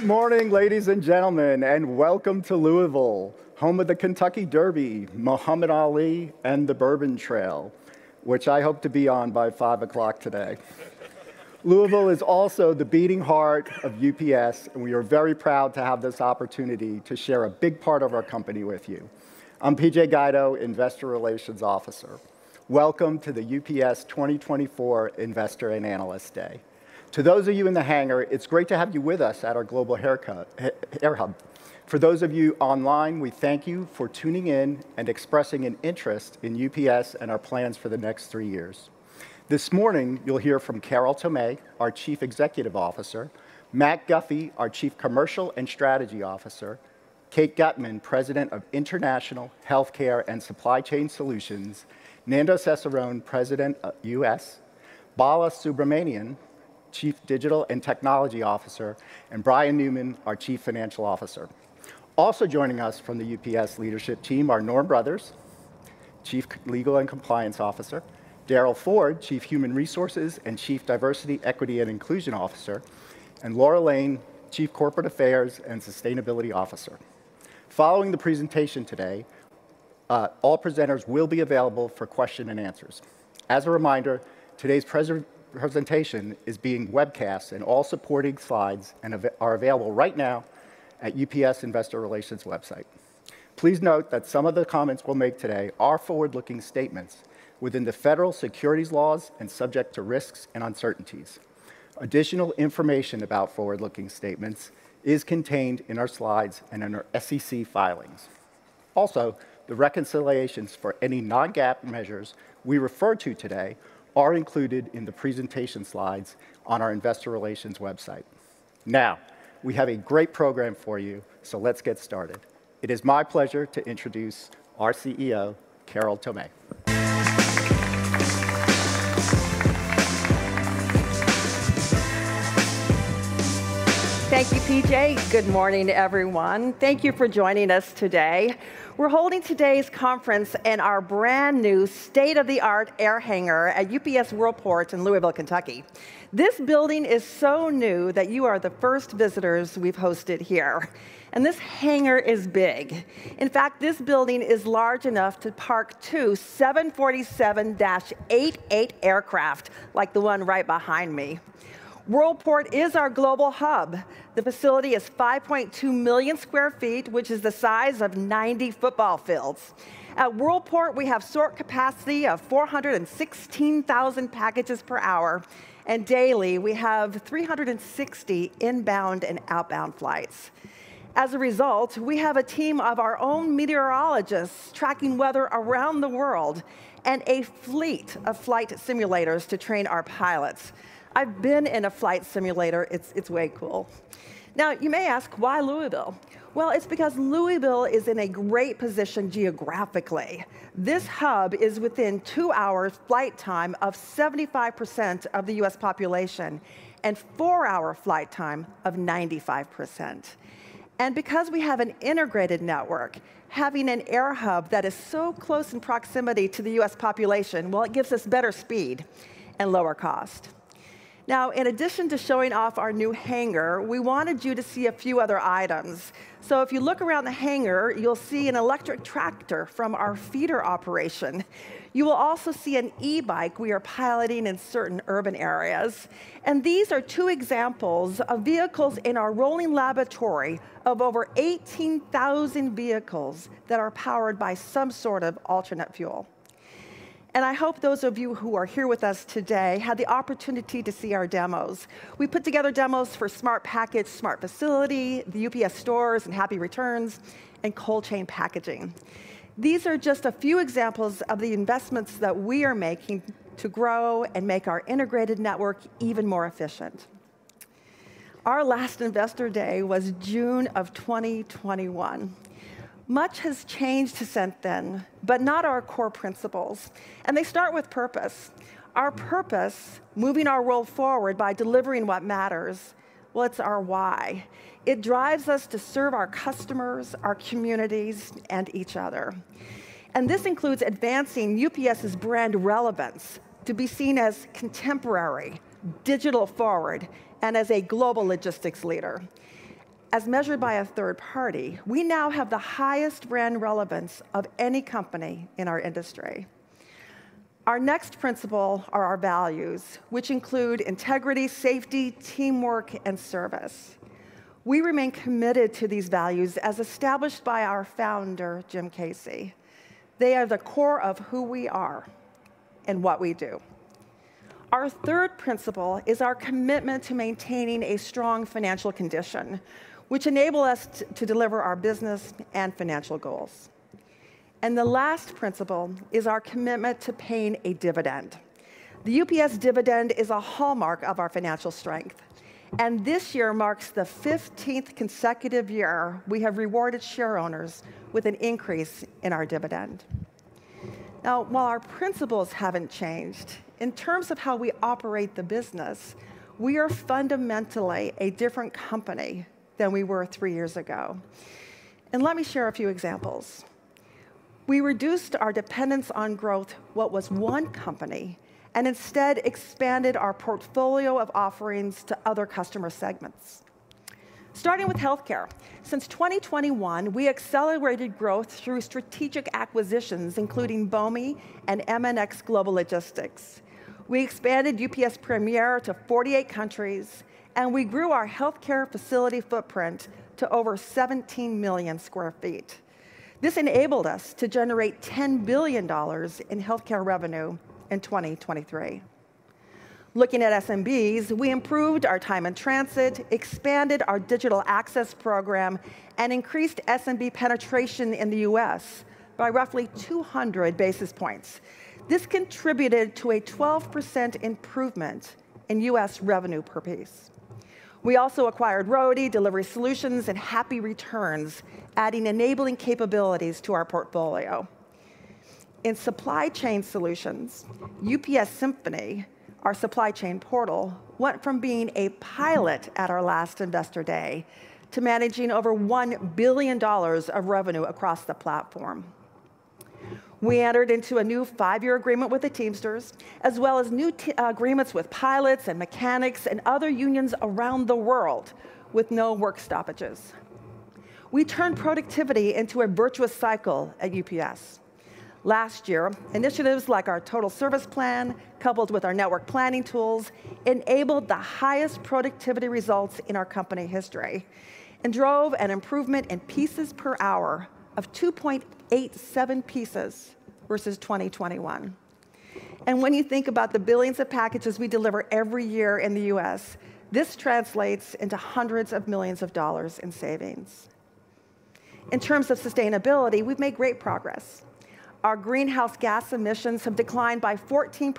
Good morning, ladies and gentlemen, and welcome to Louisville, home of the Kentucky Derby, Muhammad Ali, and the Bourbon Trail, which I hope to be on by five o'clock today. Louisville is also the beating heart of UPS, and we are very proud to have this opportunity to share a big part of our company with you. I'm PJ Guido, Investor Relations Officer. Welcome to the UPS 2024 Investor and Analyst Day. To those of you in the hangar, it's great to have you with us at our global Air Hub. For those of you online, we thank you for tuning in and expressing an interest in UPS and our plans for the next three years. This morning, you'll hear from Carol Tomé, our Chief Executive Officer; Matt Guffey, our Chief Commercial and Strategy Officer; Kate Gutmann, President of International, Healthcare, and Supply Chain Solutions; Nando Cesarone, President of U.S.; Bala Subramanian, Chief Digital and Technology Officer; and Brian Newman, our Chief Financial Officer. Also joining us from the UPS leadership team are Norman Brothers, Chief Legal and Compliance Officer; Darrell Ford, Chief Human Resources and Chief Diversity, Equity, and Inclusion Officer; and Laura Lane, Chief Corporate Affairs and Sustainability Officer. Following the presentation today, all presenters will be available for questions and answers. As a reminder, today's presentation is being webcast, and all supporting slides and AVs are available right now at the UPS Investor Relations website. Please note that some of the comments we'll make today are forward-looking statements within the federal securities laws and subject to risks and uncertainties. Additional information about forward-looking statements is contained in our slides and in our SEC filings. Also, the reconciliations for any non-GAAP measures we refer to today are included in the presentation slides on our Investor Relations website. Now, we have a great program for you, so let's get started. It is my pleasure to introduce our CEO, Carol Tomé. Thank you, PJ. Good morning, everyone. Thank you for joining us today. We're holding today's conference in our brand-new state-of-the-art air hangar at UPS Worldport in Louisville, Kentucky. This building is so new that you are the first visitors we've hosted here, and this hangar is big. In fact, this building is large enough to park two 747-88 aircraft like the one right behind me. Worldport is our global hub. The facility is 5.2 million sq ft, which is the size of 90 football fields. At Worldport, we have sort capacity of 416,000 packages per hour, and daily, we have 360 inbound and outbound flights. As a result, we have a team of our own meteorologists tracking weather around the world and a fleet of flight simulators to train our pilots. I've been in a flight simulator. It's, it's way cool. Now, you may ask, why Louisville? Well, it's because Louisville is in a great position geographically. This hub is within 2 hours' flight time of 75% of the U.S. population and 4-hour flight time of 95%. And because we have an integrated network, having an air hub that is so close in proximity to the U.S. population, well, it gives us better speed and lower cost. Now, in addition to showing off our new hangar, we wanted you to see a few other items. So if you look around the hangar, you'll see an electric tractor from our feeder operation. You will also see an e-bike we are piloting in certain urban areas, and these are two examples of vehicles in our rolling laboratory of over 18,000 vehicles that are powered by some sort of alternate fuel. I hope those of you who are here with us today had the opportunity to see our demos. We put together demos for Smart Package, Smart Facility, the UPS Stores, and Happy Returns, and cold chain packaging. These are just a few examples of the investments that we are making to grow and make our integrated network even more efficient. Our last Investor Day was June of 2021. Much has changed since then, but not our core principles, and they start with purpose. Our purpose, moving our world forward by delivering what matters, well, it's our why. It drives us to serve our customers, our communities, and each other, and this includes advancing UPS's brand relevance to be seen as contemporary, digital forward, and as a global logistics leader. As measured by a third party, we now have the highest brand relevance of any company in our industry. Our next principle are our values, which include integrity, safety, teamwork, and service. We remain committed to these values as established by our founder, Jim Casey. They are the core of who we are and what we do. Our third principle is our commitment to maintaining a strong financial condition, which enable us to deliver our business and financial goals. And the last principle is our commitment to paying a dividend. The UPS dividend is a hallmark of our financial strength, and this year marks the fifteenth consecutive year we have rewarded shareowners with an increase in our dividend. Now, while our principles haven't changed, in terms of how we operate the business, we are fundamentally a different company than we were three years ago, and let me share a few examples. We reduced our dependence on growth what was one company, and instead expanded our portfolio of offerings to other customer segments. Starting with healthcare, since 2021, we accelerated growth through strategic acquisitions, including Bomi and MNX Global Logistics. We expanded UPS Premier to 48 countries, and we grew our healthcare facility footprint to over 17 million sq ft. This enabled us to generate $10 billion in healthcare revenue in 2023. Looking at SMBs, we improved our time in transit, expanded our Digital Access Program, and increased SMB penetration in the U.S. by roughly 200 basis points. This contributed to a 12% improvement in U.S. revenue per piece. We also acquired Roadie, Delivery Solutions, and Happy Returns, adding enabling capabilities to our portfolio. In supply chain solutions, UPS Symphony, our supply chain portal, went from being a pilot at our last Investor Day to managing over $1 billion of revenue across the platform. We entered into a new five-year agreement with the Teamsters, as well as new agreements with pilots and mechanics and other unions around the world, with no work stoppages. We turned productivity into a virtuous cycle at UPS. Last year, initiatives like our Total Service Plan, coupled with our network planning tools, enabled the highest productivity results in our company history and drove an improvement in pieces per hour of 2.87 pieces versus 2021. And when you think about the billions of packages we deliver every year in the U.S., this translates into hundreds of millions of dollars in savings. In terms of sustainability, we've made great progress. Our greenhouse gas emissions have declined by 14%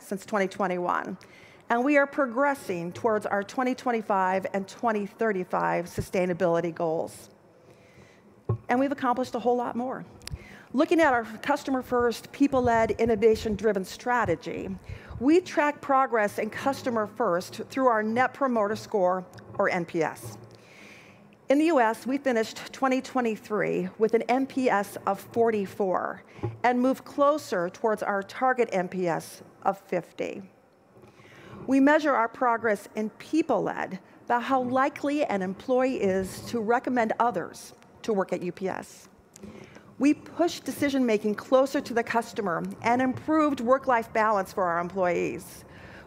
since 2021, and we are progressing towards our 2025 and 2035 sustainability goals. We've accomplished a whole lot more. Looking at our Customer First, People Led, Innovation Driven strategy, we track progress in customer-first through our Net Promoter Score, or NPS. In the U.S., we finished 2023 with an NPS of 44 and moved closer towards our target NPS of 50. We measure our progress in people-led by how likely an employee is to recommend others to work at UPS. We pushed decision-making closer to the customer and improved work-life balance for our employees.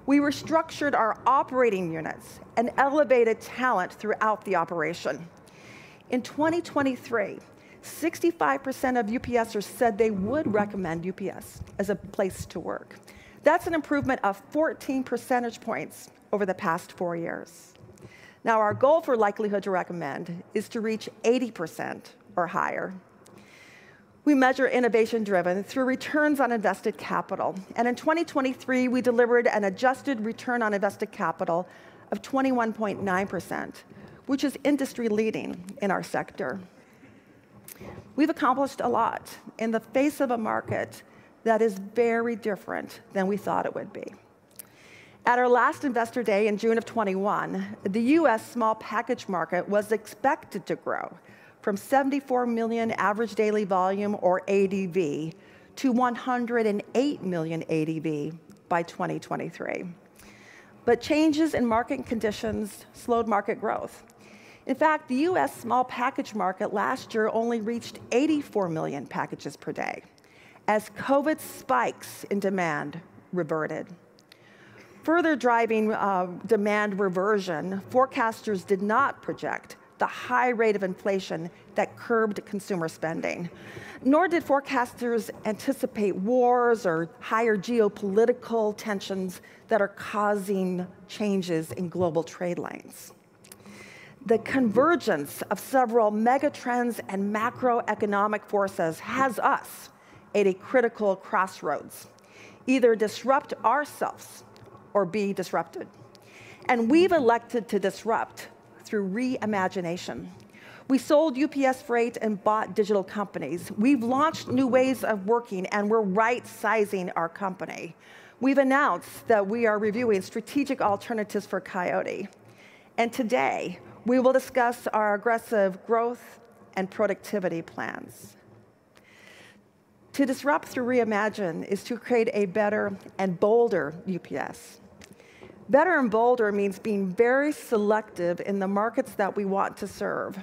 We restructured our operating units and elevated talent throughout the operation. In 2023, 65% of UPSers said they would recommend UPS as a place to work. That's an improvement of 14 percentage points over the past 4 years. Now, our goal for likelihood to recommend is to reach 80% or higher. We measure innovation-driven through returns on invested capital, and in 2023, we delivered an adjusted return on invested capital of 21.9%, which is industry-leading in our sector. We've accomplished a lot in the face of a market that is very different than we thought it would be. At our last Investor Day in June of 2021, the U.S. small package market was expected to grow from 74 million average daily volume, or ADV, to 108 million ADV by 2023. But changes in market conditions slowed market growth. In fact, the U.S. small package market last year only reached 84 million packages per day as COVID spikes in demand reverted. Further driving demand reversion, forecasters did not project the high rate of inflation that curbed consumer spending, nor did forecasters anticipate wars or higher geopolitical tensions that are causing changes in global trade lanes. The convergence of several mega trends and macroeconomic forces has us at a critical crossroads: either disrupt ourselves or be disrupted, and we've elected to disrupt through re-imagination. We sold UPS Freight and bought digital companies. We've launched new ways of working, and we're right-sizing our company. We've announced that we are reviewing strategic alternatives for Coyote, and today, we will discuss our aggressive growth and productivity plans. To disrupt through re-imagine is to create a better and bolder UPS. Better and bolder means being very selective in the markets that we want to serve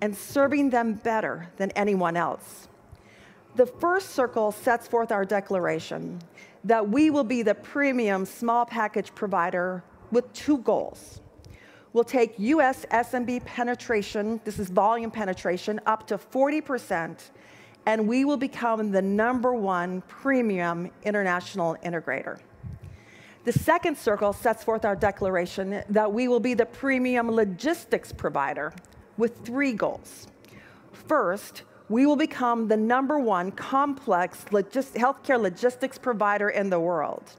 and serving them better than anyone else. The first circle sets forth our declaration that we will be the premium small package provider with two goals. We'll take U.S. SMB penetration, this is volume penetration, up to 40%, and we will become the number one premium international integrator. The second circle sets forth our declaration that we will be the premium logistics provider with three goals. First, we will become the number one complex healthcare logistics provider in the world.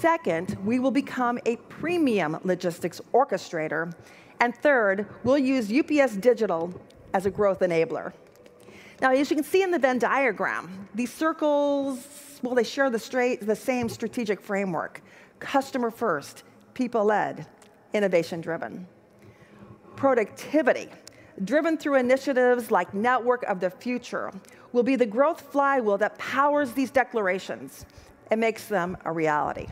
Second, we will become a premium logistics orchestrator, and third, we'll use UPS Digital as a growth enabler. Now, as you can see in the Venn diagram, these circles, well, they share the same strategic framework: Customer First, People Led, Innovation Driven, productivity-driven through initiatives like Network of the Future, will be the growth flywheel that powers these declarations and makes them a reality.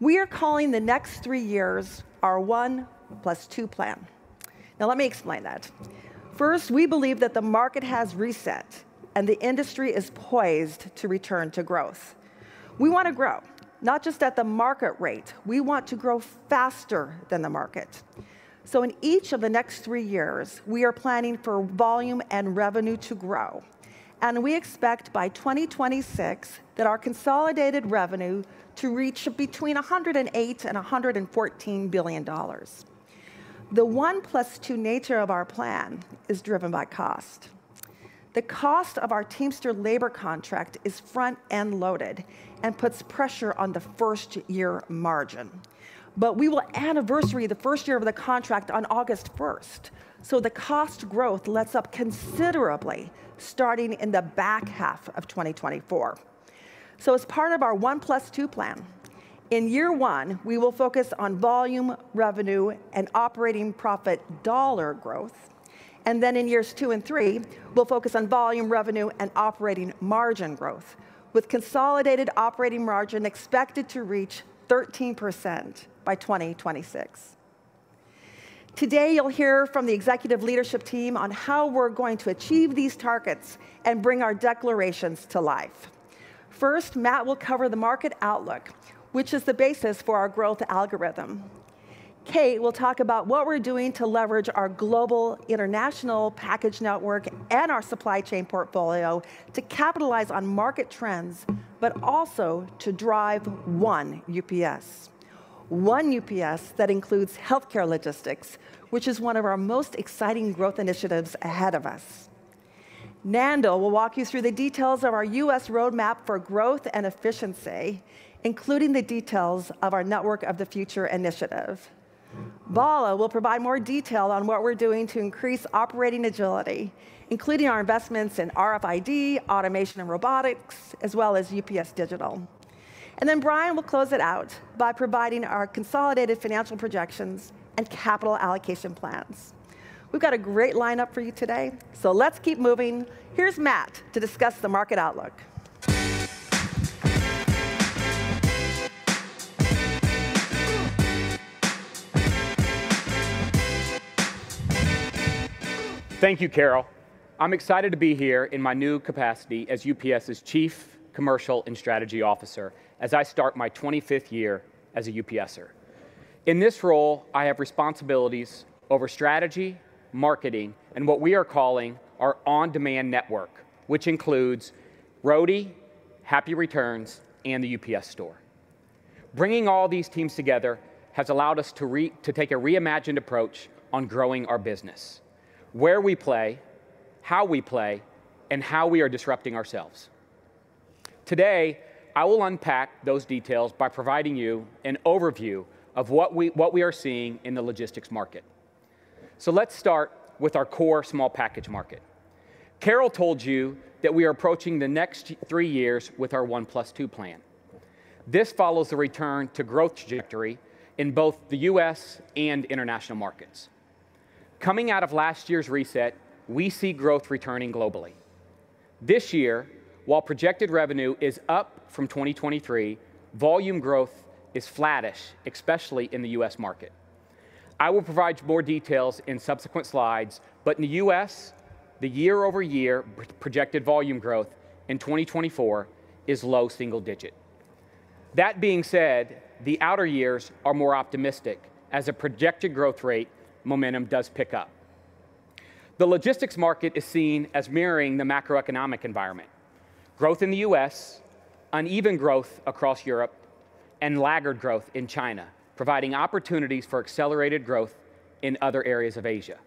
We are calling the next three years our One Plus Two Plan. Now, let me explain that. First, we believe that the market has reset, and the industry is poised to return to growth. We wanna grow, not just at the market rate, we want to grow faster than the market. So in each of the next three years, we are planning for volume and revenue to grow, and we expect by 2026, that our consolidated revenue to reach between $108 billion and $114 billion. The One Plus Two nature of our plan is driven by cost. The cost of our Teamster labor contract is front-end loaded and puts pressure on the first-year margin. But we will anniversary the first year of the contract on August first, so the cost growth lets up considerably starting in the back half of 2024. As part of our 1+2 Plan, in year 1, we will focus on volume, revenue, and operating profit dollar growth, and then in years 2 and 3, we'll focus on volume, revenue, and operating margin growth, with consolidated operating margin expected to reach 13% by 2026. Today, you'll hear from the executive leadership team on how we're going to achieve these targets and bring our declarations to life. First, Matt will cover the market outlook, which is the basis for our growth algorithm. Kate will talk about what we're doing to leverage our global international package network and our supply chain portfolio to capitalize on market trends, but also to drive one UPS, one UPS that includes healthcare logistics, which is one of our most exciting growth initiatives ahead of us. Nando will walk you through the details of our U.S. roadmap for growth and efficiency, including the details of our Network of the Future initiative. Bala will provide more detail on what we're doing to increase operating agility, including our investments in RFID, automation, and robotics, as well as UPS Digital. Then Brian will close it out by providing our consolidated financial projections and capital allocation plans. We've got a great lineup for you today, so let's keep moving. Here's Matt to discuss the market outlook. Thank you, Carol. I'm excited to be here in my new capacity as UPS's Chief Commercial and Strategy Officer as I start my 25th year as a UPSer. In this role, I have responsibilities over strategy, marketing, and what we are calling our on-demand network, which includes Roadie, Happy Returns, and The UPS Store. Bringing all these teams together has allowed us to take a reimagined approach on growing our business, where we play, how we play, and how we are disrupting ourselves. Today, I will unpack those details by providing you an overview of what we are seeing in the logistics market. Let's start with our core small package market. Carol told you that we are approaching the next three years with our 1+2 plan. This follows the return to growth trajectory in both the U.S. and international markets. Coming out of last year's reset, we see growth returning globally. This year, while projected revenue is up from 2023, volume growth is flattish, especially in the U.S. market. I will provide you more details in subsequent slides, but in the U.S., the year-over-year projected volume growth in 2024 is low single digit. That being said, the outer years are more optimistic, as a projected growth rate momentum does pick up. The logistics market is seen as mirroring the macroeconomic environment. Growth in the U.S., uneven growth across Europe, and laggard growth in China, providing opportunities for accelerated growth in other areas of Asia.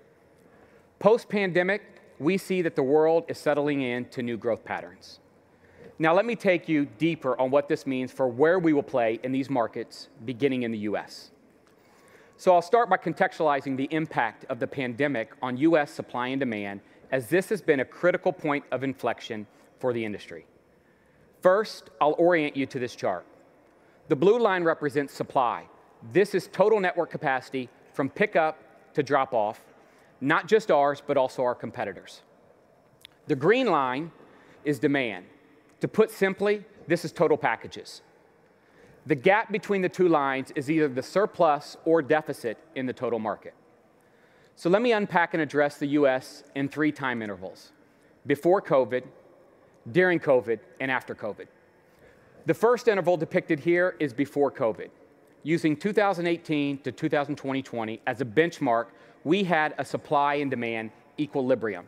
Post-pandemic, we see that the world is settling in to new growth patterns. Now, let me take you deeper on what this means for where we will play in these markets, beginning in the U.S. So I'll start by contextualizing the impact of the pandemic on U.S. supply and demand, as this has been a critical point of inflection for the industry. First, I'll orient you to this chart. The blue line represents supply. This is total network capacity from pickup to drop-off, not just ours, but also our competitors. The green line is demand. To put simply, this is total packages. The gap between the two lines is either the surplus or deficit in the total market. So let me unpack and address the U.S. in three time intervals: before COVID, during COVID, and after COVID. The first interval depicted here is before COVID. Using 2018 to 2020 as a benchmark, we had a supply and demand equilibrium.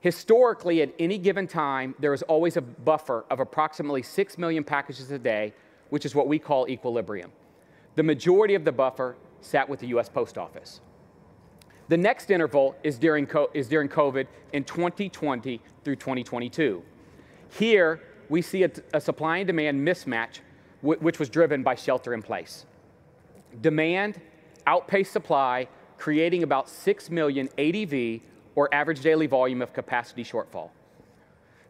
Historically, at any given time, there was always a buffer of approximately 6 million packages a day, which is what we call equilibrium. The majority of the buffer sat with the U.S. Postal Service. The next interval is during COVID in 2020 through 2022. Here, we see a supply and demand mismatch which was driven by shelter in place. Demand outpaced supply, creating about 6 million ADV, or average daily volume, of capacity shortfall.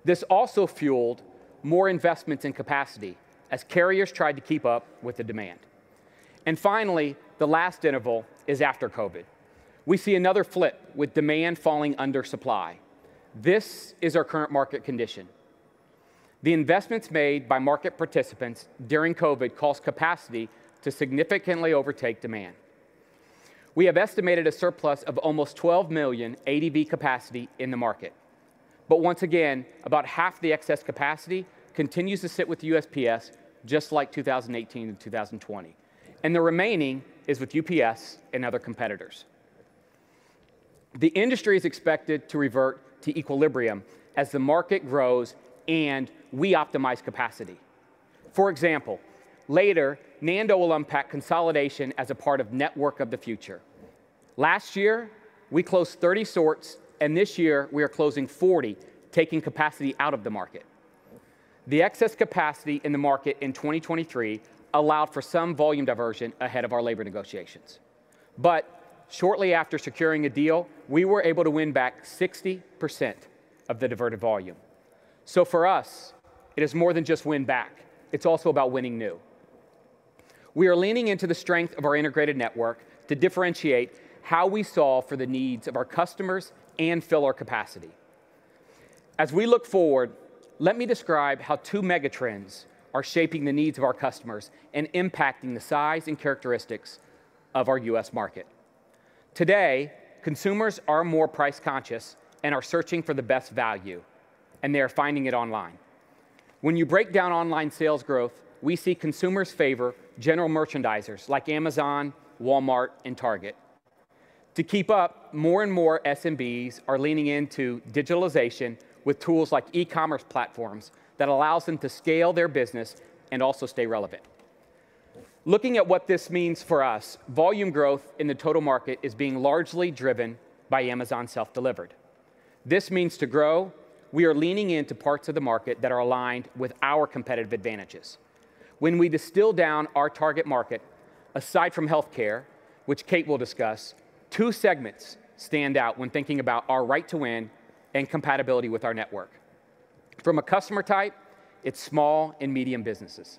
This also fueled more investments in capacity as carriers tried to keep up with the demand. Finally, the last interval is after COVID. We see another flip, with demand falling under supply. This is our current market condition. The investments made by market participants during COVID caused capacity to significantly overtake demand. We have estimated a surplus of almost 12 million ADV capacity in the market. But once again, about half the excess capacity continues to sit with U.S.PS, just like 2018 and 2020, and the remaining is with UPS and other competitors. The industry is expected to revert to equilibrium as the market grows and we optimize capacity. For example, later, Nando will unpack consolidation as a part of Network of the Future. Last year, we closed 30 sorts, and this year we are closing 40, taking capacity out of the market. The excess capacity in the market in 2023 allowed for some volume diversion ahead of our labor negotiations. But shortly after securing a deal, we were able to win back 60% of the diverted volume. So for us, it is more than just win back, it's also about winning new. We are leaning into the strength of our integrated network to differentiate how we solve for the needs of our customers and fill our capacity. As we look forward, let me describe how two mega trends are shaping the needs of our customers and impacting the size and characteristics of our U.S. market. Today, consumers are more price conscious and are searching for the best value, and they are finding it online. When you break down online sales growth, we see consumers favor general merchandisers like Amazon, Walmart, and Target. To keep up, more and more SMBs are leaning into digitalization with tools like e-commerce platforms that allows them to scale their business and also stay relevant. Looking at what this means for us, volume growth in the total market is being largely driven by Amazon self-delivered. This means to grow, we are leaning into parts of the market that are aligned with our competitive advantages. When we distill down our target market, aside from healthcare, which Kate will discuss, two segments stand out when thinking about our right to win and compatibility with our network. From a customer type, it's small and medium businesses.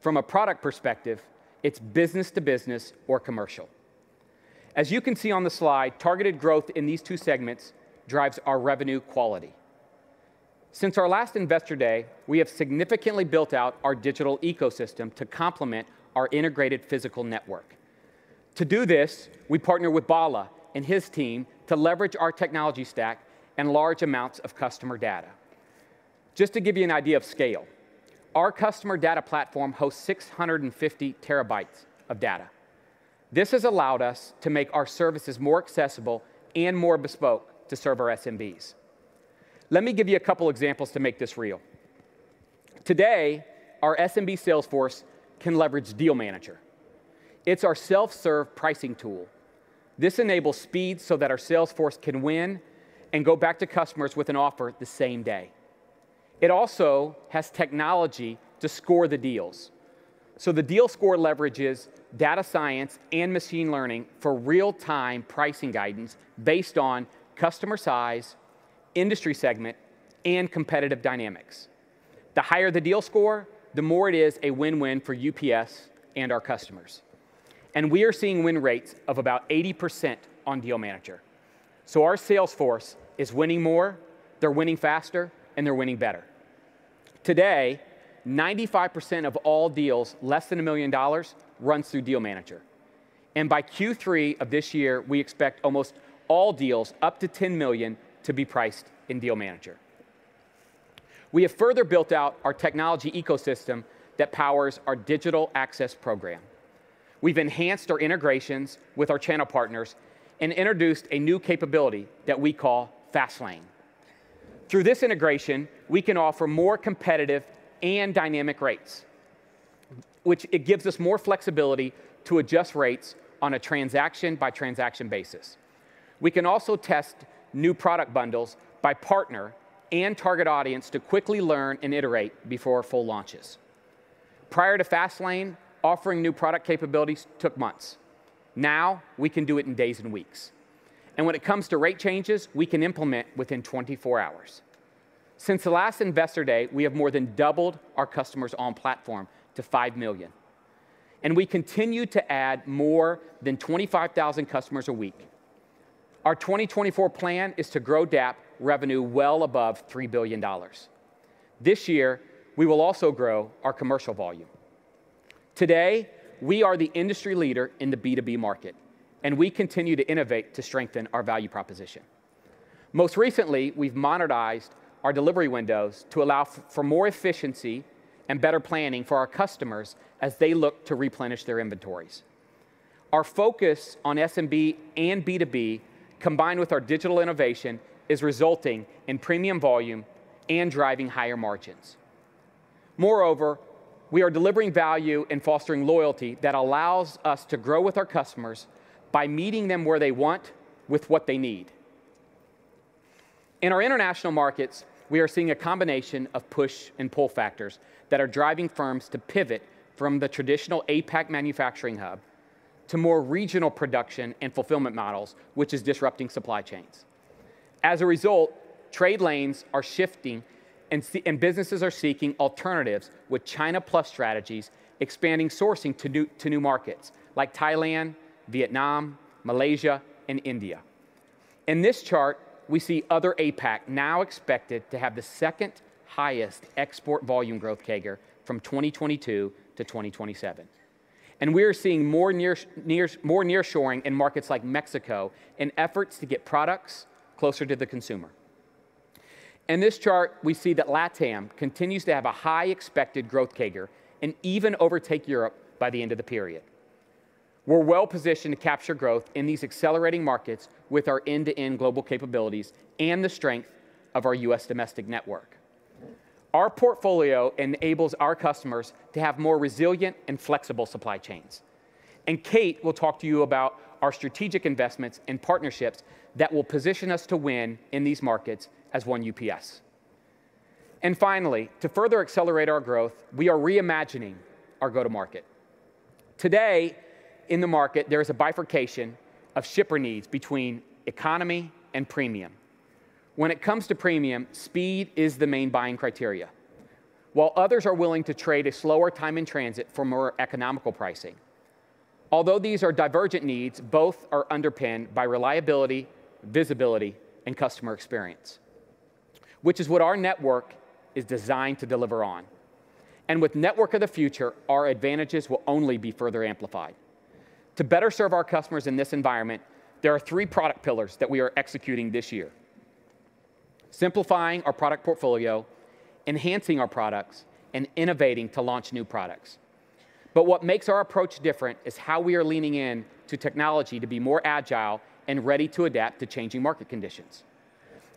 From a product perspective, it's business to business or commercial. As you can see on the slide, targeted growth in these two segments drives our revenue quality. Since our last Investor Day, we have significantly built out our digital ecosystem to complement our integrated physical network. To do this, we partnered with Bala and his team to leverage our technology stack and large amounts of customer data. Just to give you an idea of scale, our customer data platform hosts 650 TB of data. This has allowed us to make our services more accessible and more bespoke to serve our SMBs. Let me give you a couple examples to make this real. Today, our SMB sales force can leverage Deal Manager. It's our self-serve pricing tool. This enables speed so that our sales force can win and go back to customers with an offer the same day. It also has technology to score the deals. So the deal score leverages data science and machine learning for real-time pricing guidance based on customer size, industry segment, and competitive dynamics. The higher the deal score, the more it is a win-win for UPS and our customers, and we are seeing win rates of about 80% on Deal Manager. So our sales force is winning more, they're winning faster, and they're winning better. Today, 95% of all deals less than $1 million run through Deal Manager, and by Q3 of this year, we expect almost all deals up to $10 million to be priced in Deal Manager. We have further built out our technology ecosystem that powers our digital access program. We've enhanced our integrations with our channel partners and introduced a new capability that we call Fast Lane. Through this integration, we can offer more competitive and dynamic rates, which it gives us more flexibility to adjust rates on a transaction-by-transaction basis. We can also test new product bundles by partner and target audience to quickly learn and iterate before full launches. Prior to Fast Lane, offering new product capabilities took months. Now, we can do it in days and weeks, and when it comes to rate changes, we can implement within 24 hours. Since the last Investor Day, we have more than doubled our customers on platform to 5 million, and we continue to add more than 25,000 customers a week. Our 2024 plan is to grow DAP revenue well above $3 billion. This year, we will also grow our commercial volume. Today, we are the industry leader in the B2B market, and we continue to innovate to strengthen our value proposition. Most recently, we've monetized our delivery windows to allow for more efficiency and better planning for our customers as they look to replenish their inventories. Our focus on SMB and B2B, combined with our digital innovation, is resulting in premium volume and driving higher margins. Moreover, we are delivering value and fostering loyalty that allows us to grow with our customers by meeting them where they want with what they need. In our international markets, we are seeing a combination of push and pull factors that are driving firms to pivot from the traditional APAC manufacturing hub to more regional production and fulfillment models, which is disrupting supply chains. As a result, trade lanes are shifting and businesses are seeking alternatives with China Plus strategies, expanding sourcing to new markets, like Thailand, Vietnam, Malaysia, and India. In this chart, we see other APAC now expected to have the second highest export volume growth CAGR from 2022 to 2027. We are seeing more nearshoring in markets like Mexico in efforts to get products closer to the consumer. In this chart, we see that LATAM continues to have a high expected growth CAGR, and even overtake Europe by the end of the period. We're well-positioned to capture growth in these accelerating markets with our end-to-end global capabilities and the strength of our U.S. domestic network. Our portfolio enables our customers to have more resilient and flexible supply chains, and Kate will talk to you about our strategic investments and partnerships that will position us to win in these markets as one UPS. Finally, to further accelerate our growth, we are reimagining our go-to-market. Today, in the market, there is a bifurcation of shipper needs between economy and premium. When it comes to premium, speed is the main buying criteria, while others are willing to trade a slower time in transit for more economical pricing. Although these are divergent needs, both are underpinned by reliability, visibility, and customer experience, which is what our network is designed to deliver on. With Network of the Future, our advantages will only be further amplified. To better serve our customers in this environment, there are three product pillars that we are executing this year: simplifying our product portfolio, enhancing our products, and innovating to launch new products. But what makes our approach different is how we are leaning in to technology to be more agile and ready to adapt to changing market conditions.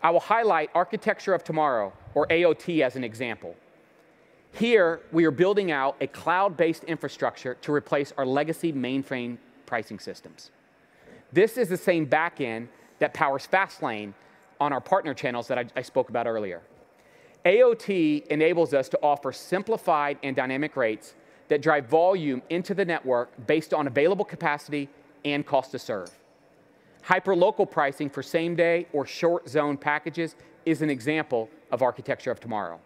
I will highlight Architecture of Tomorrow, or AOT, as an example. Here, we are building out a cloud-based infrastructure to replace our legacy mainframe pricing systems. This is the same back end that powers FastLane on our partner channels that I spoke about earlier. AOT enables us to offer simplified and dynamic rates that drive volume into the network based on available capacity and cost to serve. Hyperlocal pricing for same-day or short-zone packages is an example of Architecture of Tomorrow.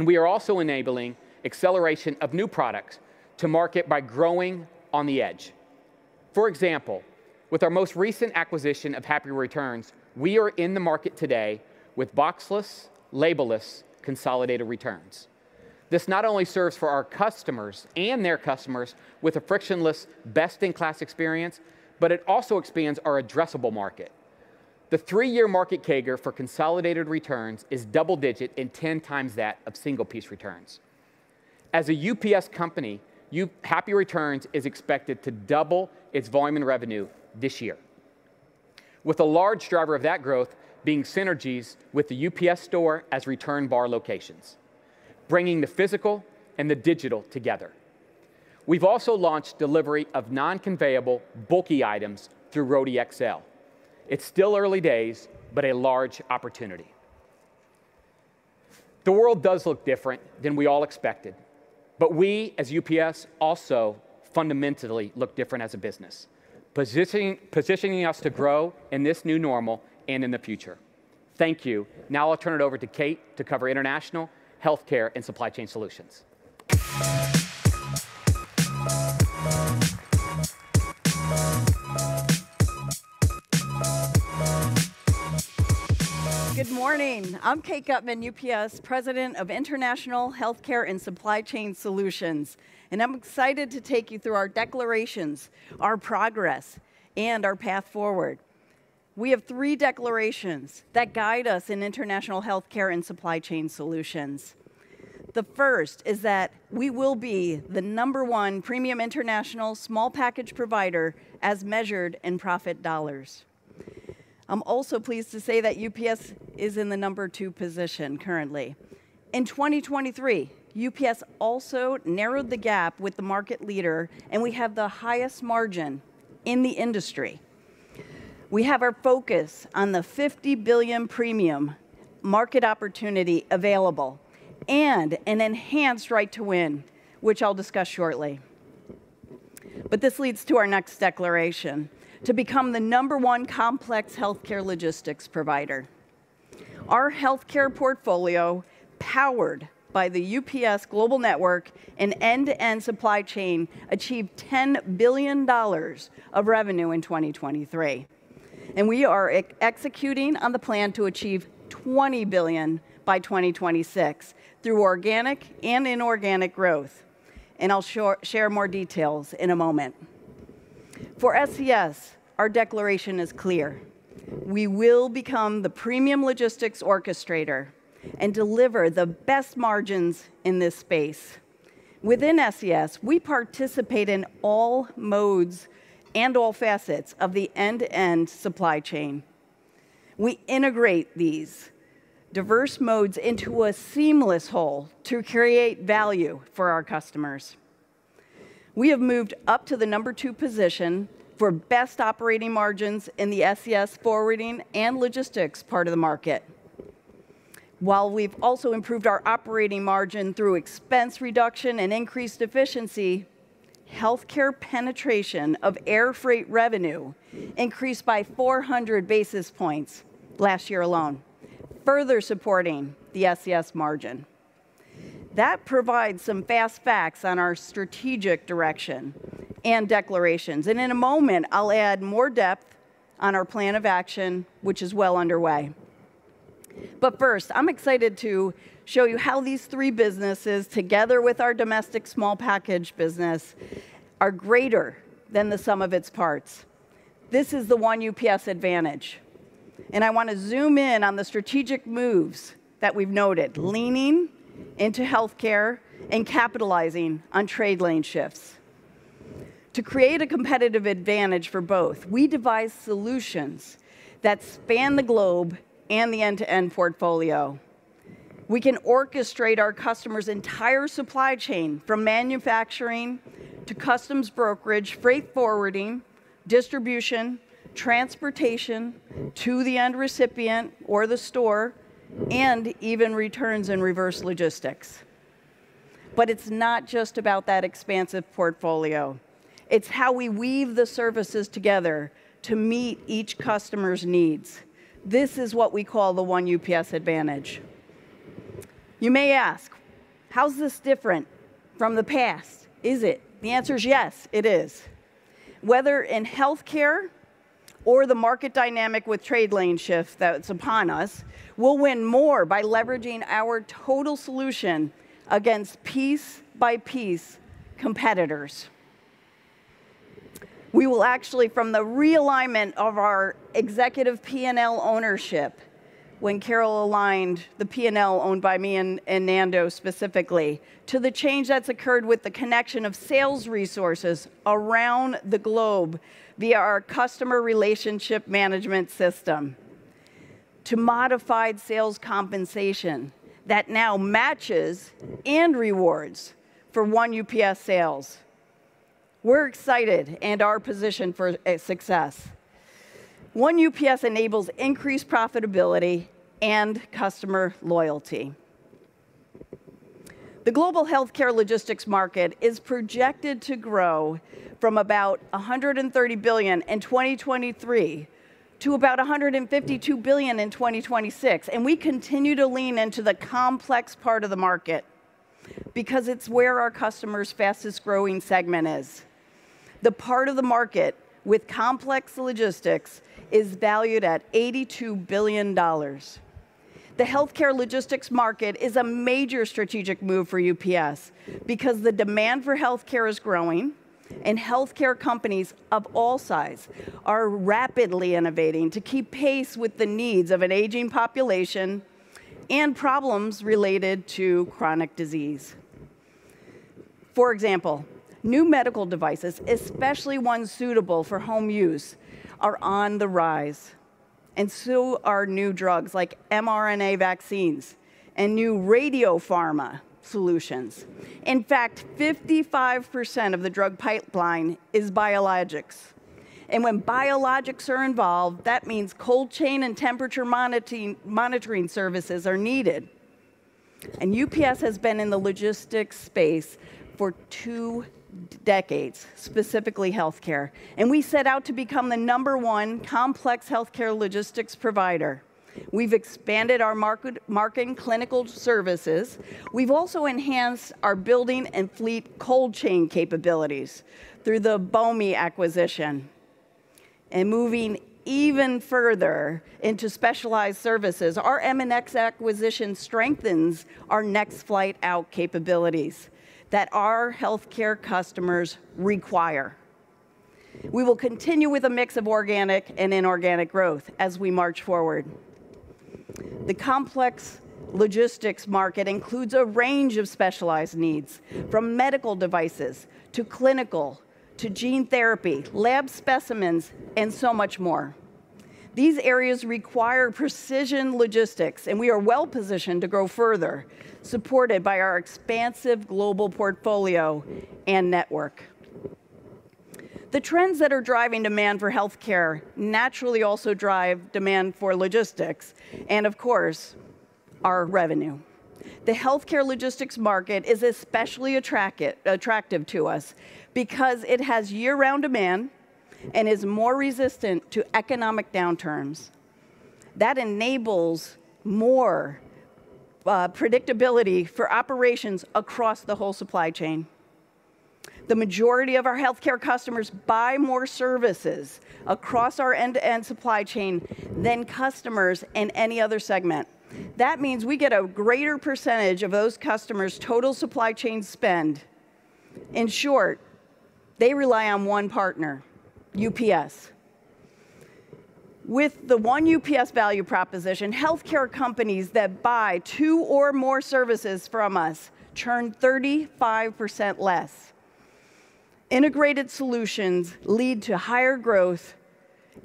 We are also enabling acceleration of new products to market by growing on the edge. For example, with our most recent acquisition of Happy Returns, we are in the market today with boxless, label-less, consolidated returns. This not only serves for our customers and their customers with a frictionless, best-in-class experience, but it also expands our addressable market. The three-year market CAGR for consolidated returns is double-digit and ten times that of single-piece returns. As a UPS company, Happy Returns is expected to double its volume and revenue this year, with a large driver of that growth being synergies with The UPS Store as Return Bar locations, bringing the physical and the digital together. We've also launched delivery of non-conveyable bulky items through Roadie XL. It's still early days, but a large opportunity. The world does look different than we all expected, but we, as UPS, also fundamentally look different as a business, positioning us to grow in this new normal and in the future. Thank you. Now I'll turn it over to Kate to cover International, Healthcare, and Supply Chain Solutions. Good morning. I'm Kate Gutmann, UPS President of International, Healthcare, and Supply Chain Solutions, and I'm excited to take you through our declarations, our progress, and our path forward. We have three declarations that guide us in International, Healthcare, and Supply Chain Solutions. The first is that we will be the number one premium international small package provider as measured in profit dollars. I'm also pleased to say that UPS is in the number two position currently. In 2023, UPS also narrowed the gap with the market leader, and we have the highest margin in the industry. We have our focus on the $50 billion premium market opportunity available and an enhanced right to win, which I'll discuss shortly. But this leads to our next declaration: to become the number one complex healthcare logistics provider. Our healthcare portfolio, powered by the UPS global network and end-to-end supply chain, achieved $10 billion of revenue in 2023, and we are executing on the plan to achieve $20 billion by 2026 through organic and inorganic growth, and I'll share more details in a moment. For SCS, our declaration is clear: We will become the premium logistics orchestrator and deliver the best margins in this space. Within SCS, we participate in all modes and all facets of the end-to-end supply chain. We integrate these diverse modes into a seamless whole to create value for our customers. We have moved up to the number 2 position for best operating margins in the SCS forwarding and logistics part of the market. While we've also improved our operating margin through expense reduction and increased efficiency, healthcare penetration of air freight revenue increased by 400 basis points last year alone, further supporting the SCS margin. That provides some fast facts on our strategic direction and declarations, and in a moment, I'll add more depth on our plan of action, which is well underway. But first, I'm excited to show you how these three businesses, together with our domestic small package business, are greater than the sum of its parts. This is the One UPS advantage, and I wanna zoom in on the strategic moves that we've noted, leaning into healthcare and capitalizing on trade lane shifts. To create a competitive advantage for both, we devise solutions that span the globe and the end-to-end portfolio. We can orchestrate our customer's entire supply chain, from manufacturing to customs brokerage, freight forwarding, distribution, transportation to the end recipient or the store, and even returns and reverse logistics. But it's not just about that expansive portfolio, it's how we weave the services together to meet each customer's needs. This is what we call the One UPS advantage. You may ask, "How's this different from the past? Is it?" The answer is yes, it is. Whether in healthcare or the market dynamic with trade lane shift that's upon us, we'll win more by leveraging our total solution against piece-by-piece competitors. We will actually, from the realignment of our executive P&L ownership, when Carol aligned the P&L owned by me and Nando specifically, to the change that's occurred with the connection of sales resources around the globe via our customer relationship management system, to modified sales compensation that now matches and rewards for One UPS sales. We're excited and are positioned for a success. One UPS enables increased profitability and customer loyalty. The global healthcare logistics market is projected to grow from about $130 billion in 2023 to about $152 billion in 2026, and we continue to lean into the complex part of the market because it's where our customers' fastest growing segment is. The part of the market with complex logistics is valued at $82 billion. The healthcare logistics market is a major strategic move for UPS because the demand for healthcare is growing, and healthcare companies of all sizes are rapidly innovating to keep pace with the needs of an aging population and problems related to chronic disease. For example, new medical devices, especially ones suitable for home use, are on the rise, and so are new drugs like mRNA vaccines and new radiopharma solutions. In fact, 55% of the drug pipeline is biologics, and when biologics are involved, that means cold chain and temperature monitoring services are needed. UPS has been in the logistics space for two decades, specifically healthcare, and we set out to become the number one complex healthcare logistics provider. We've expanded our marketing clinical services. We've also enhanced our building and fleet cold chain capabilities through the Bomi acquisition. Moving even further into specialized services, our MNX acquisition strengthens our next flight out capabilities that our healthcare customers require. We will continue with a mix of organic and inorganic growth as we march forward. The complex logistics market includes a range of specialized needs, from medical devices to clinical, to gene therapy, lab specimens, and so much more. These areas require precision logistics, and we are well-positioned to grow further, supported by our expansive global portfolio and network. The trends that are driving demand for healthcare naturally also drive demand for logistics and, of course, our revenue. The healthcare logistics market is especially attractive to us because it has year-round demand and is more resistant to economic downturns. That enables more predictability for operations across the whole supply chain. The majority of our healthcare customers buy more services across our end-to-end supply chain than customers in any other segment. That means we get a greater percentage of those customers' total supply chain spend. In short, they rely on one partner, UPS. With the One UPS value proposition, healthcare companies that buy two or more services from us churn 35% less. Integrated solutions lead to higher growth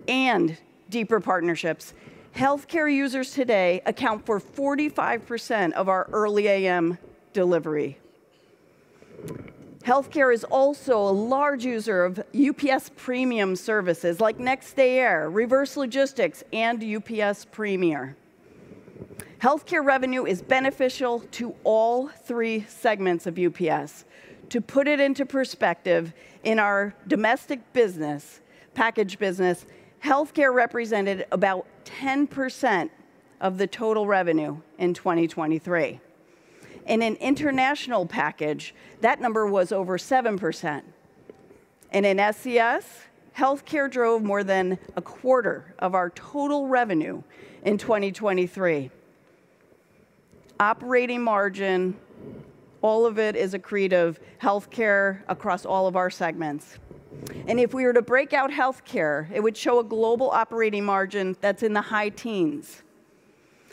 and deeper partnerships. Healthcare users today account for 45% of our early AM delivery. Healthcare is also a large user of UPS premium services, like Next Day Air, reverse logistics, and UPS Premier. Healthcare revenue is beneficial to all three segments of UPS. To put it into perspective, in our domestic business, package business, healthcare represented about 10% of the total revenue in 2023. In an international package, that number was over 7%, and in SCS, healthcare drove more than a quarter of our total revenue in 2023. Operating margin, all of it is accretive healthcare across all of our segments. And if we were to break out healthcare, it would show a global operating margin that's in the high teens.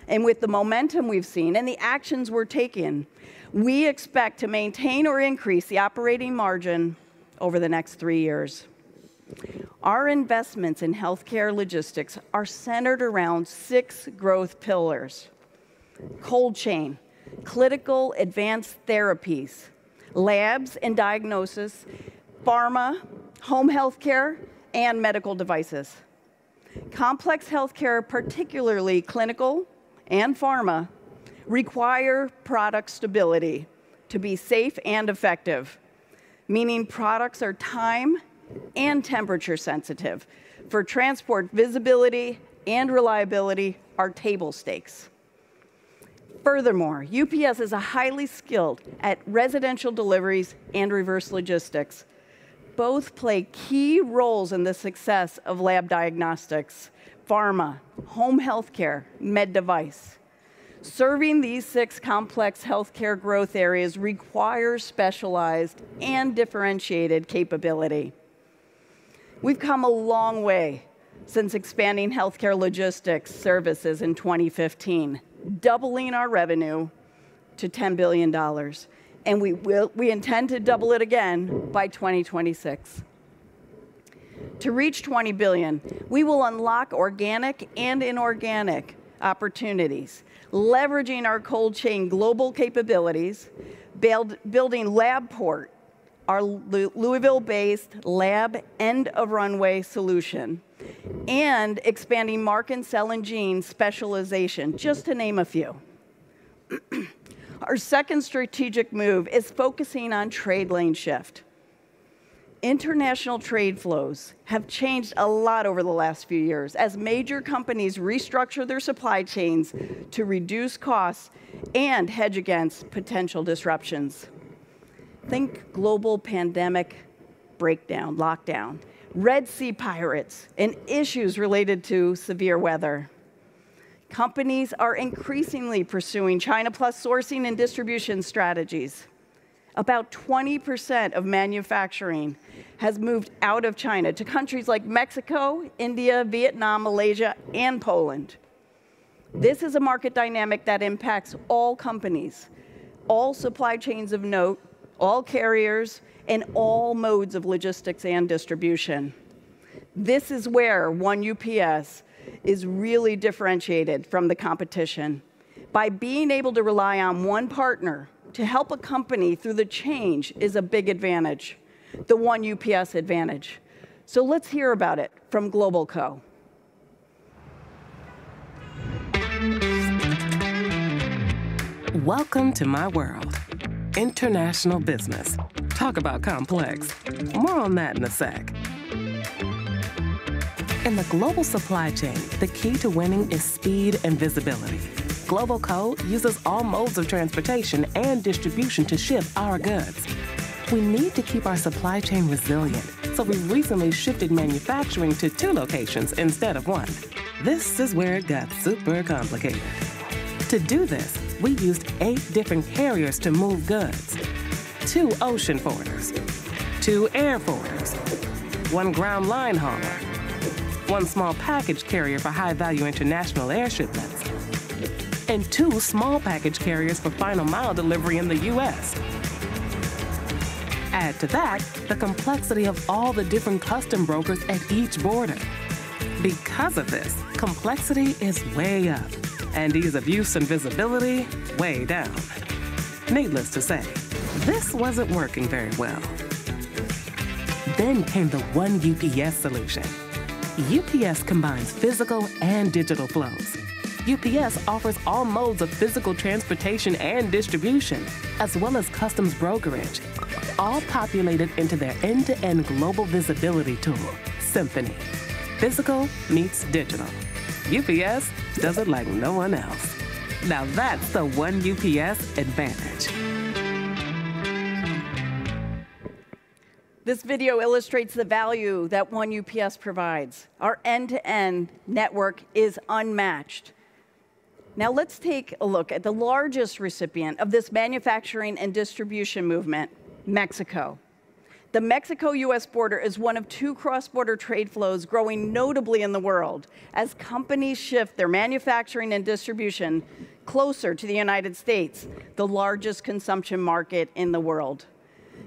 And with the momentum we've seen and the actions we're taking, we expect to maintain or increase the operating margin over the next three years. Our investments in healthcare logistics are centered around six growth pillars: cold chain, clinical advanced therapies, labs and diagnosis, pharma, home healthcare, and medical devices. Complex healthcare, particularly clinical and pharma, require product stability to be safe and effective, meaning products are time and temperature sensitive. For transport, visibility and reliability are table stakes. Furthermore, UPS is highly skilled at residential deliveries and reverse logistics. Both play key roles in the success of lab diagnostics, pharma, home healthcare, med device. Serving these six complex healthcare growth areas requires specialized and differentiated capability. We've come a long way since expanding healthcare logistics services in 2015, doubling our revenue to $10 billion, and we intend to double it again by 2026. To reach $20 billion, we will unlock organic and inorganic opportunities, leveraging our cold chain global capabilities, building LabPort, our Louisville-based lab end-of-runway solution, and expanding marketing and sales and gene specialization, just to name a few. Our second strategic move is focusing on trade lane shift. International trade flows have changed a lot over the last few years as major companies restructure their supply chains to reduce costs and hedge against potential disruptions. Think global pandemic breakdown, lockdown, Red Sea pirates, and issues related to severe weather. Companies are increasingly pursuing China Plus sourcing and distribution strategies. About 20% of manufacturing has moved out of China to countries like Mexico, India, Vietnam, Malaysia, and Poland. This is a market dynamic that impacts all companies, all supply chains of note, all carriers, and all modes of logistics and distribution. This is where One UPS is really differentiated from the competition. By being able to rely on one partner to help a company through the change is a big advantage, the One UPS advantage. So let's hear about it from GlobalCo. Welcome to my world, international business. Talk about complex. More on that in a sec. In the global supply chain, the key to winning is speed and visibility. GlobalCo uses all modes of transportation and distribution to ship our goods. We need to keep our supply chain resilient, so we recently shifted manufacturing to two locations instead of one. This is where it got super complicated. To do this, we used eight different carriers to move goods, two ocean ports, two airports, one ground line hauler, one small package carrier for high-value international air shipments, and two small package carriers for final mile delivery in the U.S. Add to that the complexity of all the different customs brokers at each border. Because of this, complexity is way up, and ease of use and visibility, way down. Needless to say, this wasn't working very well. Then came the One UPS solution. UPS combines physical and digital flows. UPS offers all modes of physical transportation and distribution, as well as customs brokerage, all populated into their end-to-end global visibility tool, Symphony. Physical meets digital. UPS does it like no one else. Now, that's the One UPS advantage. This video illustrates the value that One UPS provides. Our end-to-end network is unmatched. Now, let's take a look at the largest recipient of this manufacturing and distribution movement, Mexico. The Mexico-U.S. border is one of two cross-border trade flows growing notably in the world as companies shift their manufacturing and distribution closer to the United States, the largest consumption market in the world.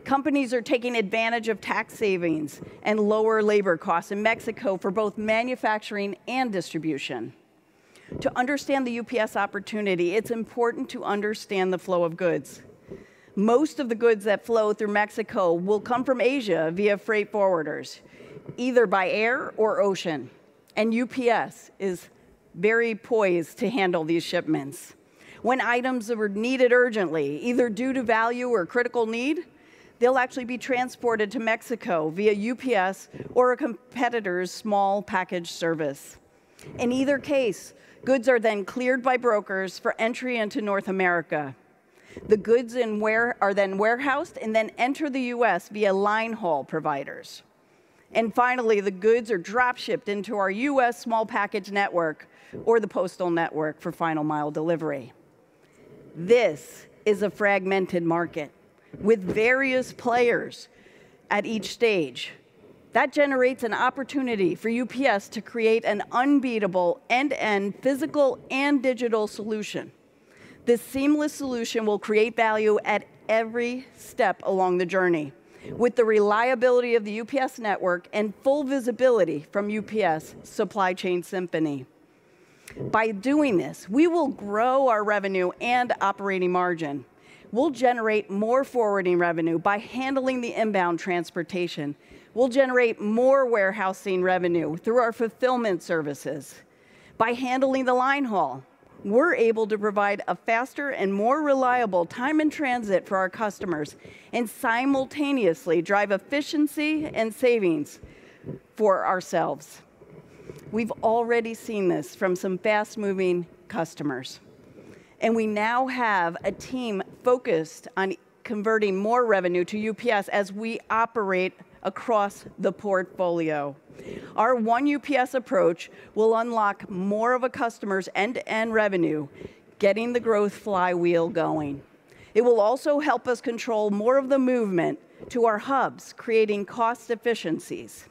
Companies are taking advantage of tax savings and lower labor costs in Mexico for both manufacturing and distribution. To understand the UPS opportunity, it's important to understand the flow of goods. Most of the goods that flow through Mexico will come from Asia via freight forwarders, either by air or ocean, and UPS is very poised to handle these shipments. When items are needed urgently, either due to value or critical need, they'll actually be transported to Mexico via UPS or a competitor's small package service. In either case, goods are then cleared by brokers for entry into North America. The goods are then warehoused, and then enter the U.S. via line haul providers. Finally, the goods are drop-shipped into our U.S. small package network or the postal network for final mile delivery. This is a fragmented market with various players at each stage. That generates an opportunity for UPS to create an unbeatable, end-to-end, physical, and digital solution. This seamless solution will create value at every step along the journey, with the reliability of the UPS network and full visibility from UPS Supply Chain Symphony. By doing this, we will grow our revenue and operating margin. We'll generate more forwarding revenue by handling the inbound transportation. We'll generate more warehousing revenue through our fulfillment services. By handling the line haul, we're able to provide a faster and more reliable time in transit for our customers and simultaneously drive efficiency and savings for ourselves. We've already seen this from some fast-moving customers, and we now have a team focused on converting more revenue to UPS as we operate across the portfolio. Our One UPS approach will unlock more of a customer's end-to-end revenue, getting the growth flywheel going. It will also help us control more of the movement to our hubs, creating cost efficiencies.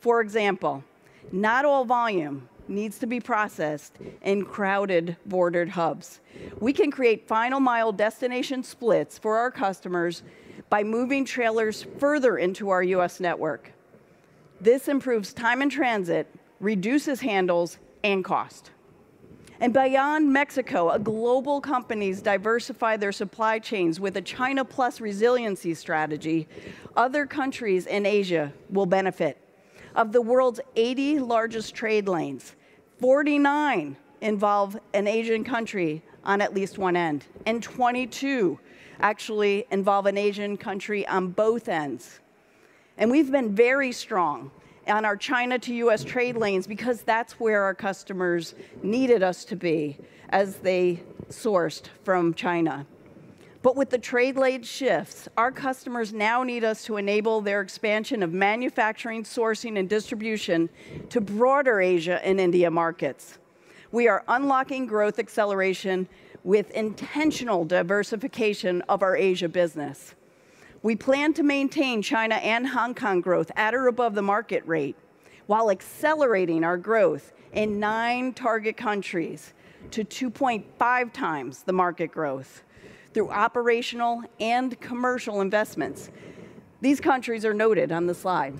For example, not all volume needs to be processed in crowded border hubs. We can create final mile destination splits for our customers by moving trailers further into our U.S. network. This improves time in transit, reduces handles, and cost. And beyond Mexico, as global companies diversify their supply chains with a China Plus resiliency strategy, other countries in Asia will benefit. Of the world's 80 largest trade lanes, 49 involve an Asian country on at least one end, and 22 actually involve an Asian country on both ends. We've been very strong on our China to U.S. trade lanes because that's where our customers needed us to be as they sourced from China. But with the trade lane shifts, our customers now need us to enable their expansion of manufacturing, sourcing, and distribution to broader Asia and India markets. We are unlocking growth acceleration with intentional diversification of our Asia business. We plan to maintain China and Hong Kong growth at or above the market rate, while accelerating our growth in nine target countries to 2.5 times the market growth through operational and commercial investments. These countries are noted on the slide.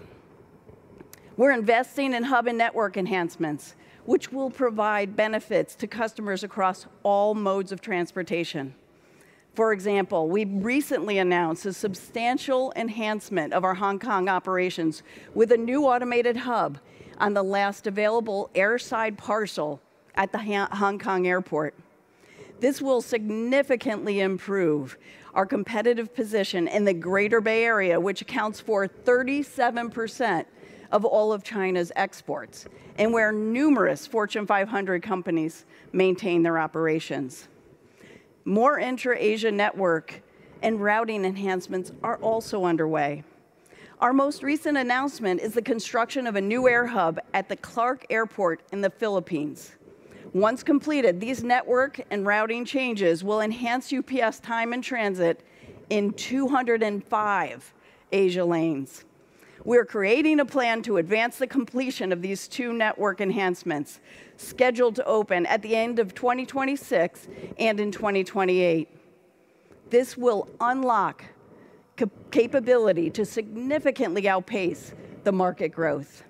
We're investing in hub and network enhancements, which will provide benefits to customers across all modes of transportation. For example, we recently announced a substantial enhancement of our Hong Kong operations with a new automated hub on the last available airside parcel at the Hong Kong Airport. This will significantly improve our competitive position in the Greater Bay Area, which accounts for 37% of all of China's exports, and where numerous Fortune 500 companies maintain their operations. More intra-Asia network and routing enhancements are also underway. Our most recent announcement is the construction of a new air hub at the Clark Airport in the Philippines. Once completed, these network and routing changes will enhance UPS time in transit in 205 Asia lanes. We're creating a plan to advance the completion of these two network enhancements, scheduled to open at the end of 2026 and in 2028. This will unlock capability to significantly outpace the market growth.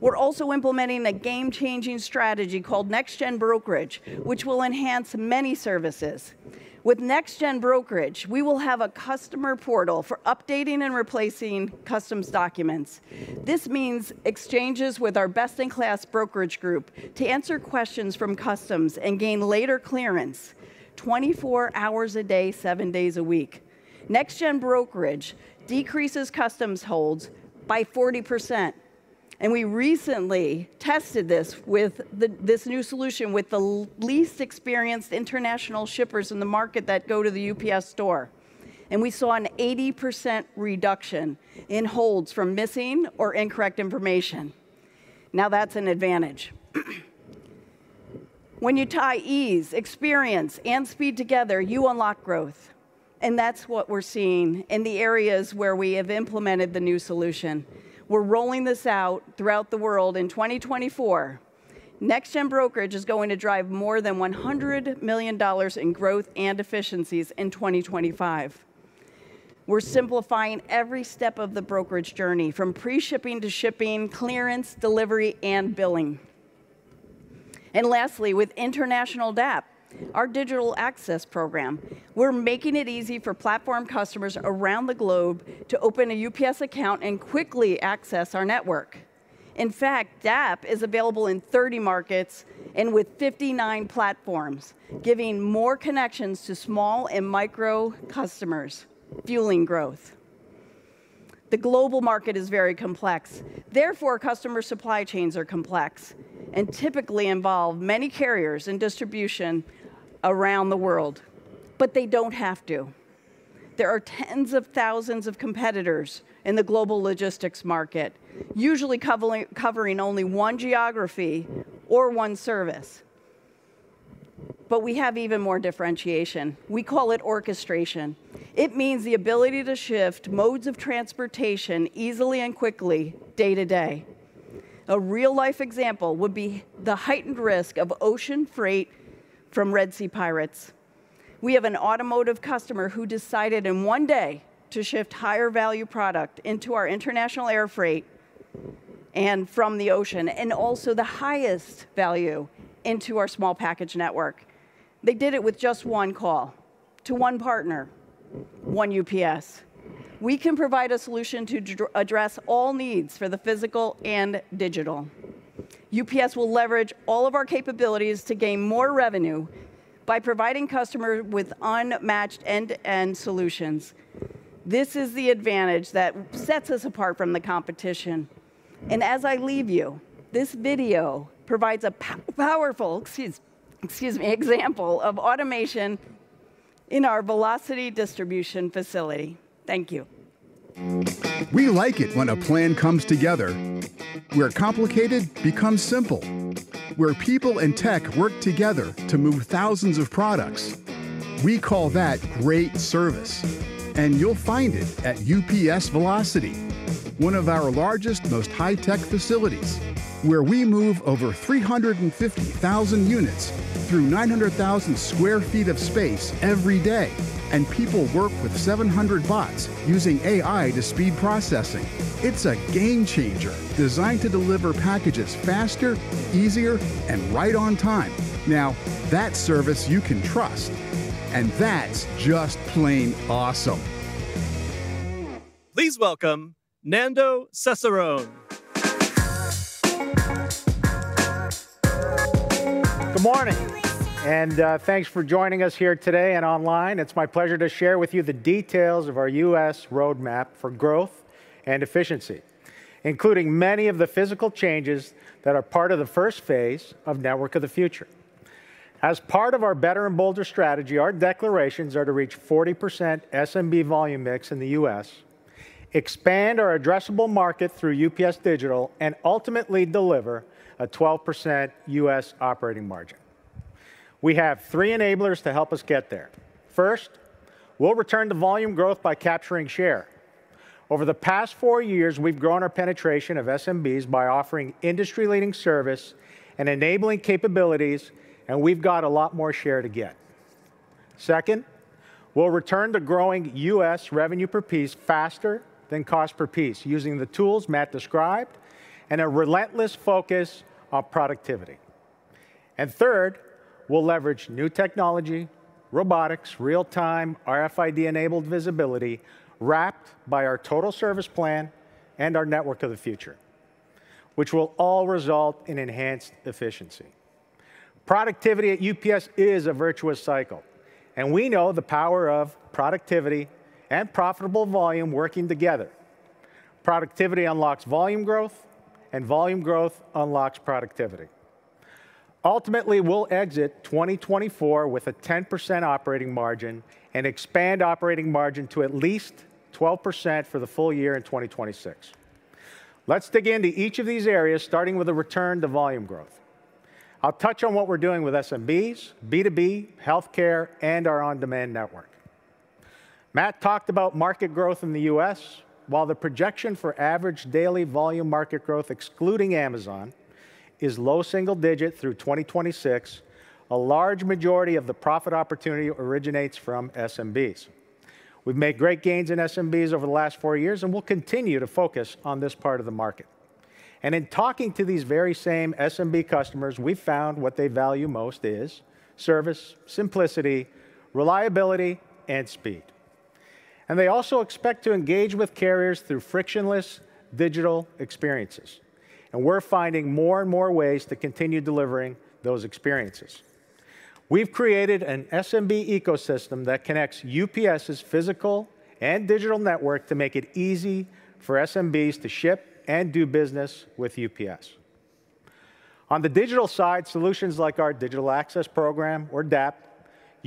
We're also implementing a game-changing strategy called Next Gen Brokerage, which will enhance many services. With Next Gen Brokerage, we will have a customer portal for updating and replacing customs documents. This means exchanges with our best-in-class brokerage group to answer questions from customs and gain later clearance, 24 hours a day, 7 days a week. Next Gen Brokerage decreases customs holds by 40%, and we recently tested this new solution with the least experienced international shippers in the market that go to the UPS Store, and we saw an 80% reduction in holds from missing or incorrect information. Now, that's an advantage. When you tie ease, experience, and speed together, you unlock growth, and that's what we're seeing in the areas where we have implemented the new solution. We're rolling this out throughout the world in 2024. Next Gen Brokerage is going to drive more than $100 million in growth and efficiencies in 2025. We're simplifying every step of the brokerage journey, from pre-shipping to shipping, clearance, delivery, and billing. And lastly, with international DAP, our Digital Access Program, we're making it easy for platform customers around the globe to open a UPS account and quickly access our network. In fact, DAP is available in 30 markets and with 59 platforms, giving more connections to small and micro customers, fueling growth. The global market is very complex, therefore, customer supply chains are complex and typically involve many carriers and distribution around the world, but they don't have to. There are tens of thousands of competitors in the global logistics market, usually covering only one geography or one service. But we have even more differentiation. We call it orchestration. It means the ability to shift modes of transportation easily and quickly day to day. A real-life example would be the heightened risk of ocean freight from Red Sea pirates. We have an automotive customer who decided in one day to shift higher value product into our international air freight and from the ocean, and also the highest value into our small package network. They did it with just one call to one partner, one UPS. We can provide a solution to address all needs for the physical and digital. UPS will leverage all of our capabilities to gain more revenue by providing customers with unmatched end-to-end solutions. This is the advantage that sets us apart from the competition. As I leave you, this video provides a powerful, excuse me, example of automation in our Velocity distribution facility. Thank you. We like it when a plan comes together, where complicated becomes simple, where people and tech work together to move thousands of products. We call that great service, and you'll find it at UPS Velocity, one of our largest, most high-tech facilities, where we move over 350,000 units through 900,000 sq ft of space every day, and people work with 700 bots using AI to speed processing. It's a game changer designed to deliver packages faster, easier, and right on time. Now, that's service you can trust, and that's just plain awesome! Please welcome Nando Cesarone. Good morning, and thanks for joining us here today and online. It's my pleasure to share with you the details of our U.S. roadmap for growth and efficiency, including many of the physical changes that are part of the first phase of Network of the Future. As part of our Better and Bolder strategy, our declarations are to reach 40% SMB volume mix in the U.S., expand our addressable market through UPS Digital, and ultimately deliver a 12% U.S. operating margin. We have three enablers to help us get there. First, we'll return to volume growth by capturing share. Over the past four years, we've grown our penetration of SMBs by offering industry-leading service and enabling capabilities, and we've got a lot more share to get. Second, we'll return to growing U.S. revenue per piece faster than cost per piece, using the tools Matt described and a relentless focus on productivity. And third, we'll leverage new technology, robotics, real-time RFID-enabled visibility, wrapped by our Total Service Plan and our Network of the Future, which will all result in enhanced efficiency. Productivity at UPS is a virtuous cycle, and we know the power of productivity and profitable volume working together. Productivity unlocks volume growth, and volume growth unlocks productivity. Ultimately, we'll exit 2024 with a 10% operating margin and expand operating margin to at least 12% for the full year in 2026. Let's dig into each of these areas, starting with a return to volume growth. I'll touch on what we're doing with SMBs, B2B, healthcare, and our on-demand network. Matt talked about market growth in the U.S. While the projection for average daily volume market growth, excluding Amazon, is low single digit through 2026, a large majority of the profit opportunity originates from SMBs. We've made great gains in SMBs over the last 4 years, and we'll continue to focus on this part of the market. In talking to these very same SMB customers, we found what they value most is service, simplicity, reliability, and speed. They also expect to engage with carriers through frictionless digital experiences, and we're finding more and more ways to continue delivering those experiences. We've created an SMB ecosystem that connects UPS's physical and digital network to make it easy for SMBs to ship and do business with UPS. On the digital side, solutions like our Digital Access Program or DAP,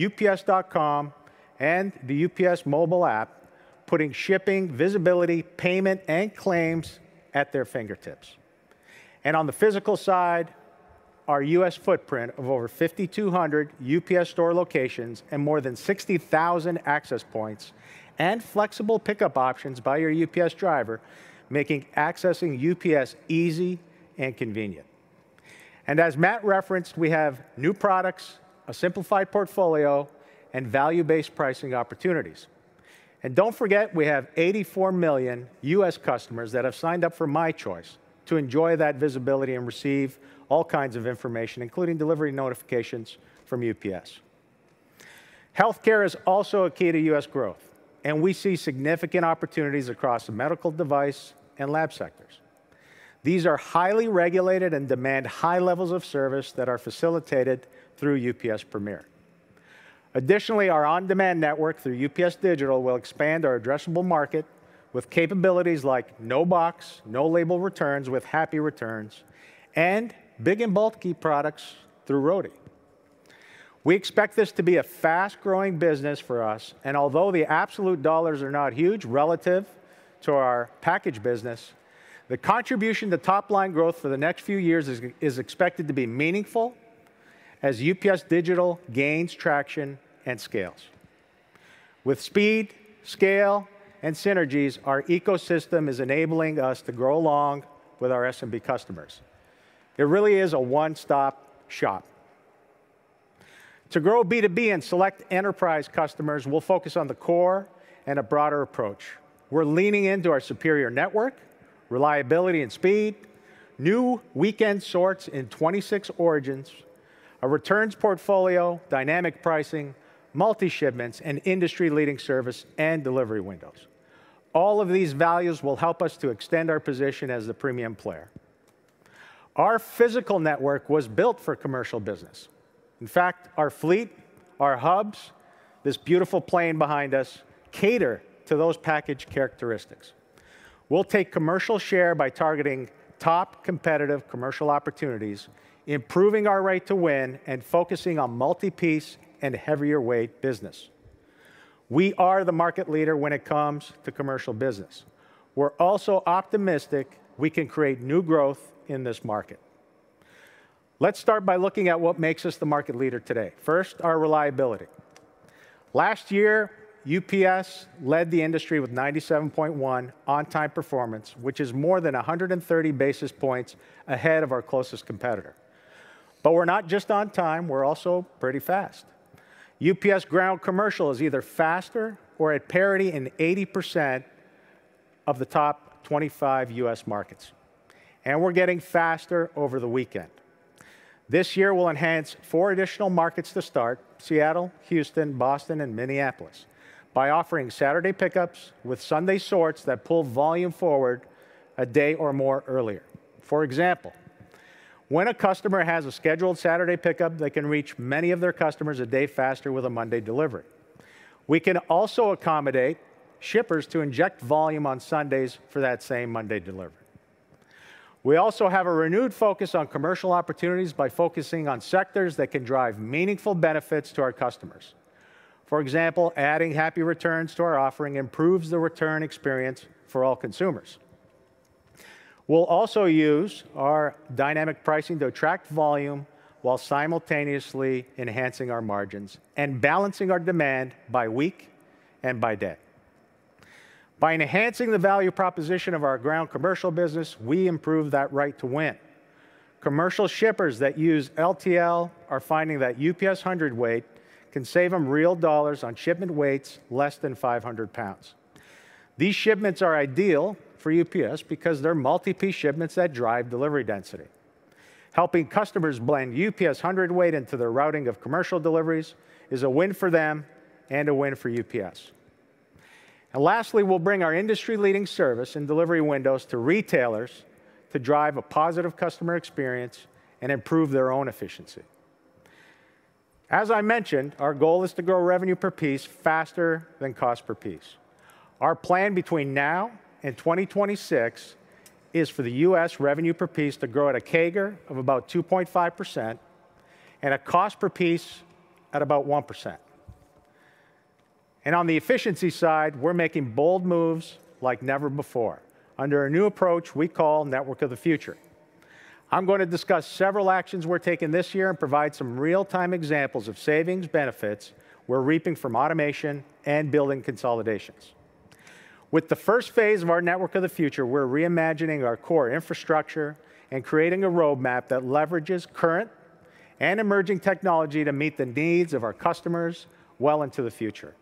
ups.com, and the UPS mobile app, putting shipping, visibility, payment, and claims at their fingertips. On the physical side, our U.S. footprint of over 5,200 The UPS Store locations and more than 60,000 access points and flexible pickup options by your UPS driver, making accessing UPS easy and convenient. As Matt referenced, we have new products, a simplified portfolio, and value-based pricing opportunities. Don't forget, we have 84 million U.S. customers that have signed up for UPS My Choice to enjoy that visibility and receive all kinds of information, including delivery notifications from UPS. Healthcare is also a key to U.S. growth, and we see significant opportunities across the medical device and lab sectors. These are highly regulated and demand high levels of service that are facilitated through UPS Premier. Additionally, our on-demand network through UPS Digital will expand our addressable market with capabilities like no box, no label returns with Happy Returns, and big and bulky products through Roadie. We expect this to be a fast-growing business for us, and although the absolute dollars are not huge relative to our package business, the contribution to top-line growth for the next few years is expected to be meaningful as UPS Digital gains traction and scales. With speed, scale, and synergies, our ecosystem is enabling us to grow along with our SMB customers. It really is a one-stop shop. To grow B2B and select enterprise customers, we'll focus on the core and a broader approach. We're leaning into our superior network, reliability and speed, new weekend sorts in 26 origins, a returns portfolio, dynamic pricing, multi-shipments, and industry-leading service and delivery windows. All of these values will help us to extend our position as the premium player. Our physical network was built for commercial business. In fact, our fleet, our hubs, this beautiful plane behind us, cater to those package characteristics. We'll take commercial share by targeting top competitive commercial opportunities, improving our right to win, and focusing on multi-piece and heavier weight business. We are the market leader when it comes to commercial business. We're also optimistic we can create new growth in this market. Let's start by looking at what makes us the market leader today. First, our reliability. Last year, UPS led the industry with 97.1 on-time performance, which is more than 130 basis points ahead of our closest competitor. But we're not just on time, we're also pretty fast. UPS Ground commercial is either faster or at parity in 80% of the top 25 U.S. markets, and we're getting faster over the weekend. This year, we'll enhance four additional markets to start, Seattle, Houston, Boston, and Minneapolis, by offering Saturday pickups with Sunday sorts that pull volume forward a day or more earlier. For example, when a customer has a scheduled Saturday pickup, they can reach many of their customers a day faster with a Monday delivery. We can also accommodate shippers to inject volume on Sundays for that same Monday delivery. We also have a renewed focus on commercial opportunities by focusing on sectors that can drive meaningful benefits to our customers. For example, adding Happy Returns to our offering improves the return experience for all consumers. We'll also use our dynamic pricing to attract volume, while simultaneously enhancing our margins and balancing our demand by week and by day. By enhancing the value proposition of our ground commercial business, we improve that right to win. Commercial shippers that use LTL are finding that UPS Hundredweight can save them real dollars on shipment weights less than 500 pounds. These shipments are ideal for UPS because they're multi-piece shipments that drive delivery density. Helping customers blend UPS Hundredweight into their routing of commercial deliveries is a win for them and a win for UPS. Lastly, we'll bring our industry-leading service and delivery windows to retailers to drive a positive customer experience and improve their own efficiency. As I mentioned, our goal is to grow revenue per piece faster than cost per piece. Our plan between now and 2026 is for the U.S. revenue per piece to grow at a CAGR of about 2.5% and a cost per piece at about 1%. On the efficiency side, we're making bold moves like never before under a new approach we call Network of the Future. I'm going to discuss several actions we're taking this year and provide some real-time examples of savings benefits we're reaping from automation and building consolidations. With the first phase of our Network of the Future, we're reimagining our core infrastructure and creating a roadmap that leverages current and emerging technology to meet the needs of our customers well into the future.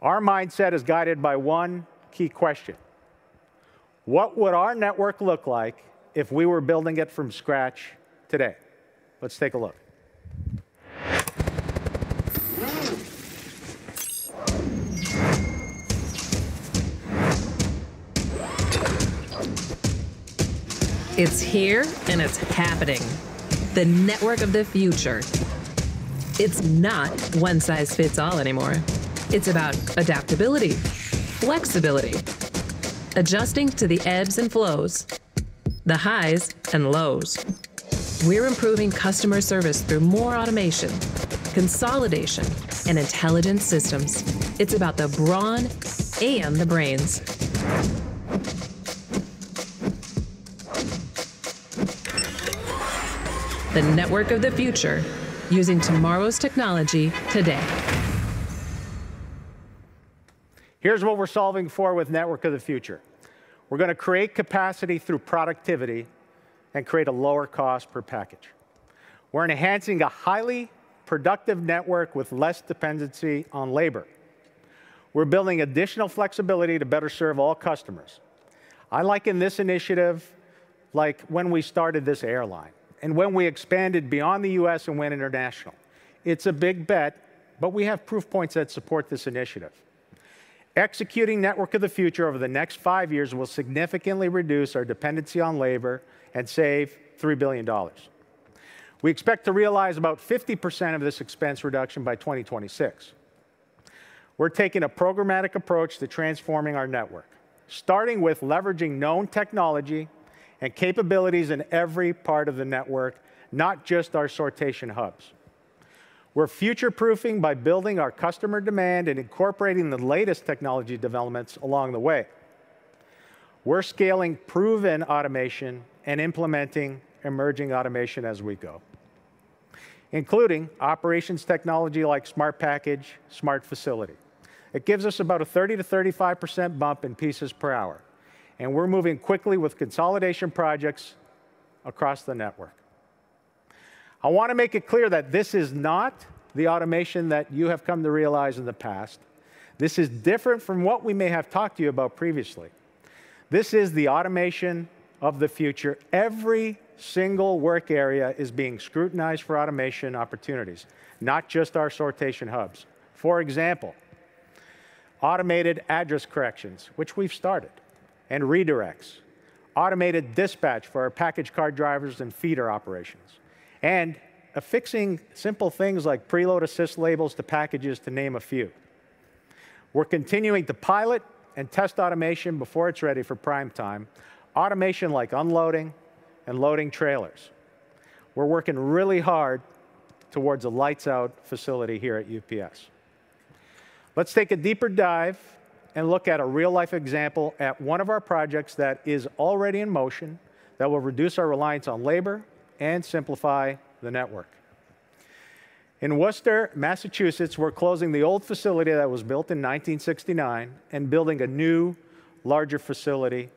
Our mindset is guided by one key question: What would our network look like if we were building it from scratch today? Let's take a look. It's here, and it's happening, the Network of the Future. It's not one size fits all anymore. It's about adaptability, flexibility, adjusting to the ebbs and flows, the highs and lows. We're improving customer service through more automation, consolidation, and intelligent systems. It's about the brawn and the brains. The Network of the Future, using tomorrow's technology today. Here's what we're solving for with Network of the Future. We're gonna create capacity through productivity and create a lower cost per package. We're enhancing a highly productive network with less dependency on labor. We're building additional flexibility to better serve all customers. I liken this initiative like when we started this airline, and when we expanded beyond the U.S. and went international. It's a big bet, but we have proof points that support this initiative. Executing Network of the Future over the next five years will significantly reduce our dependency on labor and save $3 billion. We expect to realize about 50% of this expense reduction by 2026. We're taking a programmatic approach to transforming our network, starting with leveraging known technology and capabilities in every part of the network, not just our sortation hubs. We're future-proofing by building our customer demand and incorporating the latest technology developments along the way. We're scaling proven automation and implementing emerging automation as we go, including operations technology like Smart Package Smart Facility. It gives us about a 30%-35% bump in pieces per hour, and we're moving quickly with consolidation projects across the network. I wanna make it clear that this is not the automation that you have come to realize in the past. This is different from what we may have talked to you about previously. This is the automation of the future. Every single work area is being scrutinized for automation opportunities, not just our sortation hubs. For example, automated address corrections, which we've started, and redirects, automated dispatch for our package car drivers and feeder operations, and affixing simple things like preload assist labels to packages, to name a few. We're continuing to pilot and test automation before it's ready for prime time, automation like unloading and loading trailers. We're working really hard towards a lights out facility here at UPS. Let's take a deeper dive and look at a real-life example at one of our projects that is already in motion, that will reduce our reliance on labor and simplify the network. In Worcester, Massachusetts, we're closing the old facility that was built in 1969 and building a new, larger facility.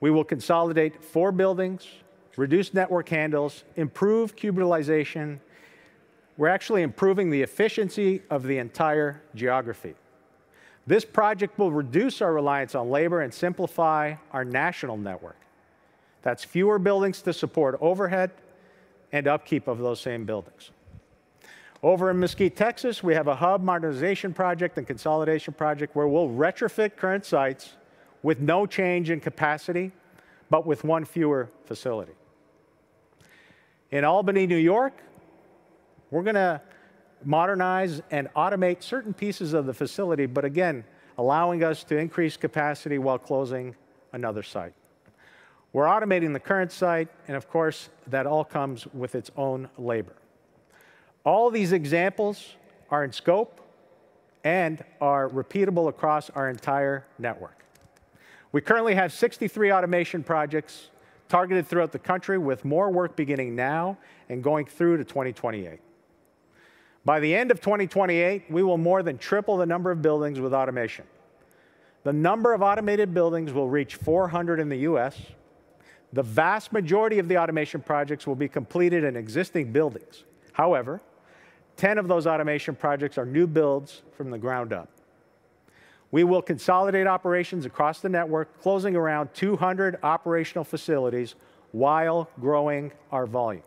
We will consolidate four buildings, reduce network handlings, improve cubitization. We're actually improving the efficiency of the entire geography. This project will reduce our reliance on labor and simplify our national network. That's fewer buildings to support overhead and upkeep of those same buildings. Over in Mesquite, Texas, we have a hub modernization project and consolidation project, where we'll retrofit current sites with no change in capacity, but with one fewer facility. In Albany, New York, we're gonna modernize and automate certain pieces of the facility, but again, allowing us to increase capacity while closing another site. We're automating the current site, and of course, that all comes with its own labor. All these examples are in scope and are repeatable across our entire network. We currently have 63 automation projects targeted throughout the country, with more work beginning now and going through to 2028. By the end of 2028, we will more than triple the number of buildings with automation. The number of automated buildings will reach 400 in the U.S.. The vast majority of the automation projects will be completed in existing buildings. However, 10 of those automation projects are new builds from the ground up. We will consolidate operations across the network, closing around 200 operational facilities while growing our volume.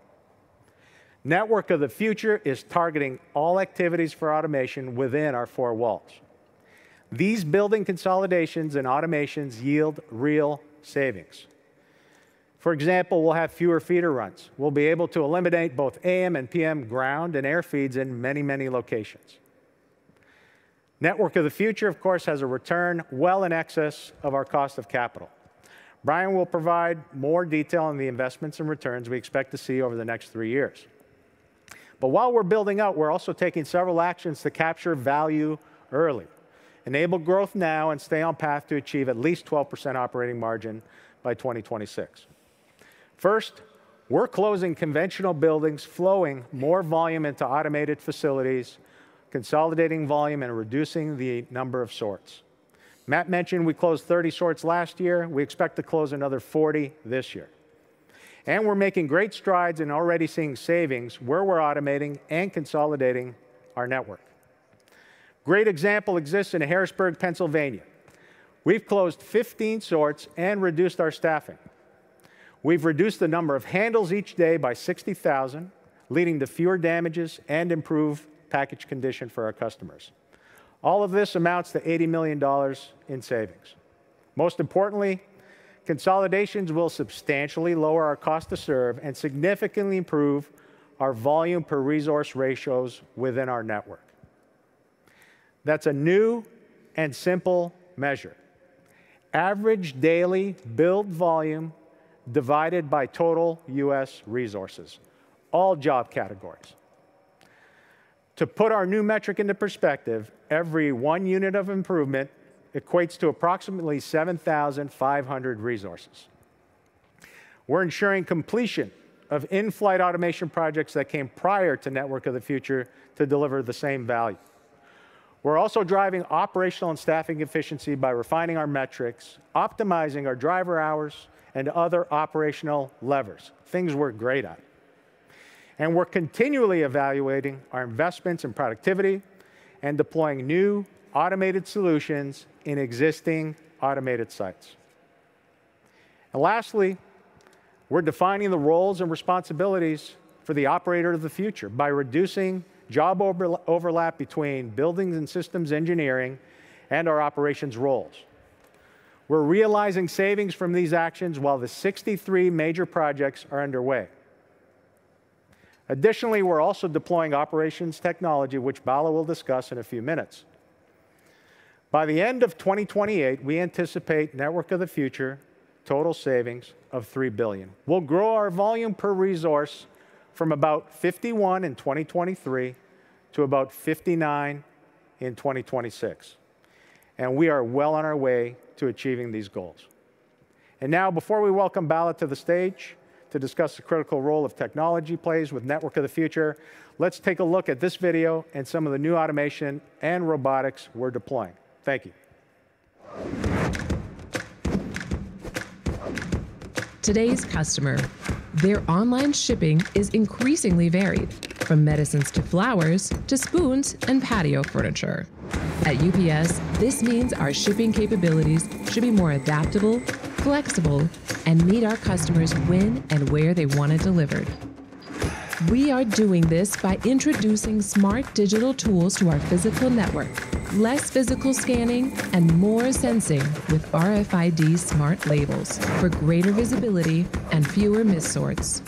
Network of the Future is targeting all activities for automation within our four walls. These building consolidations and automations yield real savings. For example, we'll have fewer feeder runs. We'll be able to eliminate both AM and PM ground and air feeds in many, many locations. Network of the Future, of course, has a return well in excess of our cost of capital. Brian will provide more detail on the investments and returns we expect to see over the next three years. But while we're building out, we're also taking several actions to capture value early, enable growth now, and stay on path to achieve at least 12% operating margin by 2026. First, we're closing conventional buildings, flowing more volume into automated facilities, consolidating volume, and reducing the number of sorts. Matt mentioned we closed 30 sorts last year. We expect to close another 40 this year. We're making great strides and already seeing savings where we're automating and consolidating our network. Great example exists in Harrisburg, Pennsylvania. We've closed 15 sorts and reduced our staffing. We've reduced the number of handles each day by 60,000, leading to fewer damages and improved package condition for our customers. All of this amounts to $80 million in savings. Most importantly, consolidations will substantially lower our cost to serve and significantly improve our volume per resource ratios within our network. That's a new and simple measure. Average daily build volume divided by total U.S. resources, all job categories. To put our new metric into perspective, every one unit of improvement equates to approximately 7,500 resources. We're ensuring completion of in-flight automation projects that came prior to Network of the Future to deliver the same value. We're also driving operational and staffing efficiency by refining our metrics, optimizing our driver hours, and other operational levers, things we're great at. We're continually evaluating our investments and productivity, and deploying new automated solutions in existing automated sites. Lastly, we're defining the roles and responsibilities for the operator of the future by reducing job overlap between buildings and systems engineering, and our operations roles. We're realizing savings from these actions while the 63 major projects are underway. Additionally, we're also deploying operations technology, which Bala will discuss in a few minutes. By the end of 2028, we anticipate Network of the Future total savings of $3 billion. We'll grow our volume per resource from about 51 in 2023 to about 59 in 2026, and we are well on our way to achieving these goals. And now, before we welcome Bala to the stage to discuss the critical role of technology plays with Network of the Future, let's take a look at this video and some of the new automation and robotics we're deploying. Thank you. Today's customer, their online shipping is increasingly varied, from medicines to flowers, to spoons and patio furniture. At UPS, this means our shipping capabilities should be more adaptable, flexible, and meet our customers when and where they want it delivered. We are doing this by introducing smart digital tools to our physical network. Less physical scanning and more sensing with RFID smart labels for greater visibility and fewer missorts.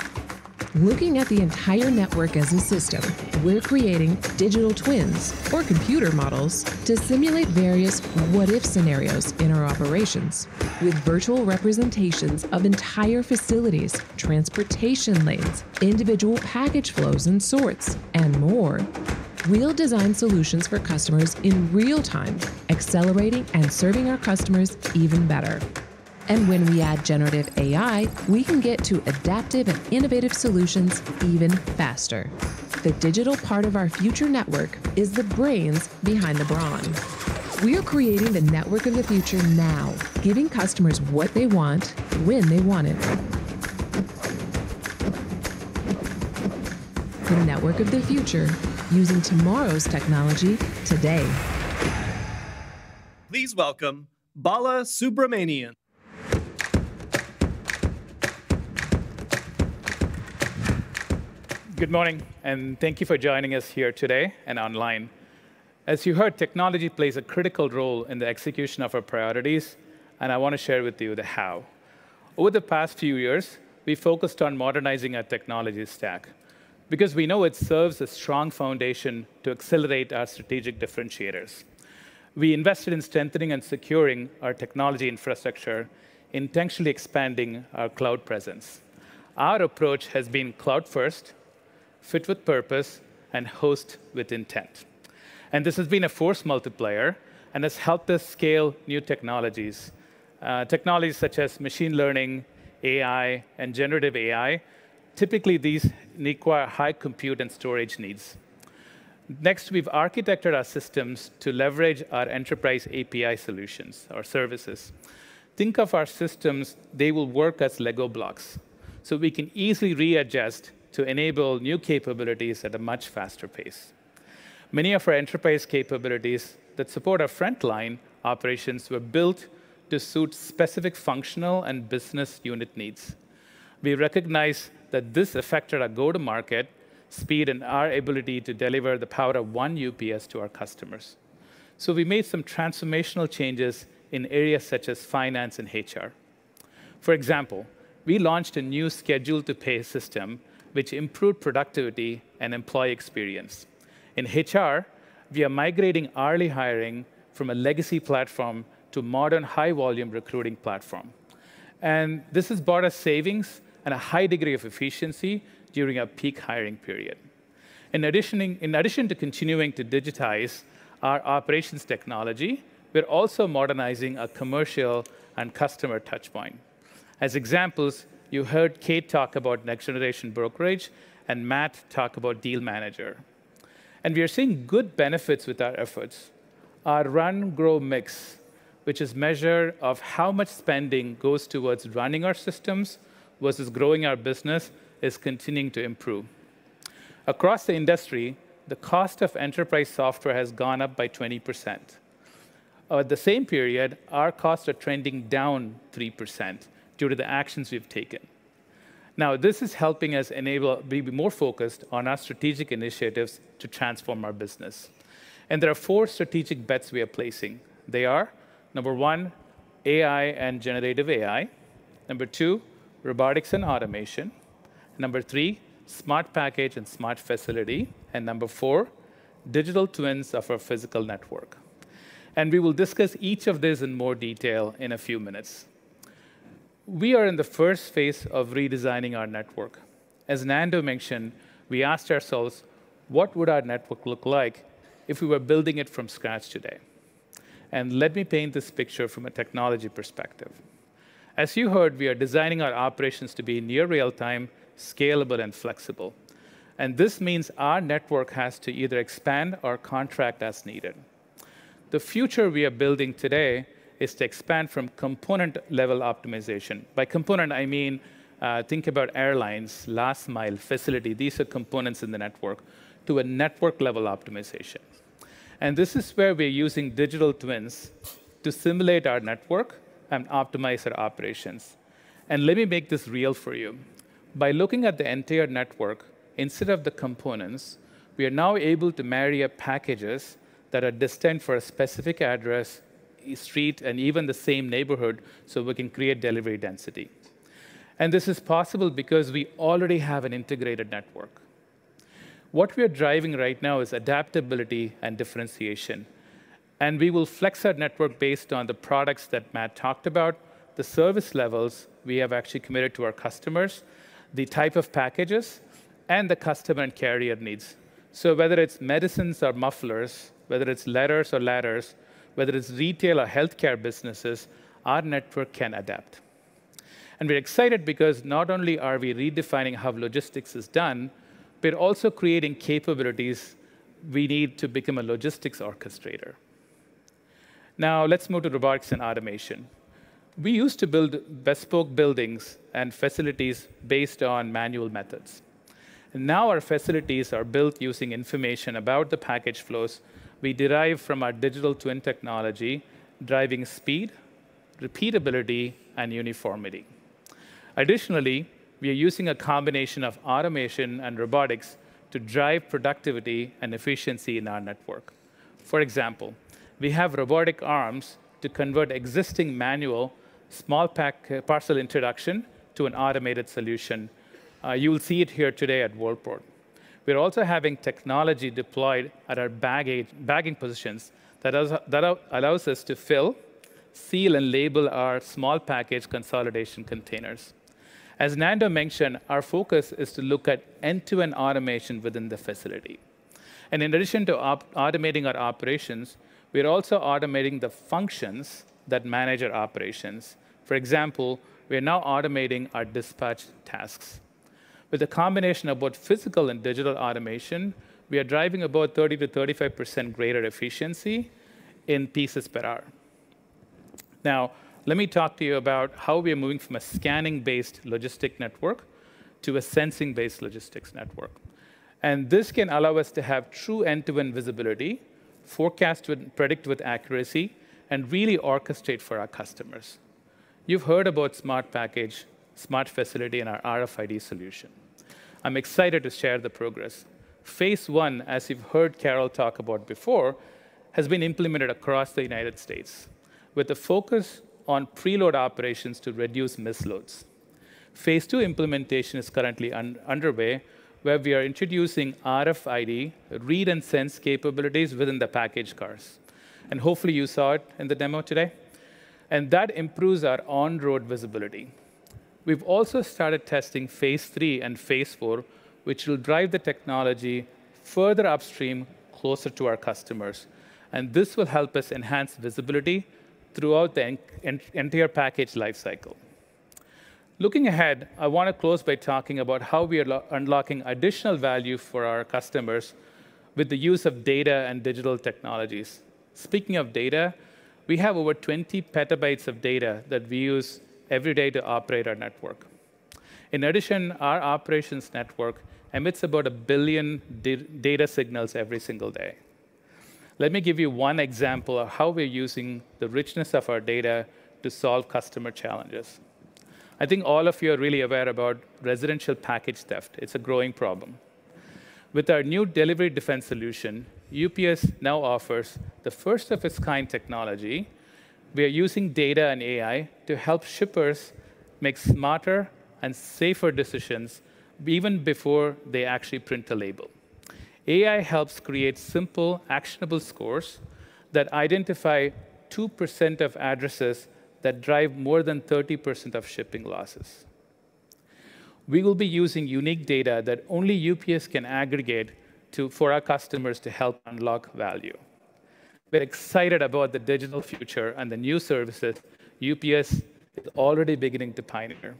Looking at the entire network as a system, we're creating digital twins or computer models to simulate various what-if scenarios in our operations. With virtual representations of entire facilities, transportation lanes, individual package flows and sorts, and more, we'll design solutions for customers in real time, accelerating and serving our customers even better. When we add generative AI, we can get to adaptive and innovative solutions even faster. The digital part of our Future Network is the brains behind the brawn. We are creating the Network of the Future now, giving customers what they want, when they want it. The Network of the Future, using tomorrow's technology today. Please welcome Bala Subramanian. Good morning, and thank you for joining us here today and online. As you heard, technology plays a critical role in the execution of our priorities, and I wanna share with you the how. Over the past few years, we focused on modernizing our technology stack because we know it serves a strong foundation to accelerate our strategic differentiators. We invested in strengthening and securing our technology infrastructure, intentionally expanding our cloud presence. Our approach has been cloud first, fit with purpose, and host with intent. This has been a force multiplier and has helped us scale new technologies, technologies such as machine learning, AI, and generative AI. Typically, these require high compute and storage needs. Next, we've architected our systems to leverage our enterprise API solutions, our services. Think of our systems, they will work as Lego blocks, so we can easily readjust to enable new capabilities at a much faster pace. Many of our enterprise capabilities that support our frontline operations were built to suit specific functional and business unit needs. We recognize that this affected our go-to-market speed and our ability to deliver the power of one UPS to our customers. So we made some transformational changes in areas such as finance and HR. For example, we launched a new schedule to pay system, which improved productivity and employee experience. In HR, we are migrating hourly hiring from a legacy platform to modern, high-volume recruiting platform, and this has brought us savings and a high degree of efficiency during our peak hiring period. In addition to continuing to digitize our operations technology, we're also modernizing our commercial and customer touchpoint. As examples, you heard Kate talk about Next Gen Brokerage and Matt talk about Deal Manager, and we are seeing good benefits with our efforts. Our run grow mix, which is measure of how much spending goes towards running our systems versus growing our business, is continuing to improve. Across the industry, the cost of enterprise software has gone up by 20%. Over the same period, our costs are trending down 3% due to the actions we've taken. Now, this is helping us enable us to be more focused on our strategic initiatives to transform our business, and there are four strategic bets we are placing. They are, 1, AI and generative AI. 2, robotics and automation. 3, Smart Package and Smart Facility. And 4, digital twins of our physical network. And we will discuss each of these in more detail in a few minutes. We are in the first phase of redesigning our network. As Nando mentioned, we asked ourselves: What would our network look like if we were building it from scratch today? And let me paint this picture from a technology perspective. As you heard, we are designing our operations to be near real-time, scalable, and flexible, and this means our network has to either expand or contract as needed. The future we are building today is to expand from component level optimization. By component, I mean, think about airlines, last mile facility, these are components in the network, to a network level optimization. And this is where we're using digital twins to simulate our network and optimize our operations. And let me make this real for you. By looking at the entire network instead of the components, we are now able to marry up packages that are destined for a specific address, a street, and even the same neighborhood, so we can create delivery density. This is possible because we already have an integrated network. What we are driving right now is adaptability and differentiation, and we will flex our network based on the products that Matt talked about, the service levels we have actually committed to our customers, the type of packages, and the customer and carrier needs. Whether it's medicines or mufflers, whether it's letters or ladders, whether it's retail or healthcare businesses, our network can adapt. We're excited because not only are we redefining how logistics is done, we're also creating capabilities we need to become a logistics orchestrator. Now, let's move to robotics and automation. We used to build bespoke buildings and facilities based on manual methods, and now our facilities are built using information about the package flows we derive from our Digital Twin technology, driving speed, repeatability, and uniformity. Additionally, we are using a combination of automation and robotics to drive productivity and efficiency in our network. For example, we have robotic arms to convert existing manual small pack parcel introduction to an automated solution. You will see it here today at Worldport. We're also having technology deployed at our baggage, bagging positions that allows us to fill, seal, and label our small package consolidation containers. As Nando mentioned, our focus is to look at end-to-end automation within the facility. In addition to automating our operations, we are also automating the functions that manage our operations. For example, we are now automating our dispatch tasks. With a combination of both physical and digital automation, we are driving about 30%-35% greater efficiency in pieces per hour. Now, let me talk to you about how we are moving from a scanning-based logistic network to a sensing-based logistics network. This can allow us to have true end-to-end visibility, forecast with, predict with accuracy, and really orchestrate for our customers. You've heard about Smart Package, Smart Facility, and our RFID solution. I'm excited to share the progress. Phase one, as you've heard Carol talk about before, has been implemented across the United States, with a focus on preload operations to reduce misloads. Phase two implementation is currently underway, where we are introducing RFID read and sense capabilities within the package cars, and hopefully you saw it in the demo today, and that improves our on-road visibility. We've also started testing phase 3 and phase 4, which will drive the technology further upstream, closer to our customers, and this will help us enhance visibility throughout the entire package life cycle. Looking ahead, I wanna close by talking about how we are unlocking additional value for our customers with the use of data and digital technologies. Speaking of data, we have over 20 PB of data that we use every day to operate our network. In addition, our operations network emits about 1 billion data signals every single day. Let me give you one example of how we're using the richness of our data to solve customer challenges. I think all of you are really aware about residential package theft. It's a growing problem. With our new DeliveryDefense solution, UPS now offers the first of its kind technology. We are using data and AI to help shippers make smarter and safer decisions even before they actually print the label. AI helps create simple, actionable scores that identify 2% of addresses that drive more than 30% of shipping losses. We will be using unique data that only UPS can aggregate to, for our customers to help unlock value. We're excited about the digital future and the new services UPS is already beginning to pioneer.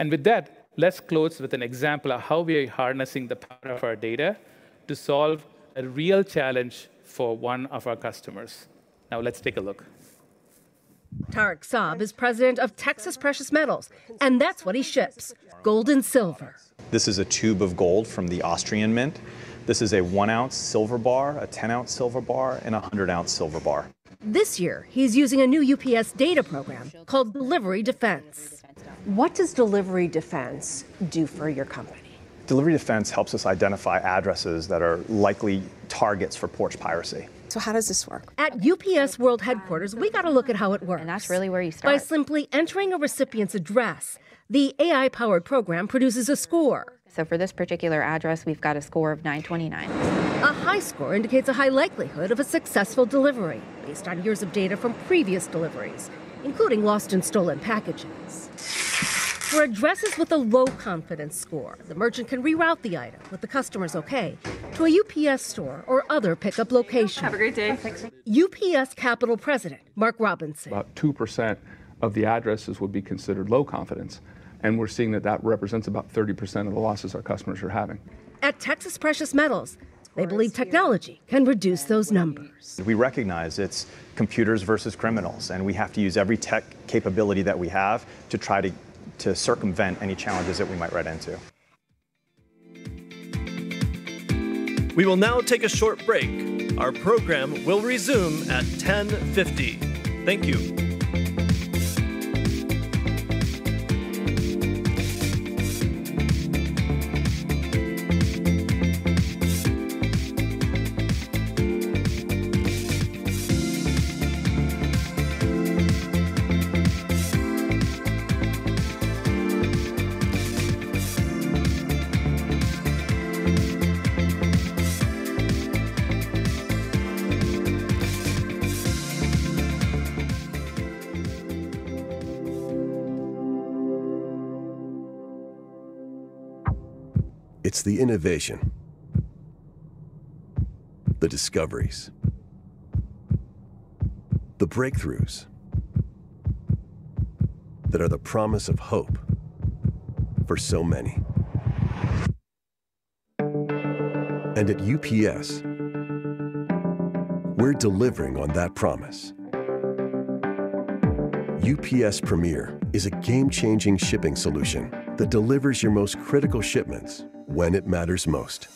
With that, let's close with an example of how we are harnessing the power of our data to solve a real challenge for one of our customers. Now, let's take a look. Tarek Saab is president of Texas Precious Metals, and that's what he ships, gold and silver. This is a tube of gold from the Austrian Mint. This is a 1-ounce silver bar, a 10-ounce silver bar, and a 100-ounce silver bar. This year, he's using a new UPS data program called DeliveryDefense. What does DeliveryDefense do for your company? DeliveryDefense helps us identify addresses that are likely targets for porch piracy. So how does this work? At UPS World Headquarters, we got a look at how it works. That's really where you start. By simply entering a recipient's address, the AI-powered program produces a score. For this particular address, we've got a score of 929. A high score indicates a high likelihood of a successful delivery, based on years of data from previous deliveries, including lost and stolen packages. For addresses with a low confidence score, the merchant can reroute the item, with the customer's okay, to a UPS Store or other pickup location. Have a great day! Thank you. UPS Capital President, Mark Robinson. About 2% of the addresses would be considered low confidence, and we're seeing that that represents about 30% of the losses our customers are having. At Texas Precious Metals, they believe technology can reduce those numbers. We recognize it's computers versus criminals, and we have to use every tech capability that we have to try to circumvent any challenges that we might run into. We will now take a short break. Our program will resume at 10:50 A.M. Thank you. It's the innovation, the discoveries, the breakthroughs that are the promise of hope for so many. At UPS, we're delivering on that promise. UPS Premier is a game-changing shipping solution that delivers your most critical shipments when it matters most.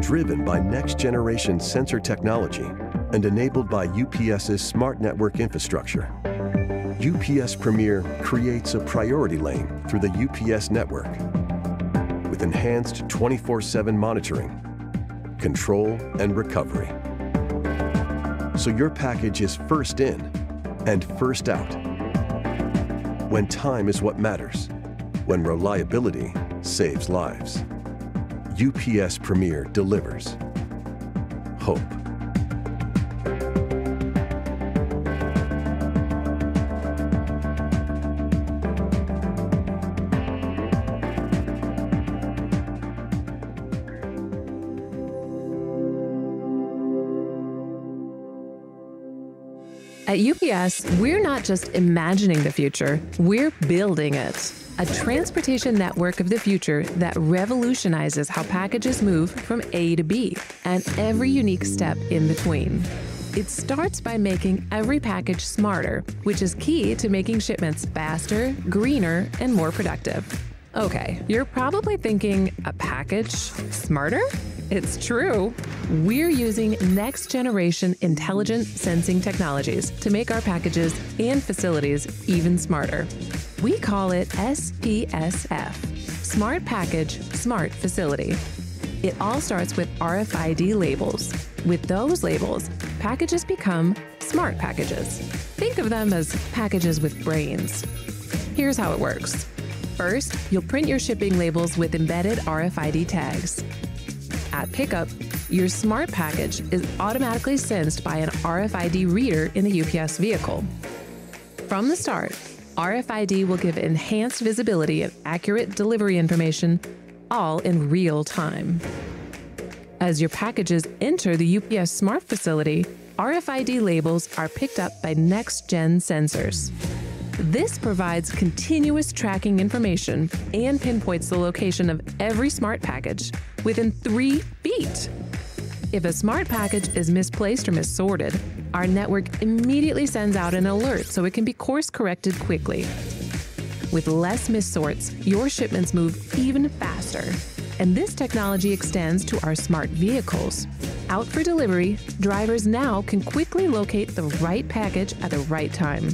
Driven by next-generation sensor technology and enabled by UPS's smart network infrastructure, UPS Premier creates a priority lane through the UPS network, with enhanced 24/7 monitoring, control, and recovery, so your package is first in and first out. When time is what matters, when reliability saves lives, UPS Premier delivers hope. At UPS, we're not just imagining the future, we're building it, a transportation network of the future that revolutionizes how packages move from A to B, and every unique step in between. It starts by making every package smarter, which is key to making shipments faster, greener, and more productive. Okay, you're probably thinking, "A package, smarter?" It's true! We're using next-generation intelligent sensing technologies to make our packages and facilities even smarter. We call it SPSF: Smart Package, Smart Facility. It all starts with RFID labels. With those labels, packages become smart packages. Think of them as packages with brains. Here's how it works: First, you'll print your shipping labels with embedded RFID tags. At pickup, your smart package is automatically sensed by an RFID reader in the UPS vehicle. From the start, RFID will give enhanced visibility of accurate delivery information, all in real time. As your packages enter the UPS smart facility, RFID labels are picked up by next-gen sensors. This provides continuous tracking information and pinpoints the location of every smart package within three feet! If a smart package is misplaced or missorted, our network immediately sends out an alert, so it can be course-corrected quickly. With less missorts, your shipments move even faster, and this technology extends to our smart vehicles. Out for delivery, drivers now can quickly locate the right package at the right time.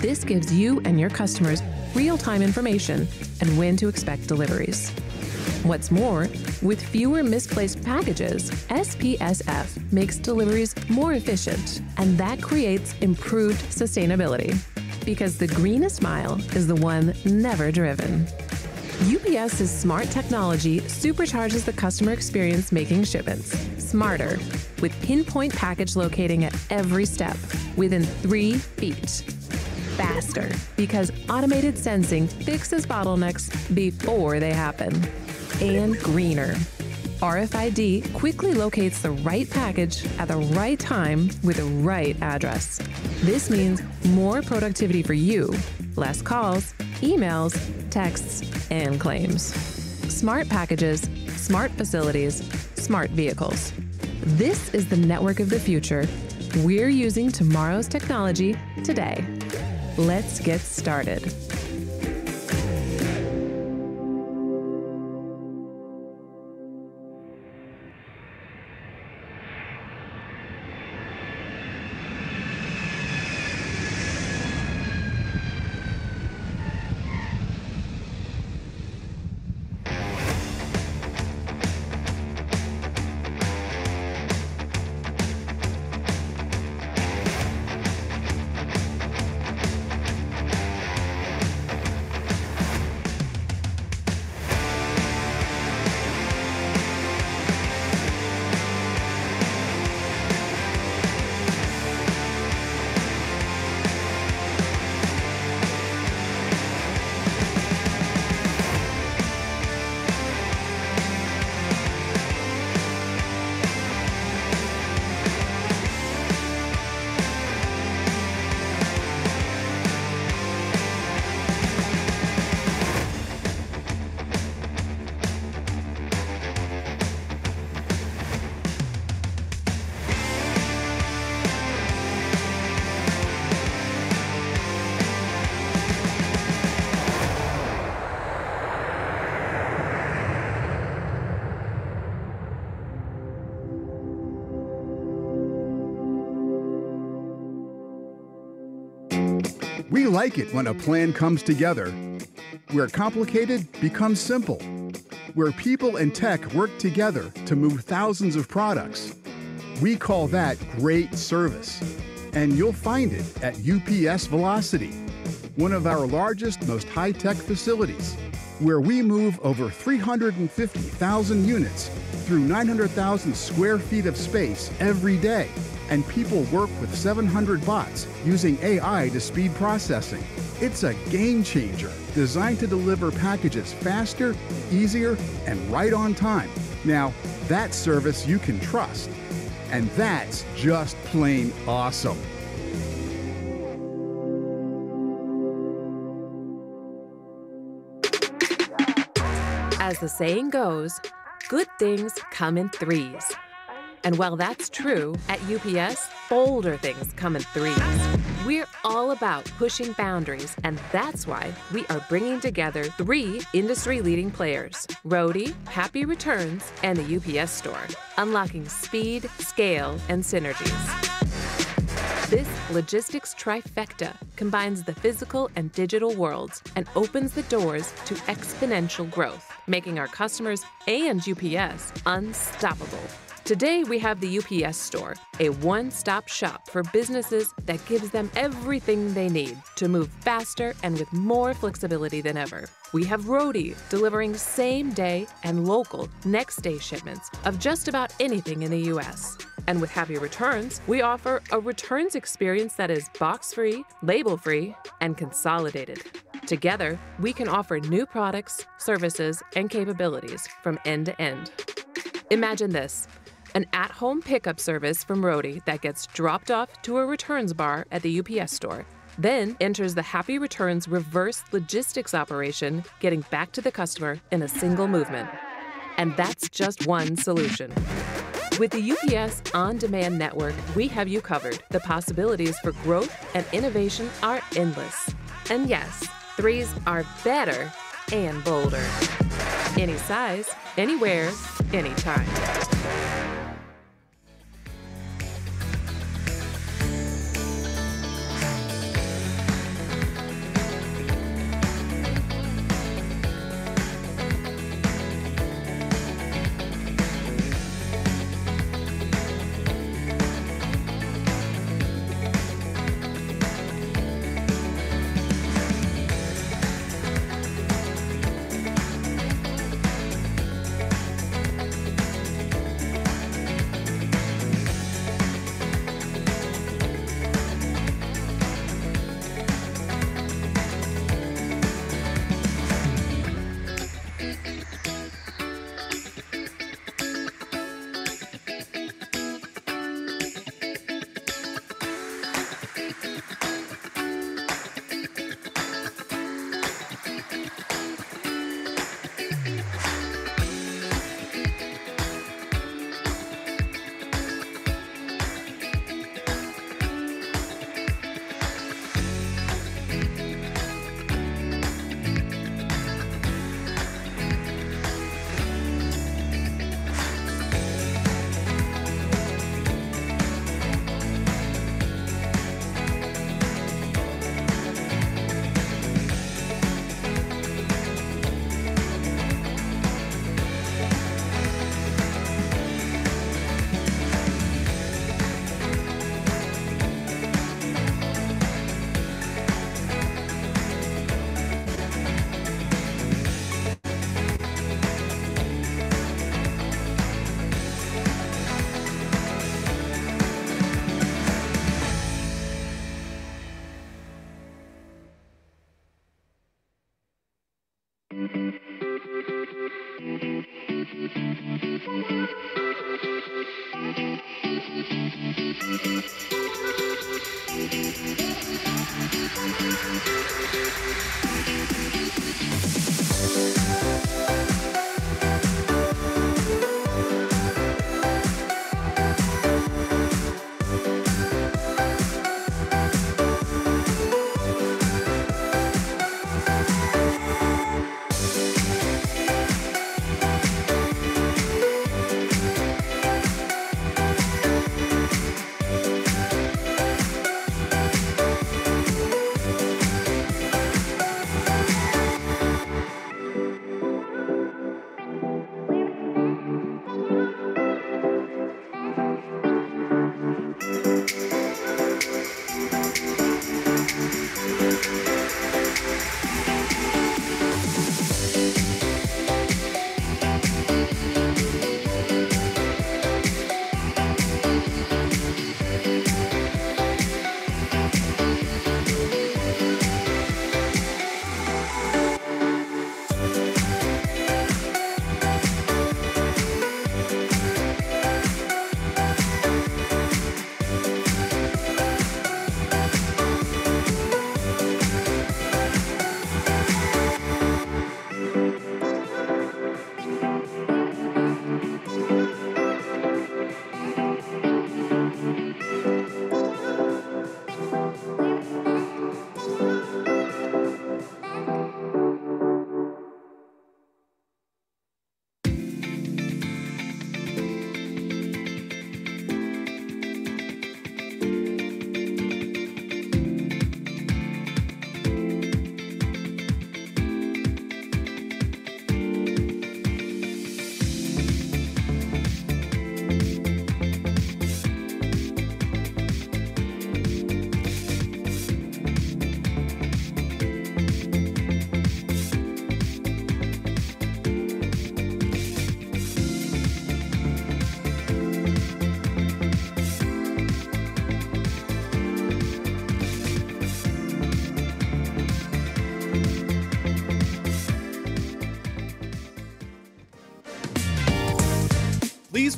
This gives you and your customers real-time information and when to expect deliveries. What's more, with fewer misplaced packages, SPSF makes deliveries more efficient, and that creates improved sustainability, because the greenest mile is the one never driven. UPS's smart technology supercharges the customer experience, making shipments smarter, with pinpoint package locating at every step, within three feet, faster, because automated sensing fixes bottlenecks before they happen, and greener. RFID quickly locates the right package at the right time with the right address. This means more productivity for you, less calls, emails, texts, and claims. Smart packages, smart facilities, smart vehicles: This is the network of the future. We're using tomorrow's technology today. Let's get started. We like it when a plan comes together, where complicated becomes simple, where people and tech work together to move thousands of products. We call that great service, and you'll find it at UPS Velocity, one of our largest, most high-tech facilities, where we move over 350,000 units through 900,000 sq ft of space every day, and people work with 700 bots using AI to speed processing. It's a game changer designed to deliver packages faster, easier, and right on time. Now, that's service you can trust, and that's just plain awesome! As the saying goes, good things come in threes. While that's true, at UPS, bolder things come in threes. We're all about pushing boundaries, and that's why we are bringing together three industry-leading players: Roadie, Happy Returns, and The UPS Store, unlocking speed, scale, and synergies. This logistics trifecta combines the physical and digital worlds and opens the doors to exponential growth, making our customers and UPS unstoppable. Today, we have The UPS Store, a one-stop shop for businesses that gives them everything they need to move faster and with more flexibility than ever. We have Roadie delivering same-day and local next-day shipments of just about anything in the U.S. And with Happy Returns, we offer a returns experience that is box-free, label-free, and consolidated. Together, we can offer new products, services, and capabilities from end to end. Imagine this: an at-home pickup service from Roadie that gets dropped off to a returns bar at The UPS Store, then enters the Happy Returns reverse logistics operation, getting back to the customer in a single movement, and that's just one solution. With the UPS On Demand Network, we have you covered. The possibilities for growth and innovation are endless. And yes, threes are better and bolder. Any size, anywhere, anytime.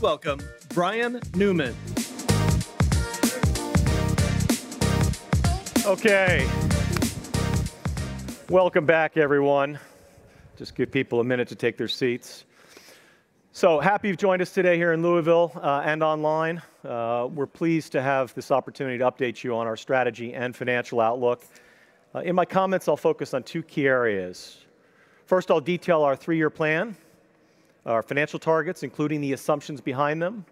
Please welcome Brian Newman. Okay. Welcome back, everyone. Just give people a minute to take their seats. So happy you've joined us today here in Louisville, and online. We're pleased to have this opportunity to update you on our strategy and financial outlook. In my comments, I'll focus on two key areas. First, I'll detail our three-year plan, our financial targets, including the assumptions behind them.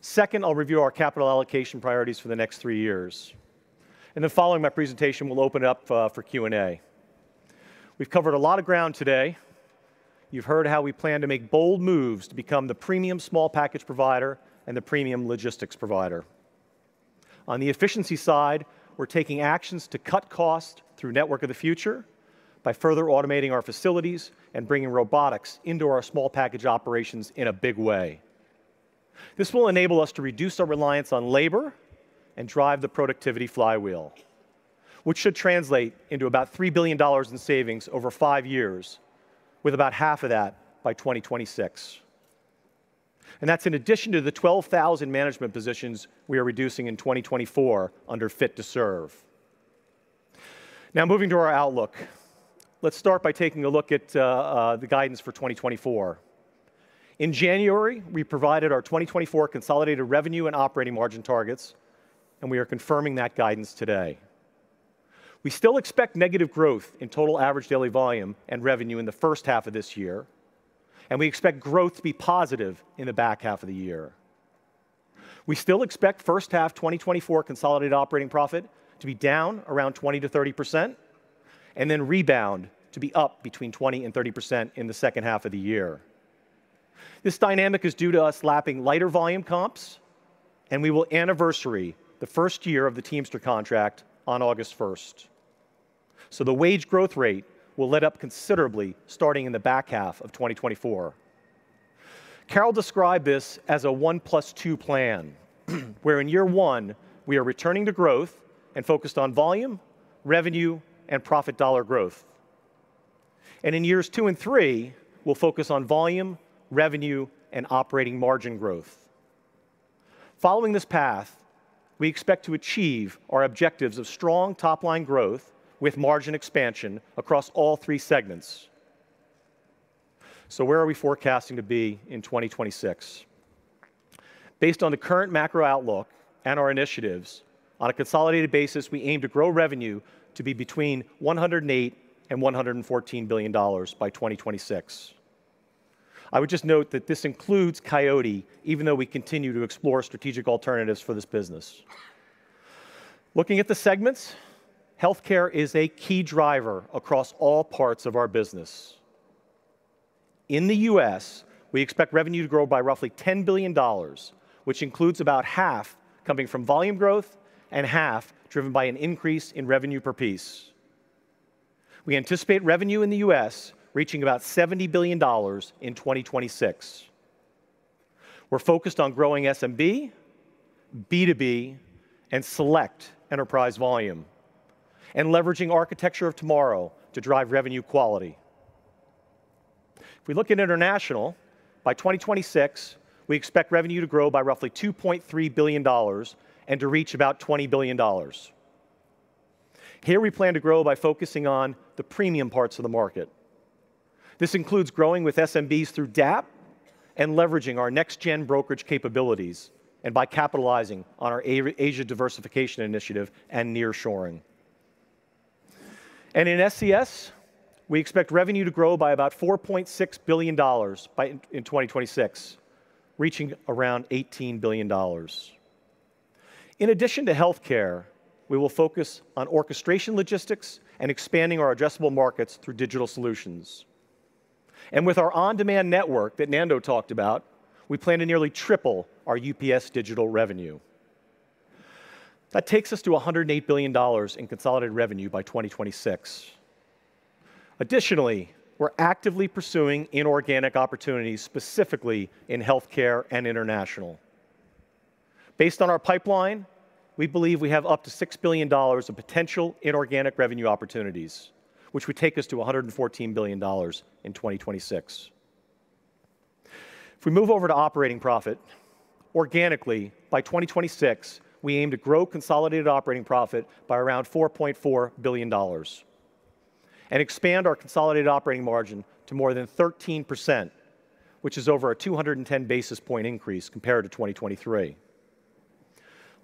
Second, I'll review our capital allocation priorities for the next three years. And then following my presentation, we'll open it up for Q&A. We've covered a lot of ground today. You've heard how we plan to make bold moves to become the premium small package provider and the premium logistics provider. On the efficiency side, we're taking actions to cut costs through Network of the Future by further automating our facilities and bringing robotics into our small package operations in a big way. This will enable us to reduce our reliance on labor and drive the productivity flywheel, which should translate into about $3 billion in savings over 5 years, with about half of that by 2026. That's in addition to the 12,000 management positions we are reducing in 2024 under Fit to Serve. Now, moving to our outlook. Let's start by taking a look at the guidance for 2024. In January, we provided our 2024 consolidated revenue and operating margin targets, and we are confirming that guidance today. We still expect negative growth in total average daily volume and revenue in the first half of this year, and we expect growth to be positive in the back half of the year. We still expect first half 2024 consolidated operating profit to be down around 20%-30% and then rebound to be up 20%-30% in the second half of the year. This dynamic is due to us lapping lighter volume comps, and we will anniversary the first year of the Teamster contract on August 1. So the wage growth rate will let up considerably starting in the back half of 2024. Carol described this as a 1+2 Plan, where in year one, we are returning to growth and focused on volume, revenue, and profit dollar growth. And in years two and three, we'll focus on volume, revenue, and operating margin growth. Following this path, we expect to achieve our objectives of strong top-line growth with margin expansion across all three segments. So where are we forecasting to be in 2026? Based on the current macro outlook and our initiatives, on a consolidated basis, we aim to grow revenue to be between $108 billion and $114 billion by 2026. I would just note that this includes Coyote, even though we continue to explore strategic alternatives for this business. Looking at the segments, healthcare is a key driver across all parts of our business. In the U.S., we expect revenue to grow by roughly $10 billion, which includes about half coming from volume growth and half driven by an increase in revenue per piece. We anticipate revenue in the U.S. reaching about $70 billion in 2026. We're focused on growing SMB, B2B, and select enterprise volume, and leveraging Architecture of Tomorrow to drive revenue quality. If we look at international, by 2026, we expect revenue to grow by roughly $2.3 billion and to reach about $20 billion. Here, we plan to grow by focusing on the premium parts of the market. This includes growing with SMBs through DAP and leveraging our Next Gen Brokerage capabilities, and by capitalizing on our Asia diversification initiative and nearshoring. And in SCS, we expect revenue to grow by about $4.6 billion in 2026, reaching around $18 billion. In addition to healthcare, we will focus on orchestration, logistics, and expanding our addressable markets through digital solutions. And with our on-demand network that Nando talked about, we plan to nearly triple our UPS digital revenue. That takes us to $108 billion in consolidated revenue by 2026. Additionally, we're actively pursuing inorganic opportunities, specifically in healthcare and international. Based on our pipeline, we believe we have up to $6 billion of potential inorganic revenue opportunities, which would take us to $114 billion in 2026. If we move over to operating profit, organically, by 2026, we aim to grow consolidated operating profit by around $4.4 billion and expand our consolidated operating margin to more than 13%, which is over a 210 basis point increase compared to 2023.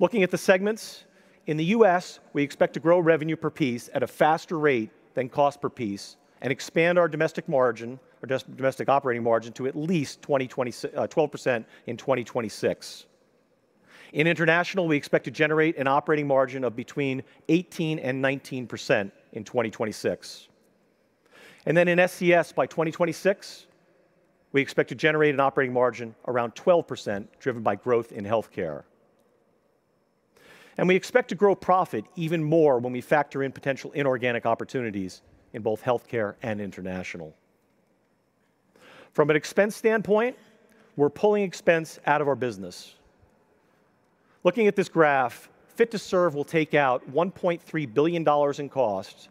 Looking at the segments, in the U.S., we expect to grow revenue per piece at a faster rate than cost per piece and expand our domestic margin, or just domestic operating margin, to at least 12% in 2026. In international, we expect to generate an operating margin of between 18% and 19% in 2026. And then in SCS, by 2026, we expect to generate an operating margin around 12%, driven by growth in healthcare. And we expect to grow profit even more when we factor in potential inorganic opportunities in both healthcare and international. From an expense standpoint, we're pulling expense out of our business. Looking at this graph, Fit to Serve will take out $1.3 billion in costs,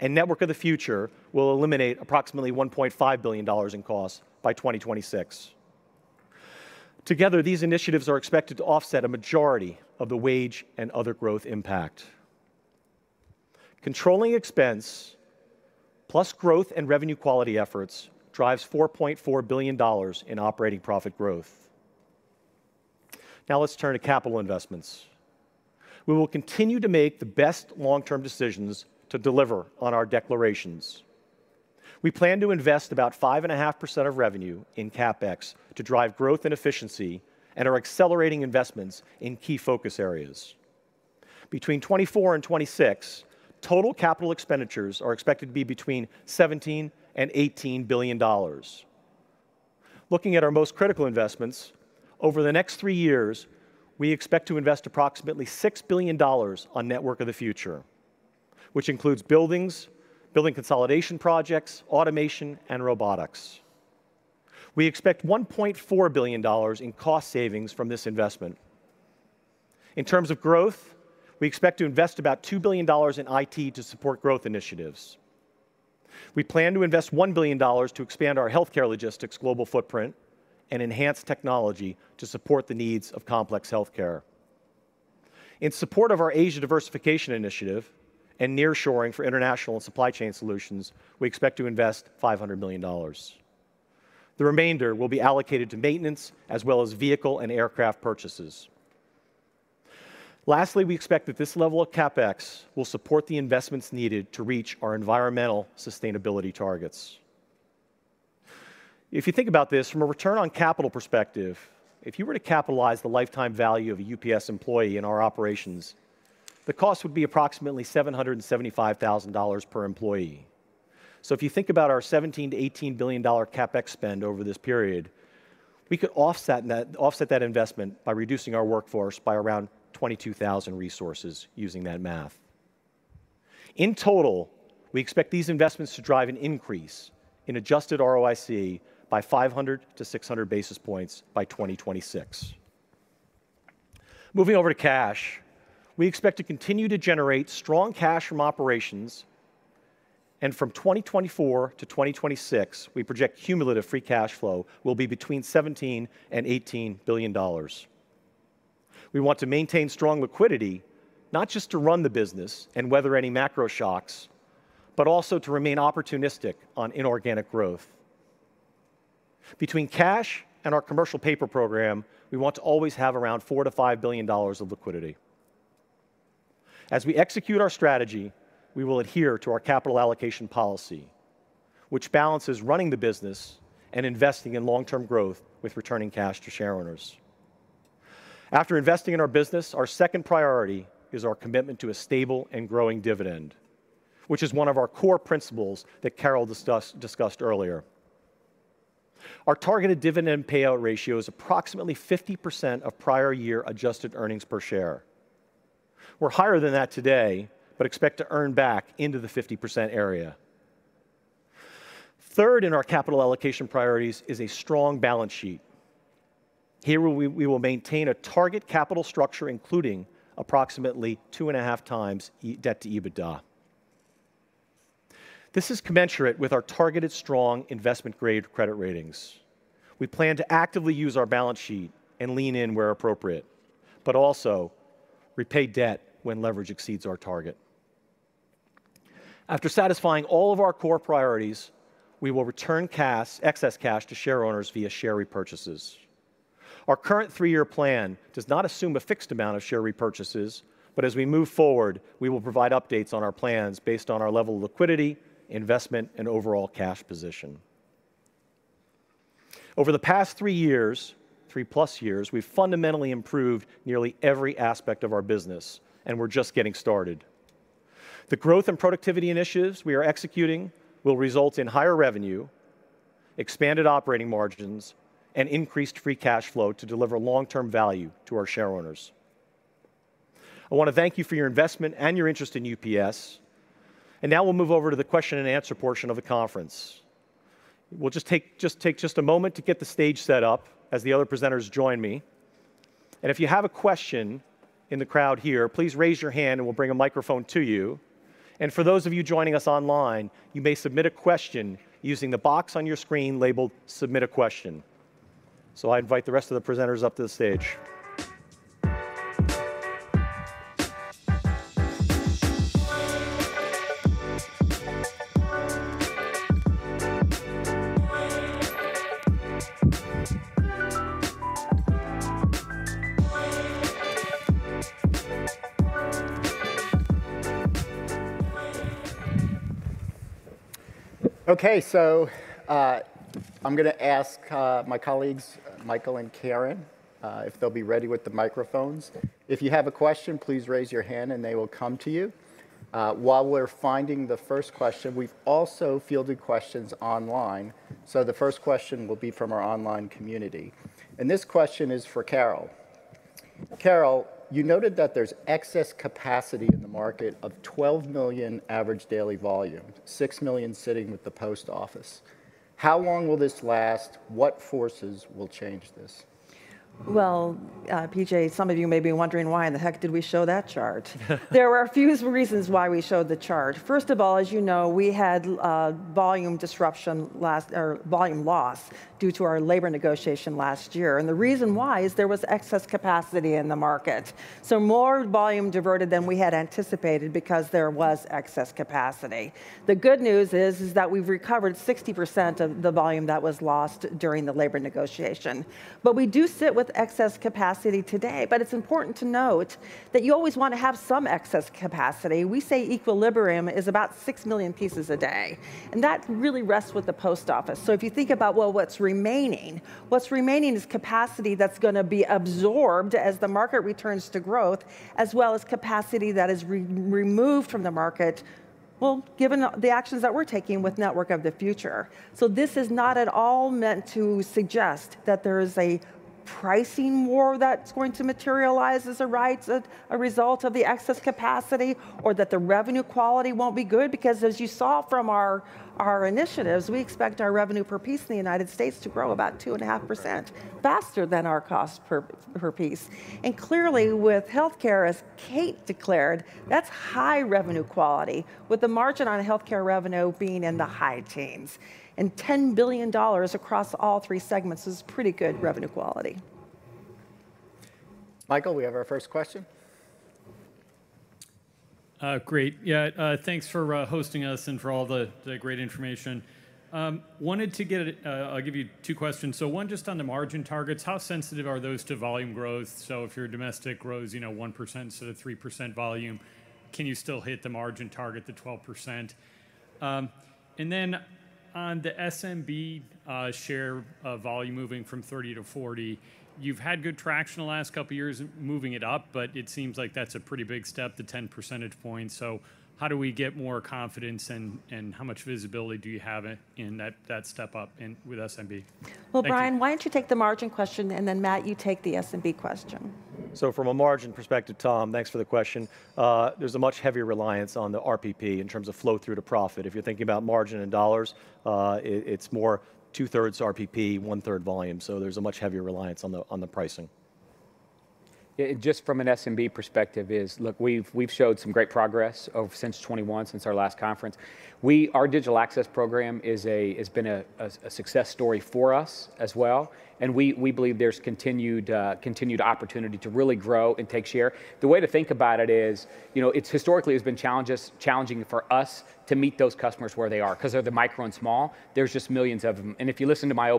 and Network of the Future will eliminate approximately $1.5 billion in costs by 2026. Together, these initiatives are expected to offset a majority of the wage and other growth impact. Controlling expense, plus growth and revenue quality efforts, drives $4.4 billion in operating profit growth. Now let's turn to capital investments. We will continue to make the best long-term decisions to deliver on our declarations. We plan to invest about 5.5% of revenue in CapEx to drive growth and efficiency and are accelerating investments in key focus areas. Between 2024 and 2026, total capital expenditures are expected to be between $17 billion and $18 billion. Looking at our most critical investments, over the next three years, we expect to invest approximately $6 billion on Network of the Future, which includes buildings, building consolidation projects, automation, and robotics. We expect $1.4 billion in cost savings from this investment. In terms of growth, we expect to invest about $2 billion in IT to support growth initiatives. We plan to invest $1 billion to expand our healthcare logistics global footprint and enhance technology to support the needs of complex healthcare. In support of our Asia diversification initiative and nearshoring for international and supply chain solutions, we expect to invest $500 million. The remainder will be allocated to maintenance as well as vehicle and aircraft purchases. Lastly, we expect that this level of CapEx will support the investments needed to reach our environmental sustainability targets. If you think about this from a return on capital perspective, if you were to capitalize the lifetime value of a UPS employee in our operations, the cost would be approximately $775,000 per employee. So if you think about our $17 billion-$18 billion CapEx spend over this period, we could offset that, offset that investment by reducing our workforce by around 22,000 resources using that math. In total, we expect these investments to drive an increase in Adjusted ROIC by 500-600 basis points by 2026. Moving over to cash, we expect to continue to generate strong cash from operations, and from 2024 to 2026, we project cumulative free cash flow will be between $17 billion and $18 billion. We want to maintain strong liquidity, not just to run the business and weather any macro shocks, but also to remain opportunistic on inorganic growth. Between cash and our commercial paper program, we want to always have around $4 billion-$5 billion of liquidity. As we execute our strategy, we will adhere to our capital allocation policy, which balances running the business and investing in long-term growth with returning cash to shareowners. After investing in our business, our second priority is our commitment to a stable and growing dividend, which is one of our core principles that Carol discussed earlier. Our targeted dividend payout ratio is approximately 50% of prior year adjusted earnings per share. We're higher than that today, but expect to earn back into the 50% area. Third in our capital allocation priorities is a strong balance sheet. Here, we will maintain a target capital structure, including approximately 2.5 times debt to EBITDA. This is commensurate with our targeted strong investment-grade credit ratings. We plan to actively use our balance sheet and lean in where appropriate, but also repay debt when leverage exceeds our target. After satisfying all of our core priorities, we will return cash, excess cash to shareowners via share repurchases. Our current 3-year plan does not assume a fixed amount of share repurchases, but as we move forward, we will provide updates on our plans based on our level of liquidity, investment, and overall cash position. Over the past 3 years, 3-plus years, we've fundamentally improved nearly every aspect of our business, and we're just getting started. The growth and productivity initiatives we are executing will result in higher revenue, expanded operating margins, and increased free cash flow to deliver long-term value to our shareowners. I want to thank you for your investment and your interest in UPS, and now we'll move over to the question and answer portion of the conference. We'll just take a moment to get the stage set up as the other presenters join me. If you have a question in the crowd here, please raise your hand and we'll bring a microphone to you. For those of you joining us online, you may submit a question using the box on your screen labeled "Submit a Question." I invite the rest of the presenters up to the stage. Okay, so, I'm gonna ask my colleagues, Michael and Karen, if they'll be ready with the microphones. If you have a question, please raise your hand and they will come to you. While we're finding the first question, we've also fielded questions online, so the first question will be from our online community, and this question is for Carol. Carol, you noted that there's excess capacity in the market of 12 million average daily volume, 6 million sitting with the Post Office. How long will this last? What forces will change this? Well, PJ, some of you may be wondering, why in the heck did we show that chart? There were a few reasons why we showed the chart. First of all, as you know, we had volume loss due to our labor negotiation last year, and the reason why is there was excess capacity in the market. So more volume diverted than we had anticipated because there was excess capacity. The good news is that we've recovered 60% of the volume that was lost during the labor negotiation. But we do sit with excess capacity today, but it's important to note that you always want to have some excess capacity. We say equilibrium is about 6 million pieces a day, and that really rests with the Post Office. So if you think about, well, what's remaining, what's remaining is capacity that's gonna be absorbed as the market returns to growth, as well as capacity that is re-removed from the market, well, given the actions that we're taking with Network of the Future. So this is not at all meant to suggest that there is a pricing war that's going to materialize as a result of the excess capacity, or that the revenue quality won't be good, because as you saw from our initiatives, we expect our revenue per piece in the United States to grow about 2.5%, faster than our cost per piece. And clearly, with healthcare, as Kate declared, that's high revenue quality, with the margin on healthcare revenue being in the high teens. And $10 billion across all three segments is pretty good revenue quality. Michael, we have our first question. Great. Yeah, thanks for hosting us and for all the great information. Wanted to get, I'll give you two questions. So one, just on the margin targets, how sensitive are those to volume growth? So if your domestic grows, you know, 1% instead of 3% volume, can you still hit the margin target, the 12%? And then on the SMB share of volume moving from 30 to 40, you've had good traction the last couple of years moving it up, but it seems like that's a pretty big step to 10 percentage points. So how do we get more confidence, and how much visibility do you have in that step up with SMB? Well, Brian, why don't you take the margin question, and then, Matt, you take the SMB question. So from a margin perspective, Tom, thanks for the question. There's a much heavier reliance on the RPP in terms of flow through to profit. If you're thinking about margin in dollars, it's more 2/3 RPP, 1/3 volume, so there's a much heavier reliance on the pricing. Yeah, just from an SMB perspective is, look, we've, we've showed some great progress over since '21, since our last conference. Our Digital Access Program is a, has been a success story for us as well, and we, we believe there's continued, continued opportunity to really grow and take share. The way to think about it is, you know, it's historically has been challenges- challenging for us to meet those customers where they are. Because they're the micro and small, there's just millions of them. And if you listen to my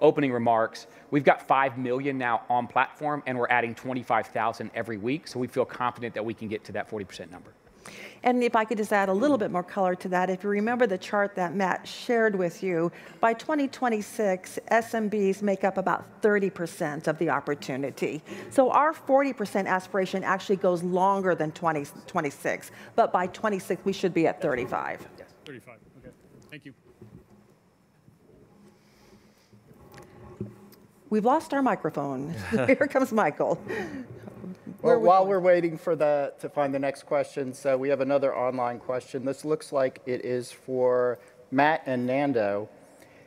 opening remarks, we've got 5 million now on platform, and we're adding 25,000 every week, so we feel confident that we can get to that 40% number. And if I could just add a little bit more color to that, if you remember the chart that Matt shared with you, by 2026, SMBs make up about 30% of the opportunity. So our 40% aspiration actually goes longer than 2026, but by 2026, we should be at 35%. Yes, 35. Okay, thank you. We've lost our microphone. Here comes Michael. Well, while we're waiting to find the next question, so we have another online question. This looks like it is for Matt and Nando.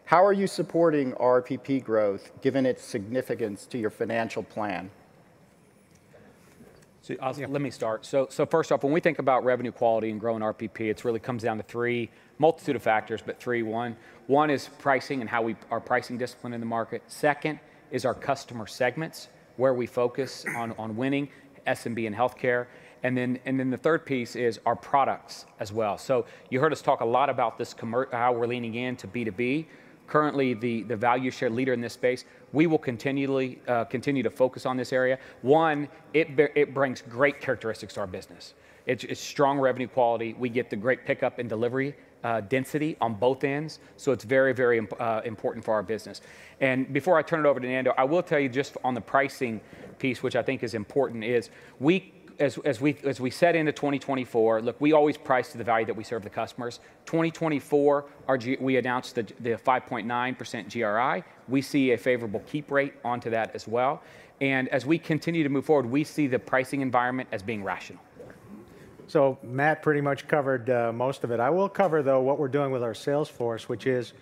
How are you supporting RPP growth, given its significance to your financial plan? Let me start. So, first off, when we think about revenue quality and growing RPP, it's really comes down to three, multitude of factors, but three. One is pricing and how we our pricing discipline in the market. Second is our customer segments, where we focus on winning SMB and healthcare. And then the third piece is our products as well. So you heard us talk a lot about this commercial, how we're leaning in to B2B, currently the value share leader in this space. We will continually continue to focus on this area. One, it brings great characteristics to our business. It's strong revenue quality. We get the great pickup and delivery density on both ends, so it's very, very important for our business. Before I turn it over to Nando, I will tell you just on the pricing piece, which I think is important, as we set into 2024, look, we always price to the value that we serve the customers. 2024, our GRI. We announced the 5.9% GRI. We see a favorable keep rate onto that as well. And as we continue to move forward, we see the pricing environment as being rational. So Matt pretty much covered most of it. I will cover, though, what we're doing with our sales force, which is, you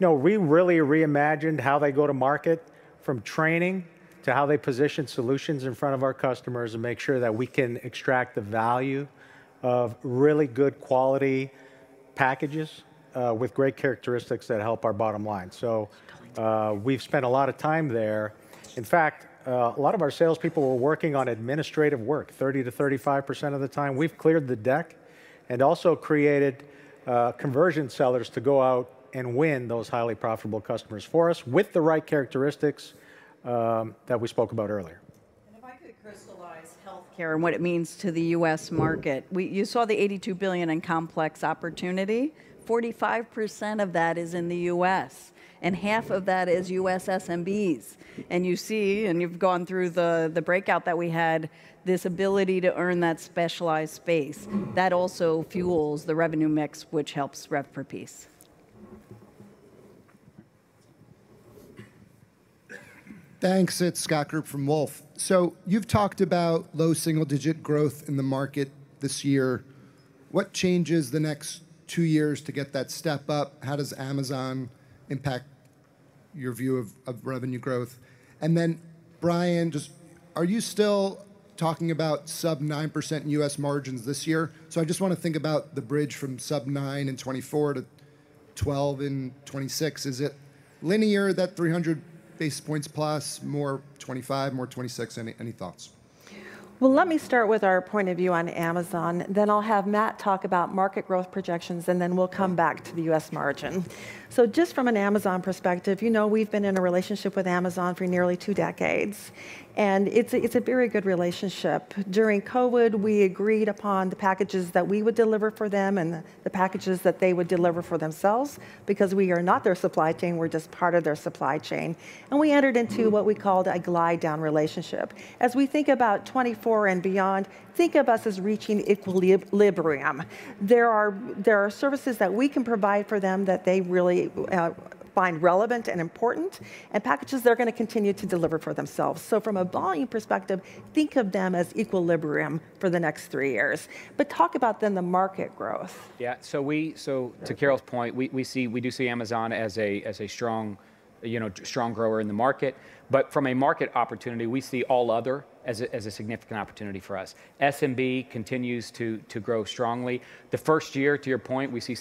know, we really reimagined how they go to market, from training to how they position solutions in front of our customers, and make sure that we can extract the value of really good quality packages with great characteristics that help our bottom line. So, we've spent a lot of time there. In fact, a lot of our salespeople were working on administrative work 30%-35% of the time. We've cleared the deck, and also created conversion sellers to go out and win those highly profitable customers for us with the right characteristics that we spoke about earlier. If I could crystallize healthcare and what it means to the U.S. market, we- you saw the $82 billion in complex opportunity. 45% of that is in the U.S., and half of that is U.S. SMBs. And you see, and you've gone through the breakout that we had, this ability to earn that specialized space. That also fuels the revenue mix, which helps RPP. Thanks. It's Scott from Wolfe. So you've talked about low single-digit growth in the market this year. What changes the next two years to get that step up? How does Amazon impact your view of revenue growth? And then, Brian, just, are you still talking about sub 9% U.S. margins this year? So I just wanna think about the bridge from sub 9% in 2024 to 12% in 2026. Is it linear, that 300 basis points plus, more 2025, more 2026? Any thoughts? Well, let me start with our point of view on Amazon, then I'll have Matt talk about market growth projections, and then we'll come back to the U.S. margin. So just from an Amazon perspective, you know, we've been in a relationship with Amazon for nearly two decades, and it's a very good relationship. During COVID, we agreed upon the packages that we would deliver for them and the packages that they would deliver for themselves, because we are not their supply chain, we're just part of their supply chain. And we entered into what we called a glide down relationship. As we think about 2024 and beyond, think of us as reaching equilibrium. There are services that we can provide for them that they really find relevant and important, and packages they're gonna continue to deliver for themselves. From a volume perspective, think of them as equilibrium for the next three years. But talk about then the market growth. Yeah, so to Carol's point, we, we see, we do see Amazon as a, as a strong, you know, strong grower in the market, but from a market opportunity, we see all other as a, as a significant opportunity for us. SMB continues to grow strongly. The first year, to your point, we see,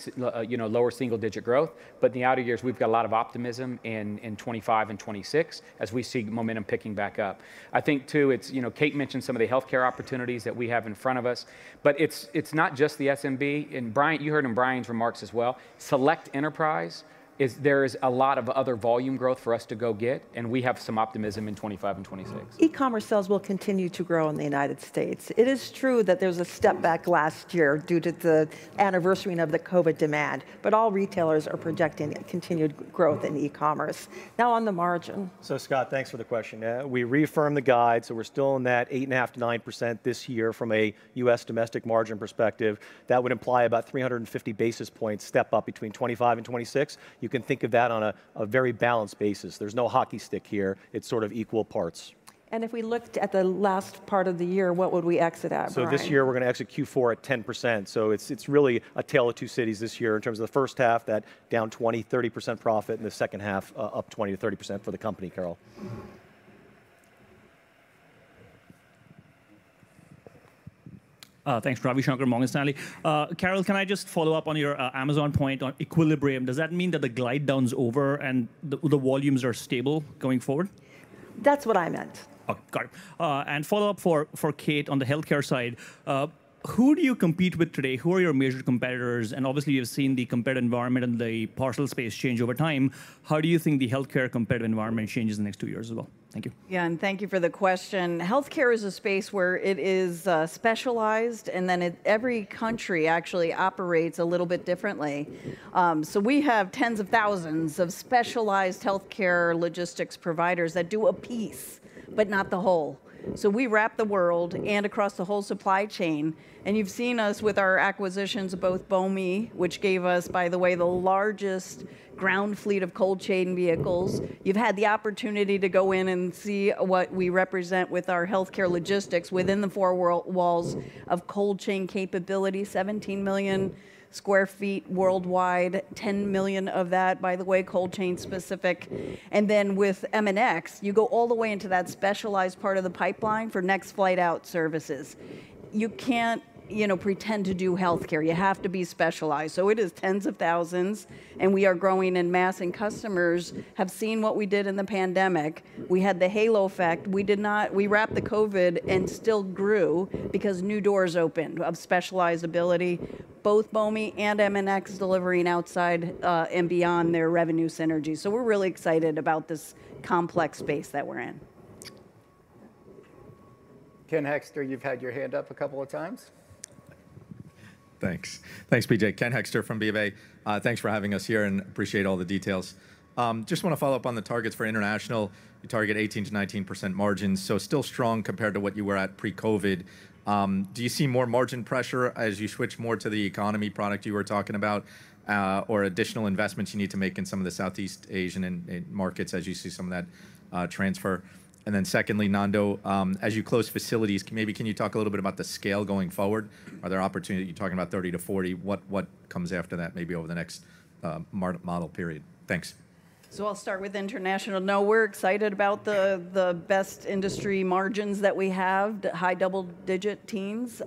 you know, lower single-digit growth, but in the outer years, we've got a lot of optimism in 2025 and 2026, as we see momentum picking back up. I think, too, it's, you know, Kate mentioned some of the healthcare opportunities that we have in front of us, but it's not just the SMB. And Brian, you heard in Brian's remarks as well, select enterprise is, there is a lot of other volume growth for us to go get, and we have some optimism in 2025 and 2026. E-commerce sales will continue to grow in the United States. It is true that there was a step back last year due to the anniversarying of the COVID demand, but all retailers are projecting continued growth in e-commerce. Now, on the margin. So Scott, thanks for the question. Yeah, we reaffirmed the guide, so we're still in that 8.5%-9% this year from a U.S. domestic margin perspective. That would imply about 350 basis points step up between 2025 and 2026. You can think of that on a, a very balanced basis. There's no hockey stick here. It's sort of equal parts. If we looked at the last part of the year, what would we exit at, Brian? So this year we're gonna exit Q4 at 10%, so it's, it's really a tale of two cities this year in terms of the first half, that down 20%-30% profit, and the second half, up 20%-30% for the company, Carol. Thanks, Ravi Shanker, Morgan Stanley. Carol, can I just follow up on your Amazon point on equilibrium? Does that mean that the glide down's over, and the volumes are stable going forward? That's what I meant. Okay, got it. And follow-up for, for Kate on the healthcare side. Who do you compete with today? Who are your major competitors? And obviously, you've seen the competitor environment and the parcel space change over time. How do you think the healthcare competitor environment changes in the next two years as well? Thank you. Yeah, and thank you for the question. Healthcare is a space where it is specialized, and then every country actually operates a little bit differently. So we have tens of thousands of specialized healthcare logistics providers that do a piece, but not the whole. So we wrap the world and across the whole supply chain, and you've seen us with our acquisitions of both Bomi, which gave us, by the way, the largest ground fleet of cold chain vehicles. You've had the opportunity to go in and see what we represent with our healthcare logistics within the four walls of cold chain capability, 17 million sq ft worldwide, 10 million of that, by the way, cold chain specific. And then with MNX, you go all the way into that specialized part of the pipeline for next flight out services. You can't, you know, pretend to do healthcare. You have to be specialized. So it is tens of thousands, and we are growing in mass, and customers have seen what we did in the pandemic. We had the halo effect. We wrapped the COVID and still grew because new doors opened of specializability, both Bomi and MNX delivering outside, and beyond their revenue synergy. So we're really excited about this complex space that we're in. Ken Hoexter, you've had your hand up a couple of times. Thanks. Thanks, PJ. Ken Hoexter from BofA. Thanks for having us here, and appreciate all the details. Just wanna follow up on the targets for international. You target 18%-19% margins, so still strong compared to what you were at pre-COVID. Do you see more margin pressure as you switch more to the economy product you were talking about, or additional investments you need to make in some of the Southeast Asian and markets as you see some of that transfer? And then secondly, Nando, as you close facilities, maybe can you talk a little bit about the scale going forward? Are there opportunity-- You're talking about 30-40. What comes after that, maybe over the next model period? Thanks. So I'll start with international. No, we're excited about the best industry margins that we have, the high double-digit teens.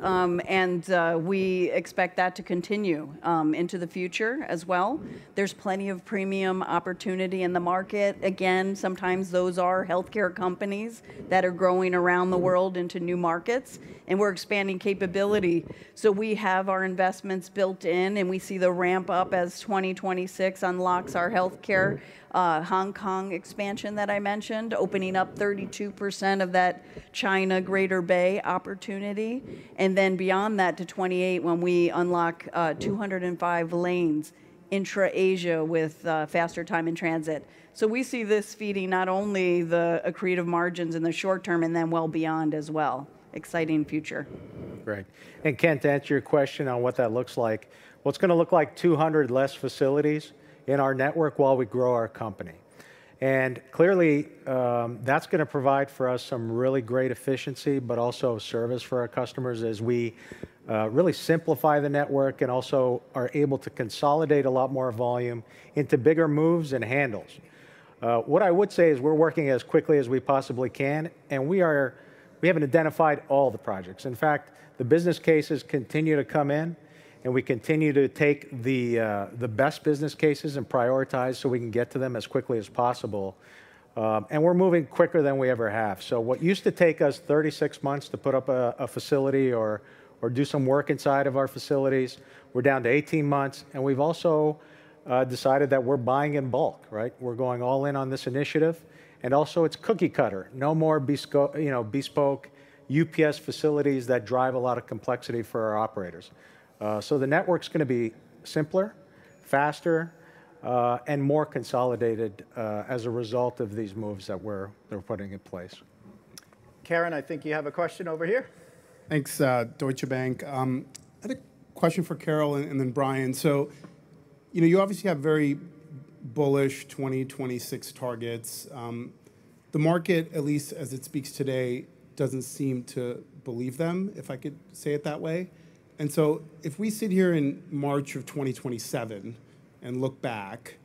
We expect that to continue into the future as well. There's plenty of premium opportunity in the market. Again, sometimes those are healthcare companies that are growing around the world into new markets, and we're expanding capability. So we have our investments built in, and we see the ramp up as 2026 unlocks our healthcare Hong Kong expansion that I mentioned, opening up 32% of that China Greater Bay opportunity, and then beyond that to 2028, when we unlock 205 lanes intra-Asia with faster time in transit. So we see this feeding not only the accretive margins in the short term and then well beyond as well. Exciting future. Great. And Ken, to answer your question on what that looks like, well, it's gonna look like 200 less facilities in our network while we grow our company. Clearly, that's gonna provide for us some really great efficiency, but also service for our customers as we really simplify the network and also are able to consolidate a lot more volume into bigger moves and handles. What I would say is we're working as quickly as we possibly can, and we haven't identified all the projects. In fact, the business cases continue to come in, and we continue to take the best business cases and prioritize so we can get to them as quickly as possible. We're moving quicker than we ever have. So what used to take us 36 months to put up a facility or do some work inside of our facilities, we're down to 18 months, and we've also decided that we're buying in bulk, right? We're going all in on this initiative, and also it's cookie-cutter. No more, you know, bespoke UPS facilities that drive a lot of complexity for our operators. So the network's gonna be simpler, faster, and more consolidated as a result of these moves that we're putting in place. Karen, I think you have a question over here. Thanks. Deutsche Bank. I had a question for Carol and then Brian. So, you know, you obviously have very bullish 2026 targets. The market, at least as it speaks today, doesn't seem to believe them, if I could say it that way. And so if we sit here in March of 2027 and look back,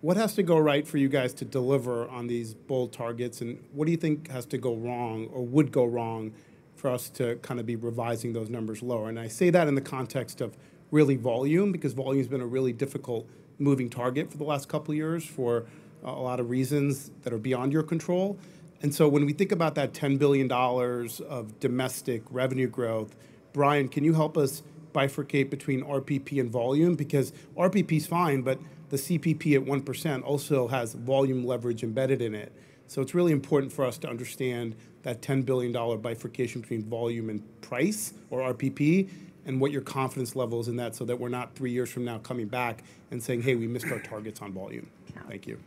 what has to go right for you guys to deliver on these bold targets, and what do you think has to go wrong or would go wrong for us to kind of be revising those numbers lower? And I say that in the context of really volume, because volume's been a really difficult moving target for the last couple of years for a lot of reasons that are beyond your control. When we think about that $10 billion of domestic revenue growth, Brian, can you help us bifurcate between RPP and volume? Because RPP's fine, but the CPP at 1% also has volume leverage embedded in it. So it's really important for us to understand that $10 billion bifurcation between volume and price, or RPP, and what your confidence level is in that, so that we're not three years from now coming back and saying, "Hey, we missed our targets on volume." Thank you.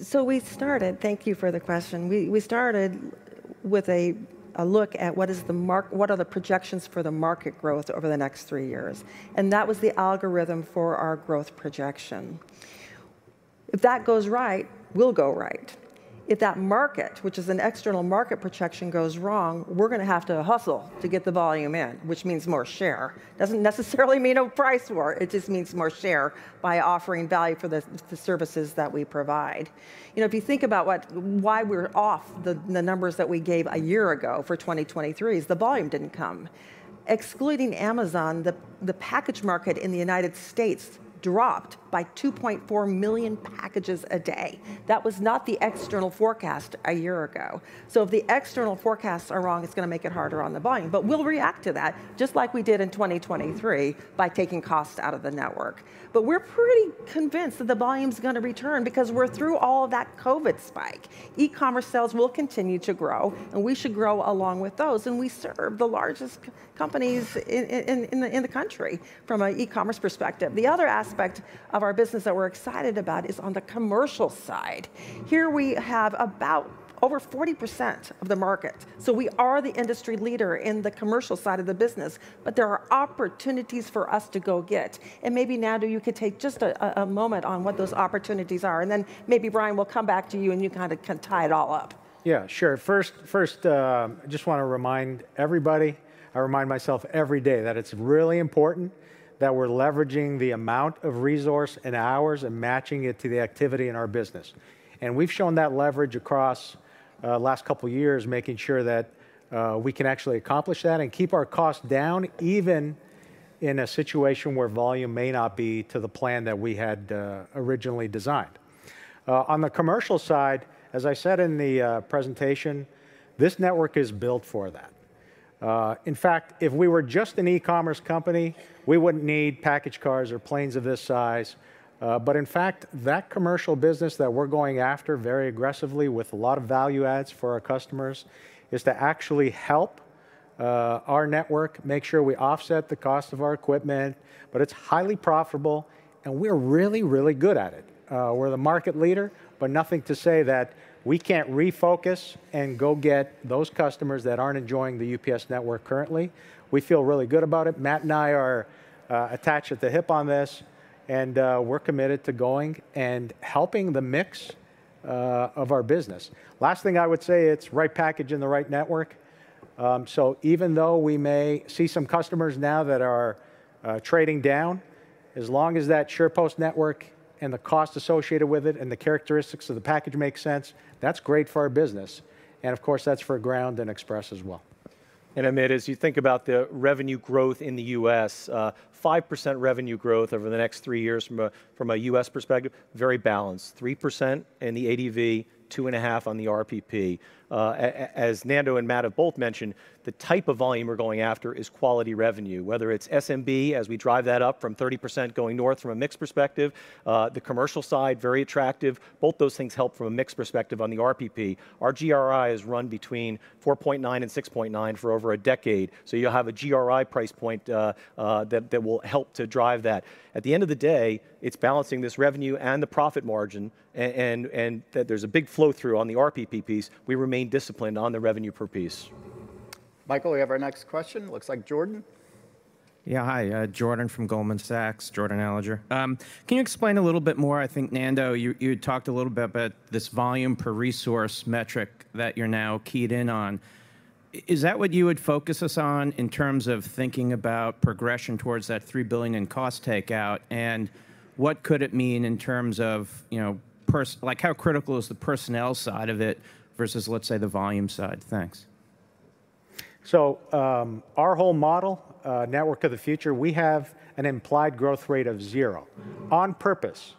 So we started. Thank you for the question. We started with a look at what are the projections for the market growth over the next three years, and that was the algorithm for our growth projection. If that goes right, we'll go right. If that market, which is an external market projection, goes wrong, we're gonna have to hustle to get the volume in, which means more share. Doesn't necessarily mean a price war, it just means more share by offering value for the services that we provide. You know, if you think about why we're off the numbers that we gave a year ago for 2023 is the volume didn't come. Excluding Amazon, the package market in the United States dropped by 2.4 million packages a day. That was not the external forecast a year ago. So if the external forecasts are wrong, it's gonna make it harder on the volume. But we'll react to that, just like we did in 2023, by taking costs out of the network. But we're pretty convinced that the volume's gonna return because we're through all of that COVID spike. E-commerce sales will continue to grow, and we should grow along with those, and we serve the largest companies in the country from an e-commerce perspective. The other aspect of our business that we're excited about is on the commercial side. Here we have about over 40% of the market, so we are the industry leader in the commercial side of the business, but there are opportunities for us to go get. And maybe, Nando, you could take just a moment on what those opportunities are, and then maybe, Brian, we'll come back to you, and you kind of can tie it all up. Yeah, sure. First, I just want to remind everybody, I remind myself every day, that it's really important that we're leveraging the amount of resource and hours and matching it to the activity in our business. We've shown that leverage across last couple years, making sure that we can actually accomplish that and keep our costs down, even in a situation where volume may not be to the plan that we had originally designed. On the commercial side, as I said in the presentation, this network is built for that. In fact, if we were just an e-commerce company, we wouldn't need package cars or planes of this size. But in fact, that commercial business that we're going after very aggressively with a lot of value adds for our customers, is to actually help our network make sure we offset the cost of our equipment, but it's highly profitable, and we're really, really good at it. We're the market leader, but nothing to say that we can't refocus and go get those customers that aren't enjoying the UPS network currently. We feel really good about it. Matt and I are attached at the hip on this, and we're committed to going and helping the mix of our business. Last thing I would say, it's right package and the right network. So even though we may see some customers now that are trading down, as long as that SurePost network and the cost associated with it and the characteristics of the package make sense, that's great for our business, and of course, that's for ground and express as well. Amit, as you think about the revenue growth in the U.S., 5% revenue growth over the next three years from a U.S. perspective, very balanced. 3% in the ADV, 2.5 on the RPP. As Nando and Matt have both mentioned, the type of volume we're going after is quality revenue, whether it's SMB, as we drive that up from 30% going north from a mix perspective, the commercial side, very attractive. Both those things help from a mix perspective on the RPP. Our GRI is run between 4.9%-6.9% for over a decade, so you'll have a GRI price point, that will help to drive that. At the end of the day, it's balancing this revenue and the profit margin and that there's a big flow-through on the RPP piece. We remain disciplined on the revenue per piece. Michael, we have our next question. Looks like Jordan? Yeah, hi, Jordan from Goldman Sachs, Jordan Alliger. Can you explain a little bit more? I think, Nando, you had talked a little bit about this volume per resource metric that you're now keyed in on. Is that what you would focus us on in terms of thinking about progression towards that $3 billion in cost takeout? And what could it mean in terms of, you know, like, how critical is the personnel side of it versus, let's say, the volume side? Thanks. Our whole model, Network of the Future, we have an implied growth rate of zero, on purpose.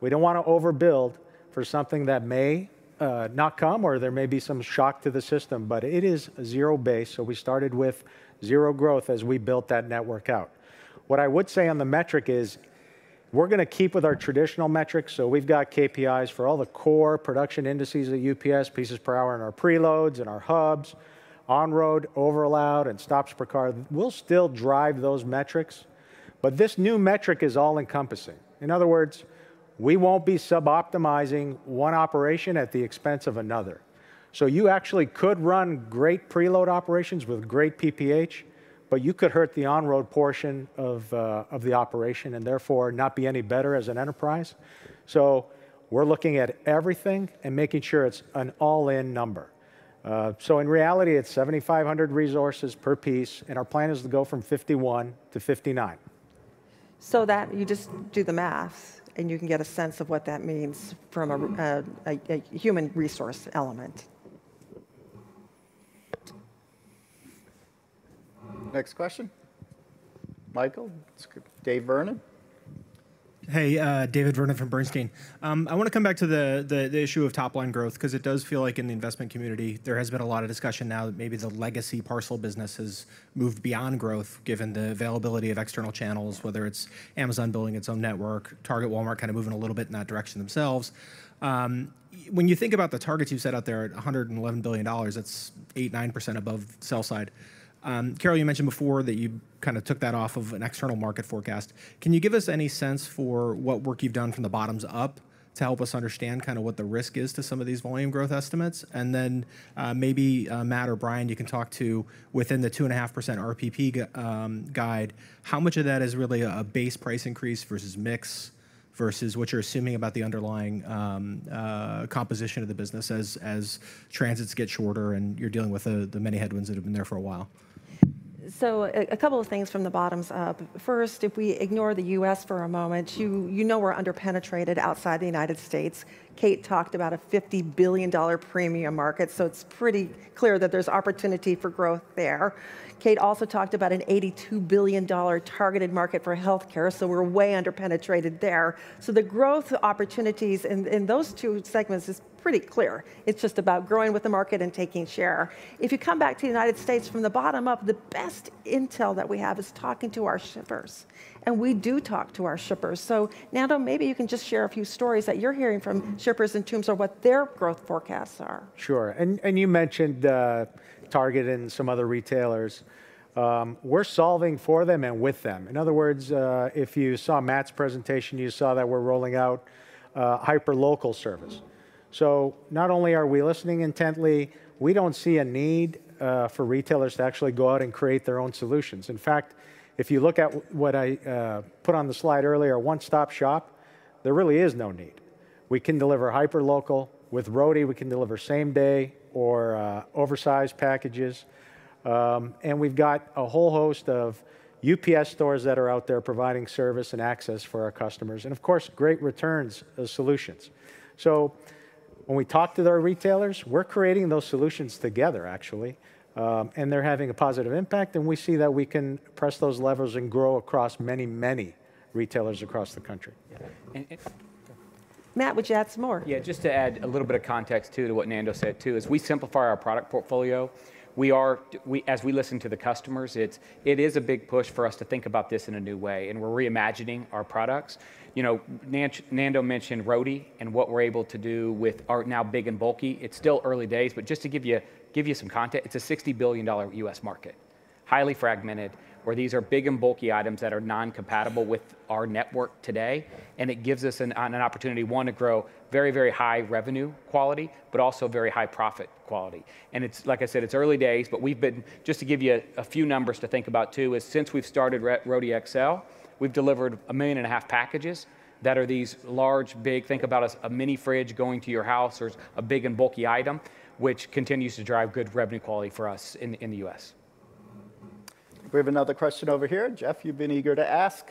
We don't want to overbuild for something that may not come, or there may be some shock to the system, but it is zero base, so we started with zero growth as we built that network out. What I would say on the metric is, we're gonna keep with our traditional metrics, so we've got KPIs for all the core production indices at UPS, pieces per hour in our preloads and our hubs, on road, over allowed, and stops per car. We'll still drive those metrics, but this new metric is all-encompassing. In other words, we won't be suboptimizing one operation at the expense of another. So you actually could run great preload operations with great PPH, but you could hurt the on-road portion of the operation, and therefore, not be any better as an enterprise. So we're looking at everything and making sure it's an all-in number. So in reality, it's 7,500 resources per piece, and our plan is to go from 51 to 59. So that, you just do the math, and you can get a sense of what that means from a human resource element. Next question? Michael, Dave Vernon. Hey, David Vernon from Bernstein. I want to come back to the issue of top-line growth, 'cause it does feel like in the investment community, there has been a lot of discussion now that maybe the legacy parcel business has moved beyond growth, given the availability of external channels, whether it's Amazon building its own network, Target, Walmart kind of moving a little bit in that direction themselves. When you think about the targets you've set out there at $111 billion, that's 8%-9% above sell side. Carol, you mentioned before that you kind of took that off of an external market forecast. Can you give us any sense for what work you've done from the bottoms up to help us understand kind of what the risk is to some of these volume growth estimates? Then, maybe Matt or Brian, you can talk to within the 2.5% RPP guide, how much of that is really a base price increase versus mix, versus what you're assuming about the underlying composition of the business as transits get shorter and you're dealing with the many headwinds that have been there for a while? So, a couple of things from the bottoms up. First, if we ignore the U.S. for a moment, you, you know we're under-penetrated outside the United States. Kate talked about a $50 billion premium market, so it's pretty clear that there's opportunity for growth there. Kate also talked about an $82 billion targeted market for healthcare, so we're way under-penetrated there. So the growth opportunities in, in those two segments is pretty clear. It's just about growing with the market and taking share. If you come back to the United States, from the bottom up, the best intel that we have is talking to our shippers, and we do talk to our shippers. So, Nando, maybe you can just share a few stories that you're hearing from shippers in terms of what their growth forecasts are. Sure. And you mentioned Target and some other retailers. We're solving for them and with them. In other words, if you saw Matt's presentation, you saw that we're rolling out hyperlocal service. So not only are we listening intently, we don't see a need for retailers to actually go out and create their own solutions. In fact, if you look at what I put on the slide earlier, a one-stop shop, there really is no need. We can deliver hyperlocal. With Roadie, we can deliver same-day or oversized packages. And we've got a whole host of UPS stores that are out there providing service and access for our customers and, of course, great returns solutions. So when we talk to their retailers, we're creating those solutions together, actually, and they're having a positive impact, and we see that we can press those levers and grow across many, many retailers across the country. Matt, would you add some more? Yeah, just to add a little bit of context, too, to what Nando said, too, as we simplify our product portfolio, we are, as we listen to the customers, it is a big push for us to think about this in a new way, and we're reimagining our products. You know, Nando mentioned Roadie and what we're able to do with our now big and bulky. It's still early days, but just to give you some context, it's a $60 billion U.S. market. Highly fragmented, where these are big and bulky items that are non-compatible with our network today, and it gives us an opportunity to grow very, very high revenue quality, but also very high profit quality. And it's, like I said, it's early days, but we've been. Just to give you a few numbers to think about, too, is since we've started Roadie XL, we've delivered 1.5 million packages that are these large, big, think about a mini fridge going to your house or a big and bulky item, which continues to drive good revenue quality for us in the U.S.. We have another question over here. Jeff, you've been eager to ask.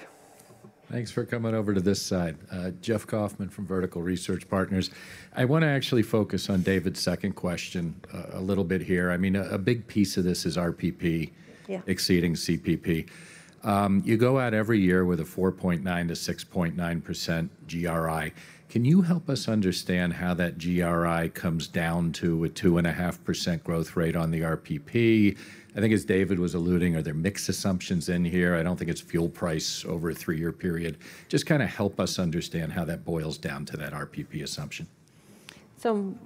Thanks for coming over to this side. Jeff Kauffman from Vertical Research Partners. I want to actually focus on David's second question a little bit here. I mean, a big piece of this is RPP- Yeah -exceeding CPP. You go out every year with a 4.9%-6.9% GRI. Can you help us understand how that GRI comes down to a 2.5% growth rate on the RPP? I think, as David was alluding, are there mixed assumptions in here? I don't think it's fuel price over a three-year period. Just kind of help us understand how that boils down to that RPP assumption. Who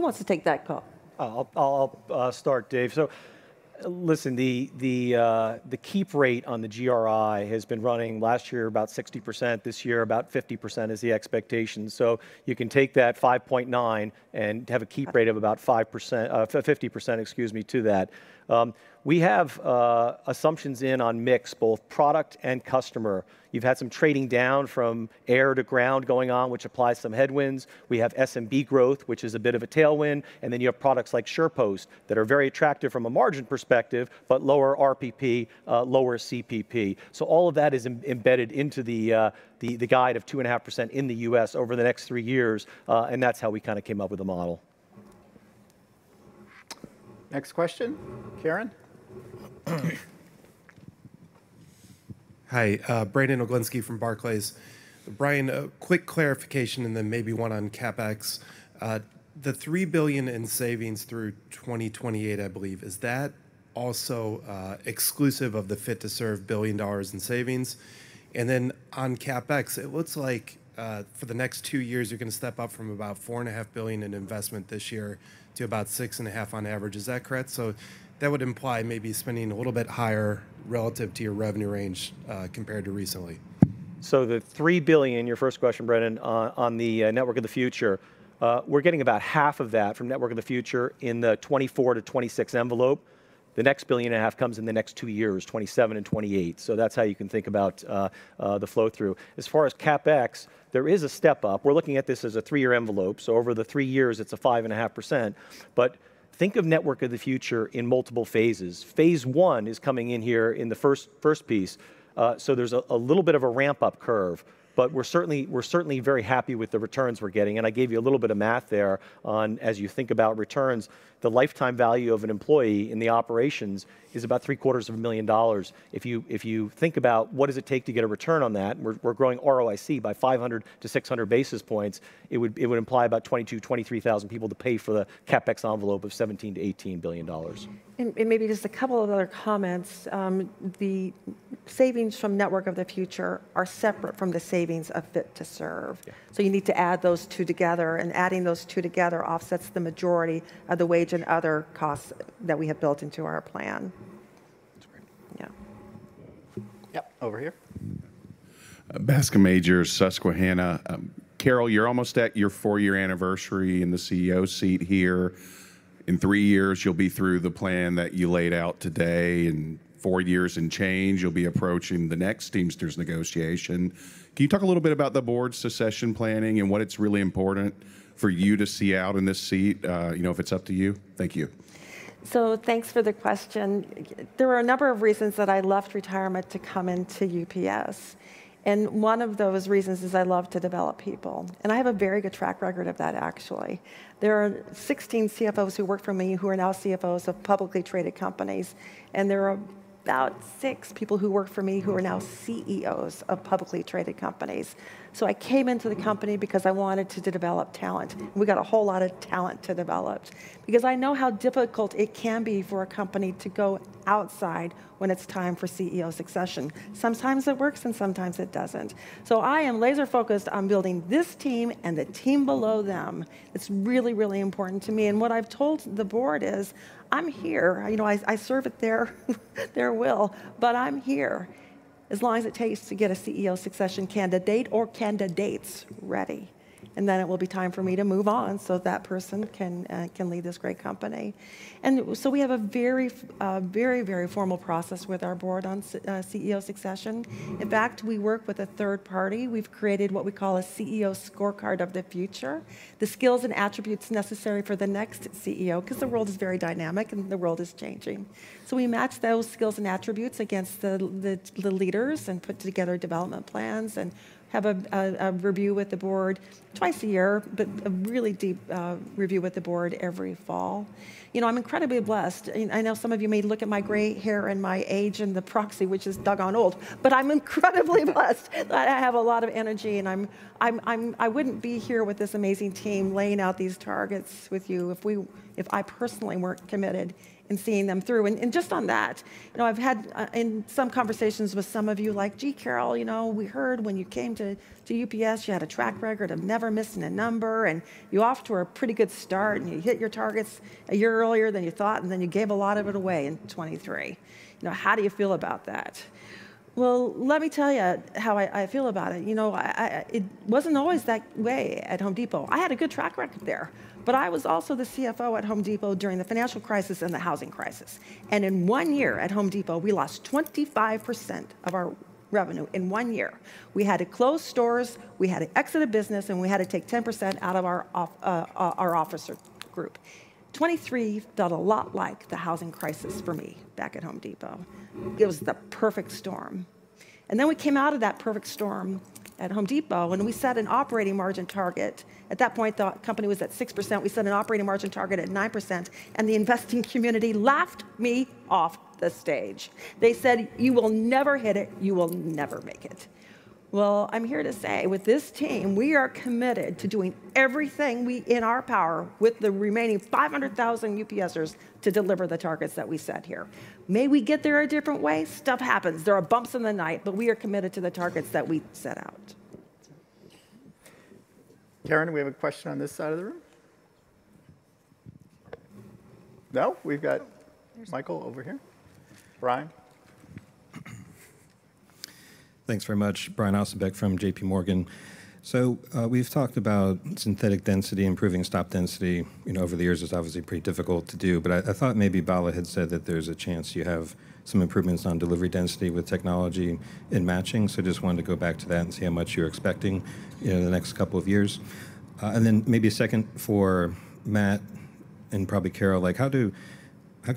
wants to take that call? I'll start, Dave. So listen, the keep rate on the GRI has been running last year about 60%, this year about 50% is the expectation. So you can take that 5.9 and have a keep rate of about 5%, 50%, excuse me, to that. We have assumptions on mix, both product and customer. You've had some trading down from air to ground going on, which applies some headwinds. We have SMB growth, which is a bit of a tailwind, and then you have products like SurePost that are very attractive from a margin perspective, but lower RPP, lower CPP. So all of that is embedded into the guide of 2.5% in the U.S. over the next three years, and that's how we kind of came up with the model. Next question, Karen? Hi, Brandon Oglenski from Barclays. Brian, a quick clarification and then maybe one on CapEx. The $3 billion in savings through 2028, I believe, is that also exclusive of the Fit to Serve $1 billion in savings? And then on CapEx, it looks like for the next two years, you're going to step up from about $4.5 billion in investment this year to about $6.5 billion on average. Is that correct? So that would imply maybe spending a little bit higher relative to your revenue range compared to recently. So the $3 billion, your first question, Brandon, on the Network of the Future, we're getting about half of that from Network of the Future in the 2024 to 2026 envelope. The next $1.5 billion comes in the next two years, 2027 and 2028. So that's how you can think about the flow-through. As far as CapEx, there is a step up. We're looking at this as a three-year envelope, so over the three years, it's a 5.5%. But think of Network of the Future in multiple phases. Phase One is coming in here in the first piece, so there's a little bit of a ramp-up curve, but we're certainly very happy with the returns we're getting. I gave you a little bit of math there on, as you think about returns, the lifetime value of an employee in the operations is about $750,000. If you, if you think about what does it take to get a return on that, we're, we're growing ROIC by 500-600 basis points, it would, it would imply about 22,000-23,000 people to pay for the CapEx envelope of $17 billion-$18 billion. And maybe just a couple of other comments. The savings from Network of the Future are separate from the savings of Fit to Serve. Yeah. You need to add those two together, and adding those two together offsets the majority of the wage and other costs that we have built into our plan. That's great. Yeah. Yep. Over here. Bascome Majors, Susquehanna. Carol, you're almost at your four-year anniversary in the CEO seat here. In three years, you'll be through the plan that you laid out today. In four years and change, you'll be approaching the next Teamsters negotiation. Can you talk a little bit about the board's succession planning and what it's really important for you to see out in this seat, you know, if it's up to you? Thank you. Thanks for the question. There were a number of reasons that I left retirement to come into UPS, and one of those reasons is I love to develop people, and I have a very good track record of that, actually. There are 16 CFOs who worked for me, who are now CFOs of publicly traded companies, and there are about 6 people who worked for me who are now CEOs of publicly traded companies. I came into the company because I wanted to develop talent. We got a whole lot of talent to develop. Because I know how difficult it can be for a company to go outside when it's time for CEO succession. Sometimes it works, and sometimes it doesn't. I am laser-focused on building this team and the team below them. It's really, really important to me, and what I've told the board is, "I'm here. You know, I serve at their will, but I'm here as long as it takes to get a CEO succession candidate or candidates ready, and then it will be time for me to move on so that person can lead this great company." And so we have a very, very formal process with our board on CEO succession. In fact, we work with a third party. We've created what we call a CEO scorecard of the future, the skills and attributes necessary for the next CEO, because the world is very dynamic, and the world is changing. So we match those skills and attributes against the leaders and put together development plans and have a review with the board twice a year, but a really deep review with the board every fall. You know, I'm incredibly blessed. I know some of you may look at my gray hair and my age and the proxy, which is doggone old, but I'm incredibly blessed that I have a lot of energy and I wouldn't be here with this amazing team, laying out these targets with you, if I personally weren't committed in seeing them through. And just on that, you know, I've had in some conversations with some of you like, "Gee, Carol, you know, we heard when you came to UPS, you had a track record of never missing a number, and you're off to a pretty good start, and you hit your targets a year earlier than you thought, and then you gave a lot of it away in 2023. You know, how do you feel about that?" Well, let me tell you how I feel about it. You know, It wasn't always that way at Home Depot. I had a good track record there, but I was also the CFO at Home Depot during the financial crisis and the housing crisis, and in one year at Home Depot, we lost 25% of our revenue in one year. We had to close stores, we had to exit a business, and we had to take 10% out of our off-, our officer group. 2023 felt a lot like the housing crisis for me back at Home Depot. It was the perfect storm. And then we came out of that perfect storm at Home Depot, and we set an operating margin target. At that point, the company was at 6%. We set an operating margin target at 9%, and the investing community laughed me off the stage. They said, "You will never hit it. You will never make it.". Well, I'm here to say, with this team, we are committed to doing everything we in our power, with the remaining 500,000 UPSers, to deliver the targets that we set here. May we get there a different way? Stuff happens. There are bumps in the night, but we are committed to the targets that we set out. Karen, we have a question on this side of the room. No? We've got Michael over here. Brian. Thanks very much. Brian Ossenbeck from J.P. Morgan. So, we've talked about synthetic density, improving stop density. You know, over the years, it's obviously pretty difficult to do, but I thought maybe Bala had said that there's a chance you have some improvements on delivery density with technology in matching. So just wanted to go back to that and see how much you're expecting, you know, in the next couple of years. And then maybe a second for Matt, and probably Carol, like, how can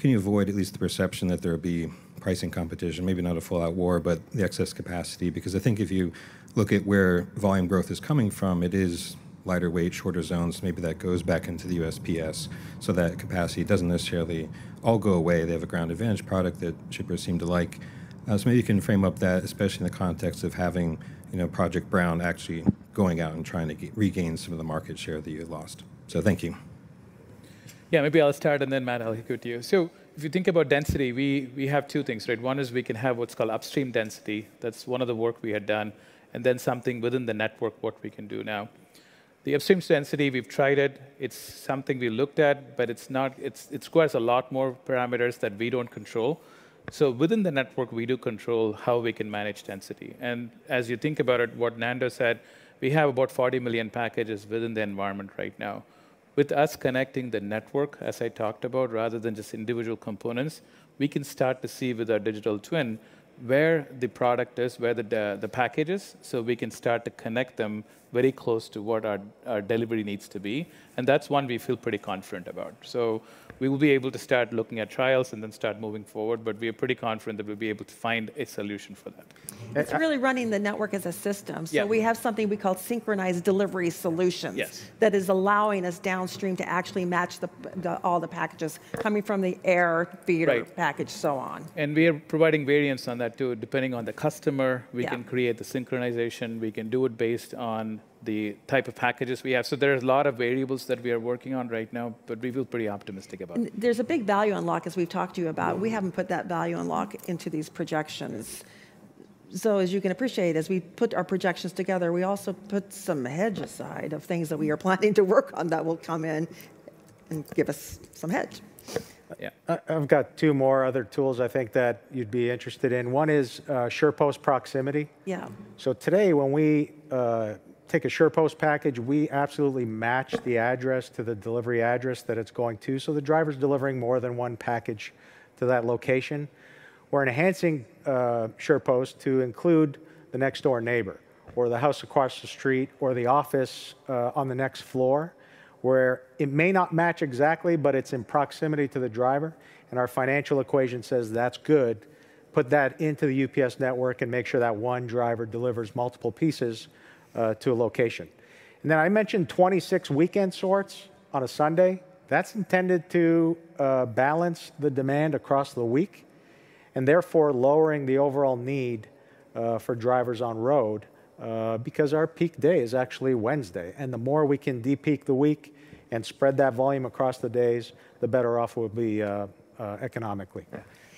you avoid at least the perception that there'll be pricing competition? Maybe not a full-out war, but the excess capacity. Because I think if you look at where volume growth is coming from, it is lighter weight, shorter zones, maybe that goes back into the U.S.PS, so that capacity doesn't necessarily all go away. They have a Ground Advantage product that shippers seem to like. So maybe you can frame up that, especially in the context of having, you know, Project Brown actually going out and trying to regain some of the market share that you had lost. So thank you. Yeah, maybe I'll start, and then Matt, I'll hand it to you. So if you think about density, we, we have two things, right? One is we can have what's called upstream density. That's one of the work we had done, and then something within the network, what we can do now. The upstream density, we've tried it, it's something we looked at, but it's not--it's, it requires a lot more parameters that we don't control. So within the network, we do control how we can manage density. And as you think about it, what Nando said, we have about 40 million packages within the environment right now. With us connecting the network, as I talked about, rather than just individual components, we can start to see with our digital twin, where the product is, where the package is, so we can start to connect them very close to what our delivery needs to be, and that's one we feel pretty confident about. So we will be able to start looking at trials and then start moving forward, but we are pretty confident that we'll be able to find a solution for that. It's really running the network as a system. Yeah. We have something we call synchronized delivery solutions- Yes -that is allowing us downstream to actually match all the packages coming from the air, feeder- Right - package, so on. We are providing variants on that, too. Depending on the customer- Yeah -we can create the synchronization. We can do it based on the type of packages we have. So there are a lot of variables that we are working on right now, but we feel pretty optimistic about it. There's a big value unlock, as we've talked to you about. Mm-hmm. We haven't put that value unlock into these projections. So as you can appreciate, as we put our projections together, we also put some hedge aside of things that we are planning to work on that will come in and give us some hedge. Yeah. I, I've got two more other tools I think that you'd be interested in. One is, SurePost proximity. Yeah. So today, when we take a SurePost package, we absolutely match the address to the delivery address that it's going to, so the driver's delivering more than one package to that location. We're enhancing SurePost to include the next door neighbor, or the house across the street, or the office on the next floor, where it may not match exactly, but it's in proximity to the driver, and our financial equation says, "That's good. Put that into the UPS network, and make sure that one driver delivers multiple pieces to a location." And then I mentioned 26 weekend sorts on a Sunday. That's intended to balance the demand across the week, and therefore lowering the overall need for drivers on road because our peak day is actually Wednesday, and the more we can de-peak the week and spread that volume across the days, the better off we'll be economically.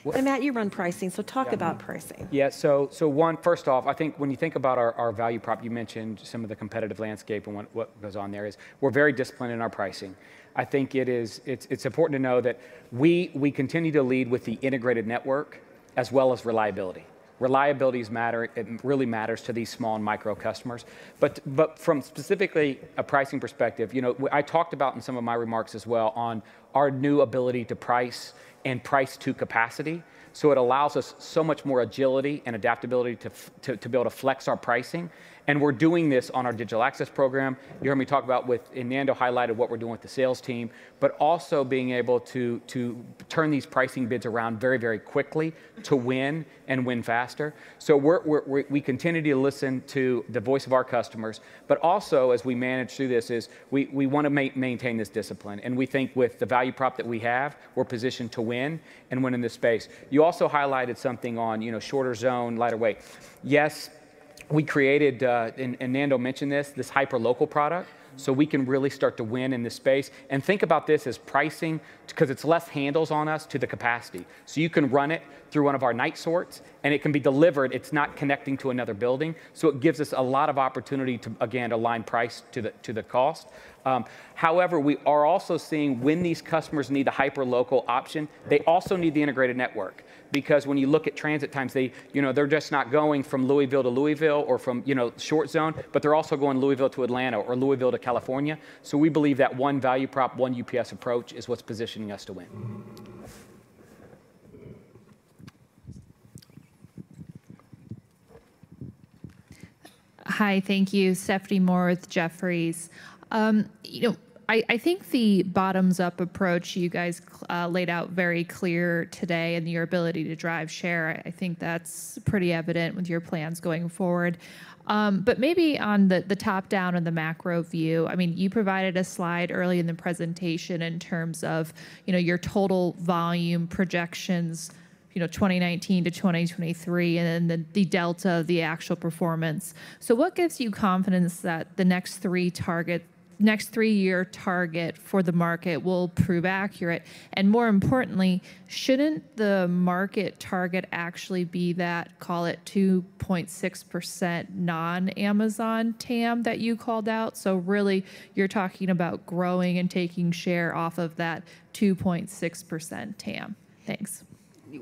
Yeah. Matt, you run pricing, so talk about pricing. Yeah. So, first off, I think when you think about our value prop, you mentioned some of the competitive landscape and what goes on there is, we're very disciplined in our pricing. I think it is. It's important to know that we continue to lead with the integrated network, as well as reliability. Reliability matters. It really matters to these small and micro customers. But from specifically a pricing perspective, you know, I talked about in some of my remarks as well on our new ability to price and price to capacity, so it allows us so much more agility and adaptability to be able to flex our pricing, and we're doing this on our Digital Access Program. You heard me talk about, and Nando highlighted what we're doing with the sales team, but also being able to turn these pricing bids around very, very quickly to win and win faster. So we're—we continue to listen to the voice of our customers, but also, as we manage through this, we wanna maintain this discipline, and we think with the value prop that we have, we're positioned to win and win in this space. You also highlighted something on, you know, shorter zone, lighter weight. Yes, we created, and Nando mentioned this, this hyperlocal product, so we can really start to win in this space. And think about this as pricing, because it's less handles on us to the capacity. So you can run it through one of our night sorts, and it can be delivered. It's not connecting to another building, so it gives us a lot of opportunity to, again, align price to the, to the cost. However, we are also seeing when these customers need a hyperlocal option, they also need the integrated network, because when you look at transit times, they, you know, they're just not going from Louisville to Louisville or from, you know, short zone, but they're also going Louisville to Atlanta or Louisville to California. So we believe that one value prop, One UPS approach is what's positioning us to win. Hi. Thank you. Stephanie Moore with Jefferies. You know, I think the bottoms-up approach you guys laid out very clear today and your ability to drive share, I think that's pretty evident with your plans going forward. But maybe on the top-down and the macro view, I mean, you provided a slide early in the presentation in terms of, you know, your total volume projections, you know, 2019 to 2023, and then the delta of the actual performance. So what gives you confidence that the next three-year target for the market will prove accurate? And more importantly, shouldn't the market target actually be that, call it, 2.6% non-Amazon TAM that you called out? So really, you're talking about growing and taking share off of that 2.6% TAM. Thanks.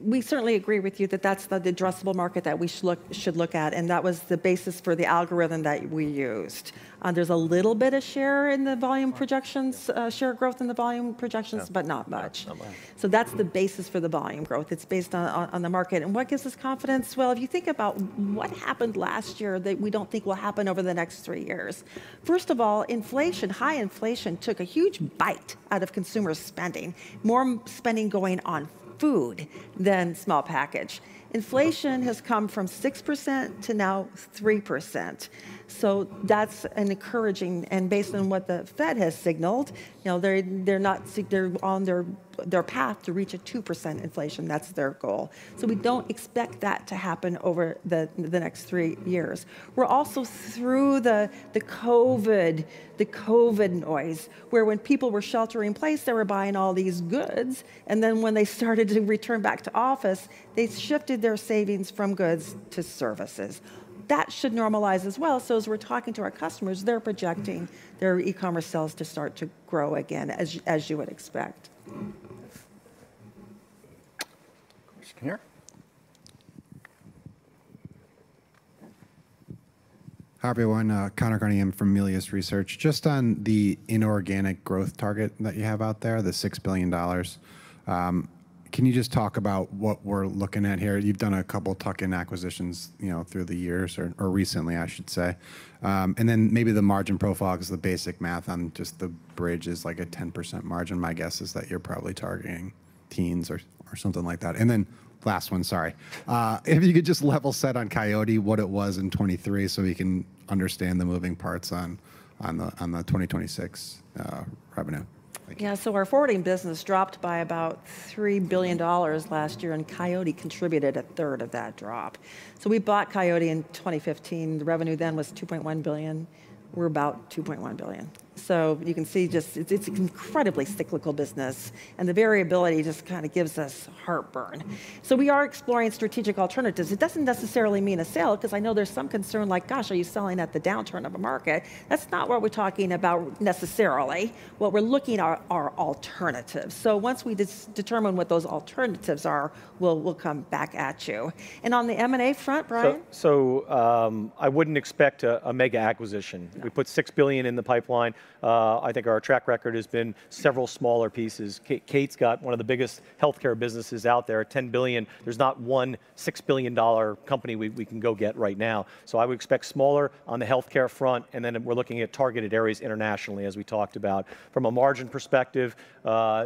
We certainly agree with you that that's the, the addressable market that we should look at, and that was the basis for the algorithm that we used. There's a little bit of share in the volume projections, share growth in the volume projections, but not much. Not much. So that's the basis for the volume growth. It's based on the market. And what gives us confidence? Well, if you think about what happened last year that we don't think will happen over the next three years, first of all, inflation, high inflation, took a huge bite out of consumer spending. More spending going on food than small package. Inflation has come from 6% to now 3%, so that's encouraging. And based on what the Fed has signaled, you know, they're on their path to reach a 2% inflation. That's their goal. So we don't expect that to happen over the next three years. We're also through the COVID noise, where when people were sheltering in place, they were buying all these goods, and then when they started to return back to office, they shifted their savings from goods to services. That should normalize as well. So as we're talking to our customers, they're projecting their e-commerce sales to start to grow again, as you would expect. Question here. Hi, everyone, Conor Cunningham from Melius Research. Just on the inorganic growth target that you have out there, the $6 billion, can you just talk about what we're looking at here? You've done a couple tuck-in acquisitions, you know, through the years or, or recently, I should say. And then maybe the margin profile because the basic math on just the bridge is, like, a 10% margin. My guess is that you're probably targeting teens or, or something like that. And then last one, sorry. If you could just level set on Coyote, what it was in 2023, so we can understand the moving parts on, on the, on the 2026, revenue. Thank you. Yeah. So our forwarding business dropped by about $3 billion last year, and Coyote contributed a third of that drop. So we bought Coyote in 2015. The revenue then was $2.1 billion. We're about $2.1 billion. So you can see just it's, it's an incredibly cyclical business, and the variability just kind of gives us heartburn. So we are exploring strategic alternatives. It doesn't necessarily mean a sale, because I know there's some concern like, "Gosh, are you selling at the downturn of a market?" That's not what we're talking about necessarily. What we're looking are alternatives. So once we determine what those alternatives are, we'll come back at you. And on the M&A front, Brian? I wouldn't expect a mega acquisition. No. We put $6 billion in the pipeline. I think our track record has been several smaller pieces. Kate's got one of the biggest healthcare businesses out there, at $10 billion. There's not one $6 billion company we can go get right now. So I would expect smaller on the healthcare front, and then we're looking at targeted areas internationally, as we talked about. From a margin perspective,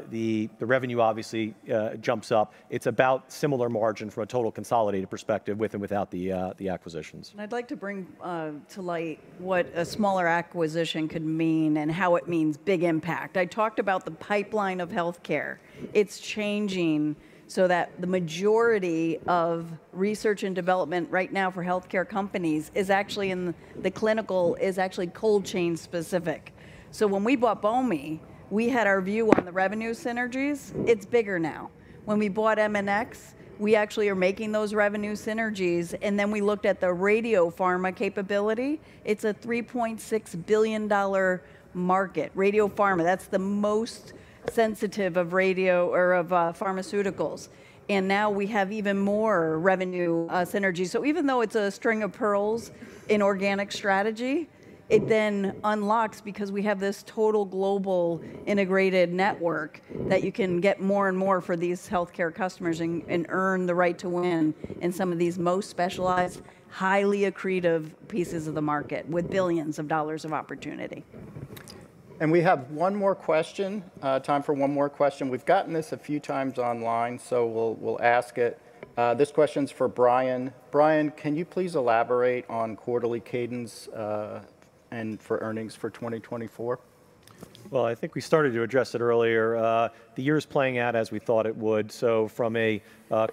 the revenue obviously jumps up. It's about similar margin from a total consolidated perspective, with and without the acquisitions. I'd like to bring to light what a smaller acquisition could mean and how it means big impact. I talked about the pipeline of healthcare. It's changing so that the majority of research and development right now for healthcare companies is actually in the clinical, is actually cold chain specific. So when we bought Bomi, we had our view on the revenue synergies. It's bigger now. When we bought MNX, we actually are making those revenue synergies, and then we looked at the radiopharma capability. It's a $3.6 billion market. Radiopharma, that's the most sensitive of radio or of pharmaceuticals, and now we have even more revenue synergy. So even though it's a string of pearls, inorganic strategy, it then unlocks because we have this total global integrated network that you can get more and more for these healthcare customers and, and earn the right to win in some of these most specialized, highly accretive pieces of the market, with billions of dollars of opportunity. We have one more question, time for one more question. We've gotten this a few times online, so we'll, we'll ask it. This question's for Brian. Brian, can you please elaborate on quarterly cadence and for earnings for 2024? Well, I think we started to address it earlier. The year is playing out as we thought it would. So from a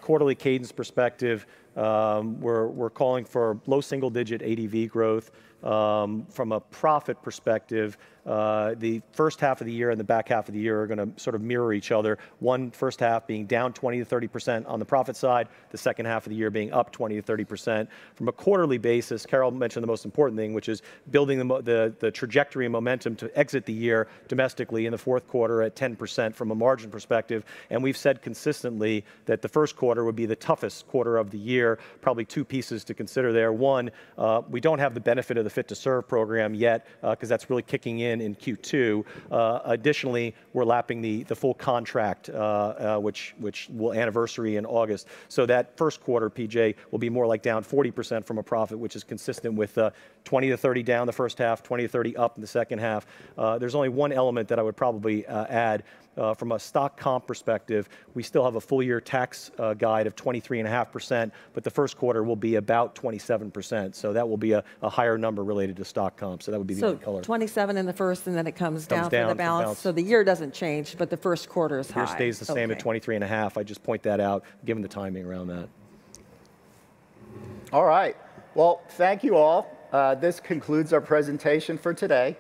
quarterly cadence perspective, we're calling for low single-digit ADV growth. From a profit perspective, the first half of the year and the back half of the year are gonna sort of mirror each other, the first half being down 20%-30% on the profit side, the second half of the year being up 20%-30%. From a quarterly basis, Carol mentioned the most important thing, which is building the trajectory and momentum to exit the year domestically in the fourth quarter at 10% from a margin perspective, and we've said consistently that the first quarter would be the toughest quarter of the year. Probably two pieces to consider there. One, we don't have the benefit of the Fit to Serve program yet, because that's really kicking in in Q2. Additionally, we're lapping the full contract, which will anniversary in August. So that first quarter, PJ, will be more like down 40% from a profit, which is consistent with 20%-30% down the first half, 20%-30% up in the second half. There's only one element that I would probably add. From a stock comp perspective, we still have a full year tax guide of 23.5%, but the first quarter will be about 27%, so that will be a higher number related to stock comp. So that would be the only color. 27 in the first, and then it comes down for the balance. Comes down for balance. The year doesn't change, but the first quarter is high. The year stays the same at 23.5. Okay. I'd just point that out, given the timing around that. All right. Well, thank you, all. This concludes our presentation for today.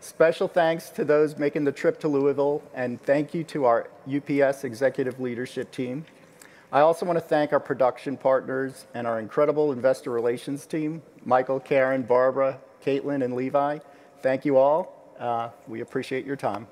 Special thanks to those making the trip to Louisville, and thank you to our UPS executive leadership team. I also wanna thank our production partners and our incredible investor relations team, Michael, Karen, Barbara, Caitlin, and Levi. Thank you all. We appreciate your time.